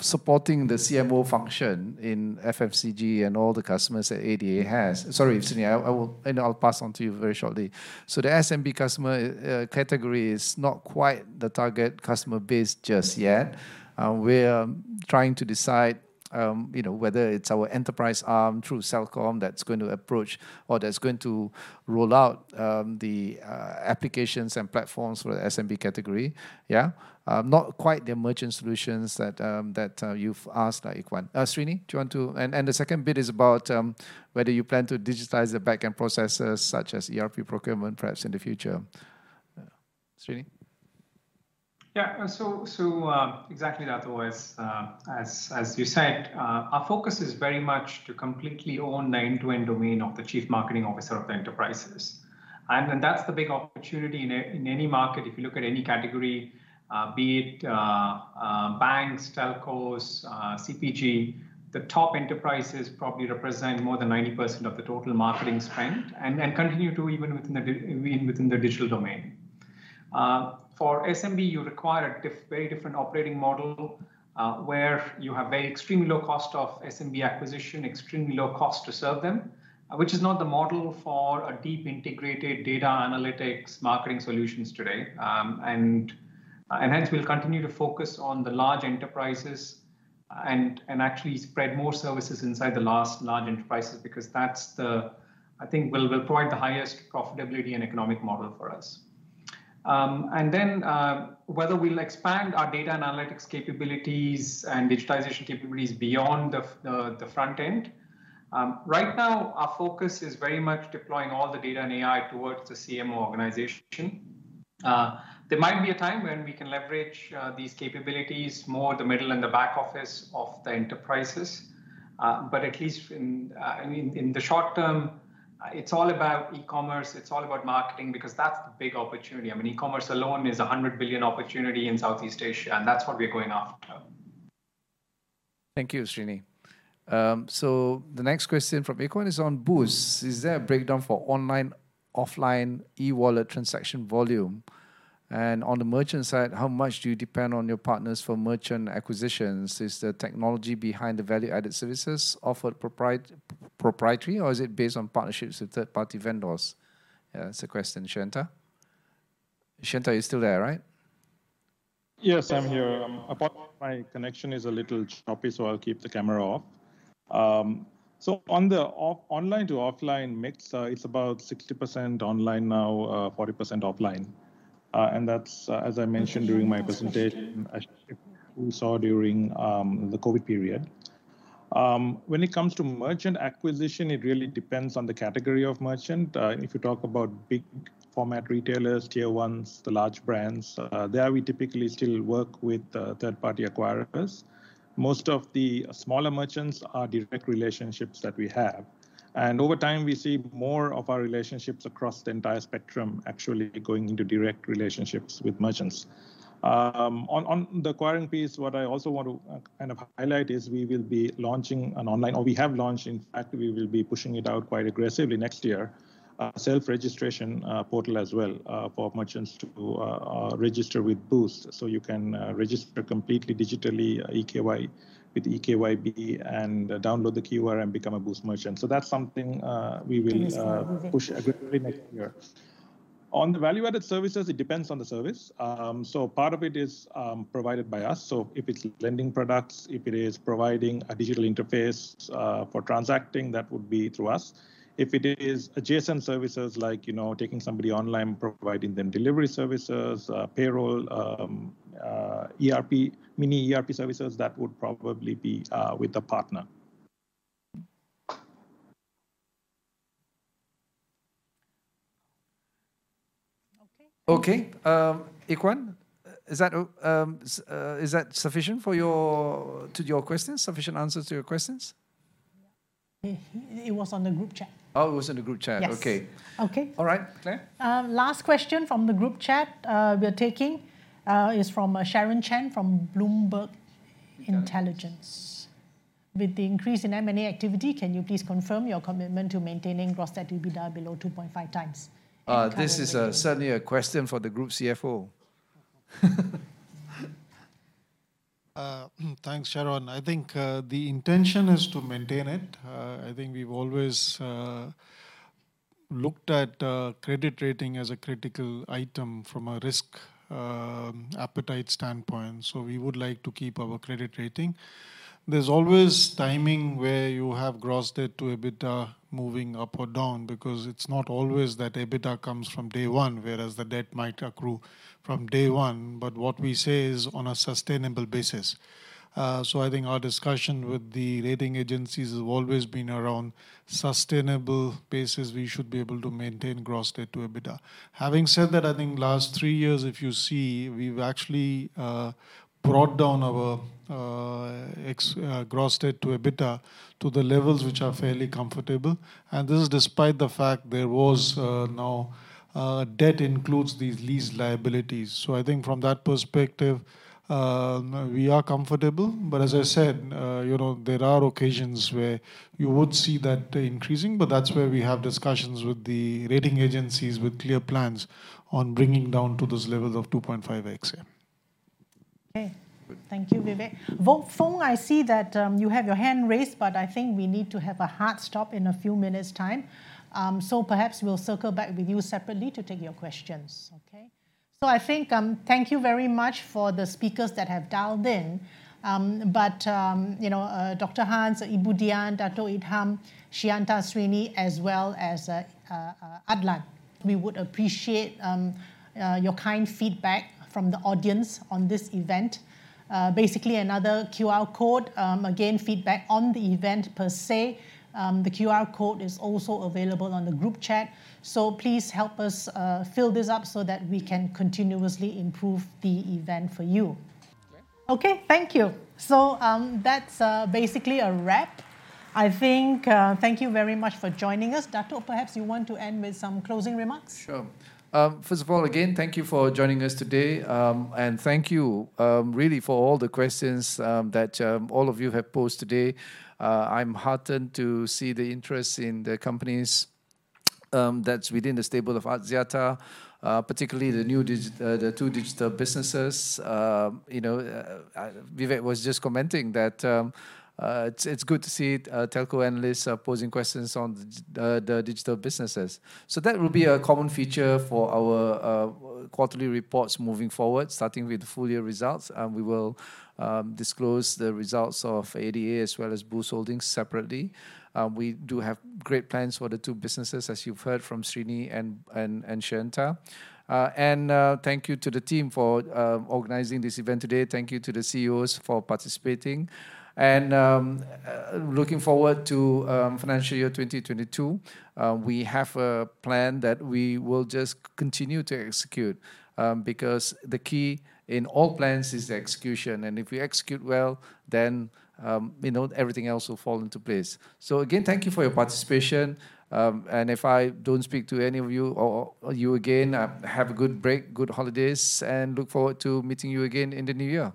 Speaker 1: supporting the CMO function in the Group and all the customers that ADA has. Sorry, Srini, I'll pass on to you very shortly. So the SMB customer category is not quite the target customer base just yet. We're trying to decide, you know, whether it's our enterprise arm through Celcom that's going to approach or that's going to roll out the applications and platforms for the SMB category, yeah? Not quite the merchant solutions that you've asked, Ikhwan. Srini, do you want to? And the second bit is about whether you plan to digitize the back-end processes such as ERP procurement, perhaps in the future. Srini?
Speaker 2: Yeah, so exactly that was, as you said, our focus is very much to completely own the end-to-end domain of the Chief Marketing Officer of the enterprises. And that's the big opportunity in any market, if you look at any category, be it banks, telcos, CPG, the top enterprises probably represent more than 90% of the total marketing spend and continue to even within the digital domain. For SMB, you require a very different operating model where you have very extremely low cost of SMB acquisition, extremely low cost to serve them, which is not the model for deep integrated data analytics marketing solutions today, and hence, we'll continue to focus on the large enterprises and actually spread more services inside the large enterprises because that's the, I think, will provide the highest profitability and economic model for us and then whether we'll expand our data analytics capabilities and digitization capabilities beyond the front end. Right now, our focus is very much deploying all the data and AI towards the CMO organization. There might be a time when we can leverage these capabilities more, the middle and the back office of the enterprises, but at least in the short term, it's all about e-commerce. It's all about marketing because that's the big opportunity. I mean, e-commerce alone is a hundred billion opportunity in Southeast Asia, and that's what we're going after.
Speaker 1: Thank you, Srini. So the next question from Ikhwan is on Boost. Is there a breakdown for online, offline, e-wallet transaction volume? And on the merchant side, how much do you depend on your partners for merchant acquisitions? Is the technology behind the value-added services offered proprietary, or is it based on partnerships with third-party vendors? That's a question. Sheyantha? Sheyantha, you're still there, right?
Speaker 3: Yes, I'm here. Apart from my connection, it's a little choppy, so I'll keep the camera off. So on the online to offline mix, it's about 60% online now, 40% offline. And that's, as I mentioned during my presentation, as you saw during the COVID period. When it comes to merchant acquisition, it really depends on the category of merchant. If you talk about big format retailers, tier ones, the large brands, there we typically still work with third-party acquirers. Most of the smaller merchants are direct relationships that we have. And over time, we see more of our relationships across the entire spectrum actually going into direct relationships with merchants. On the acquiring piece, what I also want to kind of highlight is we will be launching an online, or we have launched, in fact, we will be pushing it out quite aggressively next year, a self-registration portal as well for merchants to register with Boost. So you can register completely digitally, e-KYC with e-KYB, and download the QR and become a Boost merchant. So that's something we will push aggressively next year. On the value-added services, it depends on the service. So part of it is provided by us. So if it's lending products, if it is providing a digital interface for transacting, that would be through us. If it is adjacent services like, you know, taking somebody online, providing them delivery services, payroll, ERP, mini ERP services, that would probably be with a partner.
Speaker 1: Okay. Okay. Ikhwan, is that sufficient for your questions? Sufficient answers to your questions?
Speaker 5: It was on the group chat. Oh, it was in the group chat. Okay. Okay. All right. Claire? Last question from the group chat we're taking is from Sharon Chen from Bloomberg Intelligence. With the increase in M&A activity, can you please confirm your commitment to maintaining Gross Debt to EBITDA below 2.5 times?
Speaker 1: This is certainly a question for the Group CFO.
Speaker 12: Thanks, Sharon. I think the intention is to maintain it. I think we've always looked at credit rating as a critical item from a risk appetite standpoint. We would like to keep our credit rating. There's always timing where you have gross debt to EBITDA moving up or down because it's not always that EBITDA comes from day one, whereas the debt might accrue from day one. But what we say is on a sustainable basis. So I think our discussion with the rating agencies has always been around sustainable basis. We should be able to maintain gross debt to EBITDA. Having said that, I think last three years, if you see, we've actually brought down our gross debt to EBITDA to the levels which are fairly comfortable. And this is despite the fact that the gross debt now includes these lease liabilities. So I think from that perspective, we are comfortable. But as I said, you know, there are occasions where you would see that increasing, but that's where we have discussions with the rating agencies with clear plans on bringing down to those levels of 2.5x.
Speaker 5: Okay. Thank you, Vivek. Foong Choong, I see that you have your hand raised, but I think we need to have a hard stop in a few minutes' time. So perhaps we'll circle back with you separately to take your questions. Okay. So I think thank you very much for the speakers that have dialed in. But, you know, Dr. Hans, Ibu Dian, Datuk Idham, Sheyantha, Srini, as well as Adlan. We would appreciate your kind feedback from the audience on this event. Basically, another QR code, again, feedback on the event per se. The QR code is also available on the group chat. So please help us fill this up so that we can continuously improve the event for you. Okay. Okay. Thank you. So that's basically a wrap. I think thank you very much for joining us. Dato', perhaps you want to end with some closing remarks?
Speaker 1: Sure. First of all, again, thank you for joining us today. And thank you really for all the questions that all of you have posed today. I'm heartened to see the interest in the companies that's within the stable of Axiata, particularly the new digital, the two digital businesses. You know, Vivek was just commenting that it's good to see telco analysts posing questions on the digital businesses. So that will be a common feature for our quarterly reports moving forward, starting with the full year results. We will disclose the results of ADA as well as Boost Holdings separately. We do have great plans for the two businesses, as you've heard from Srini and Sheyantha. And thank you to the team for organizing this event today. Thank you to the CEOs for participating. And looking forward to financial year 2022. We have a plan that we will just continue to execute because the key in all plans is execution. And if we execute well, then everything else will fall into place. So again, thank you for your participation. And if I don't speak to any of you, or you again, have a good break, good holidays, and look forward to meeting you again in the New Year.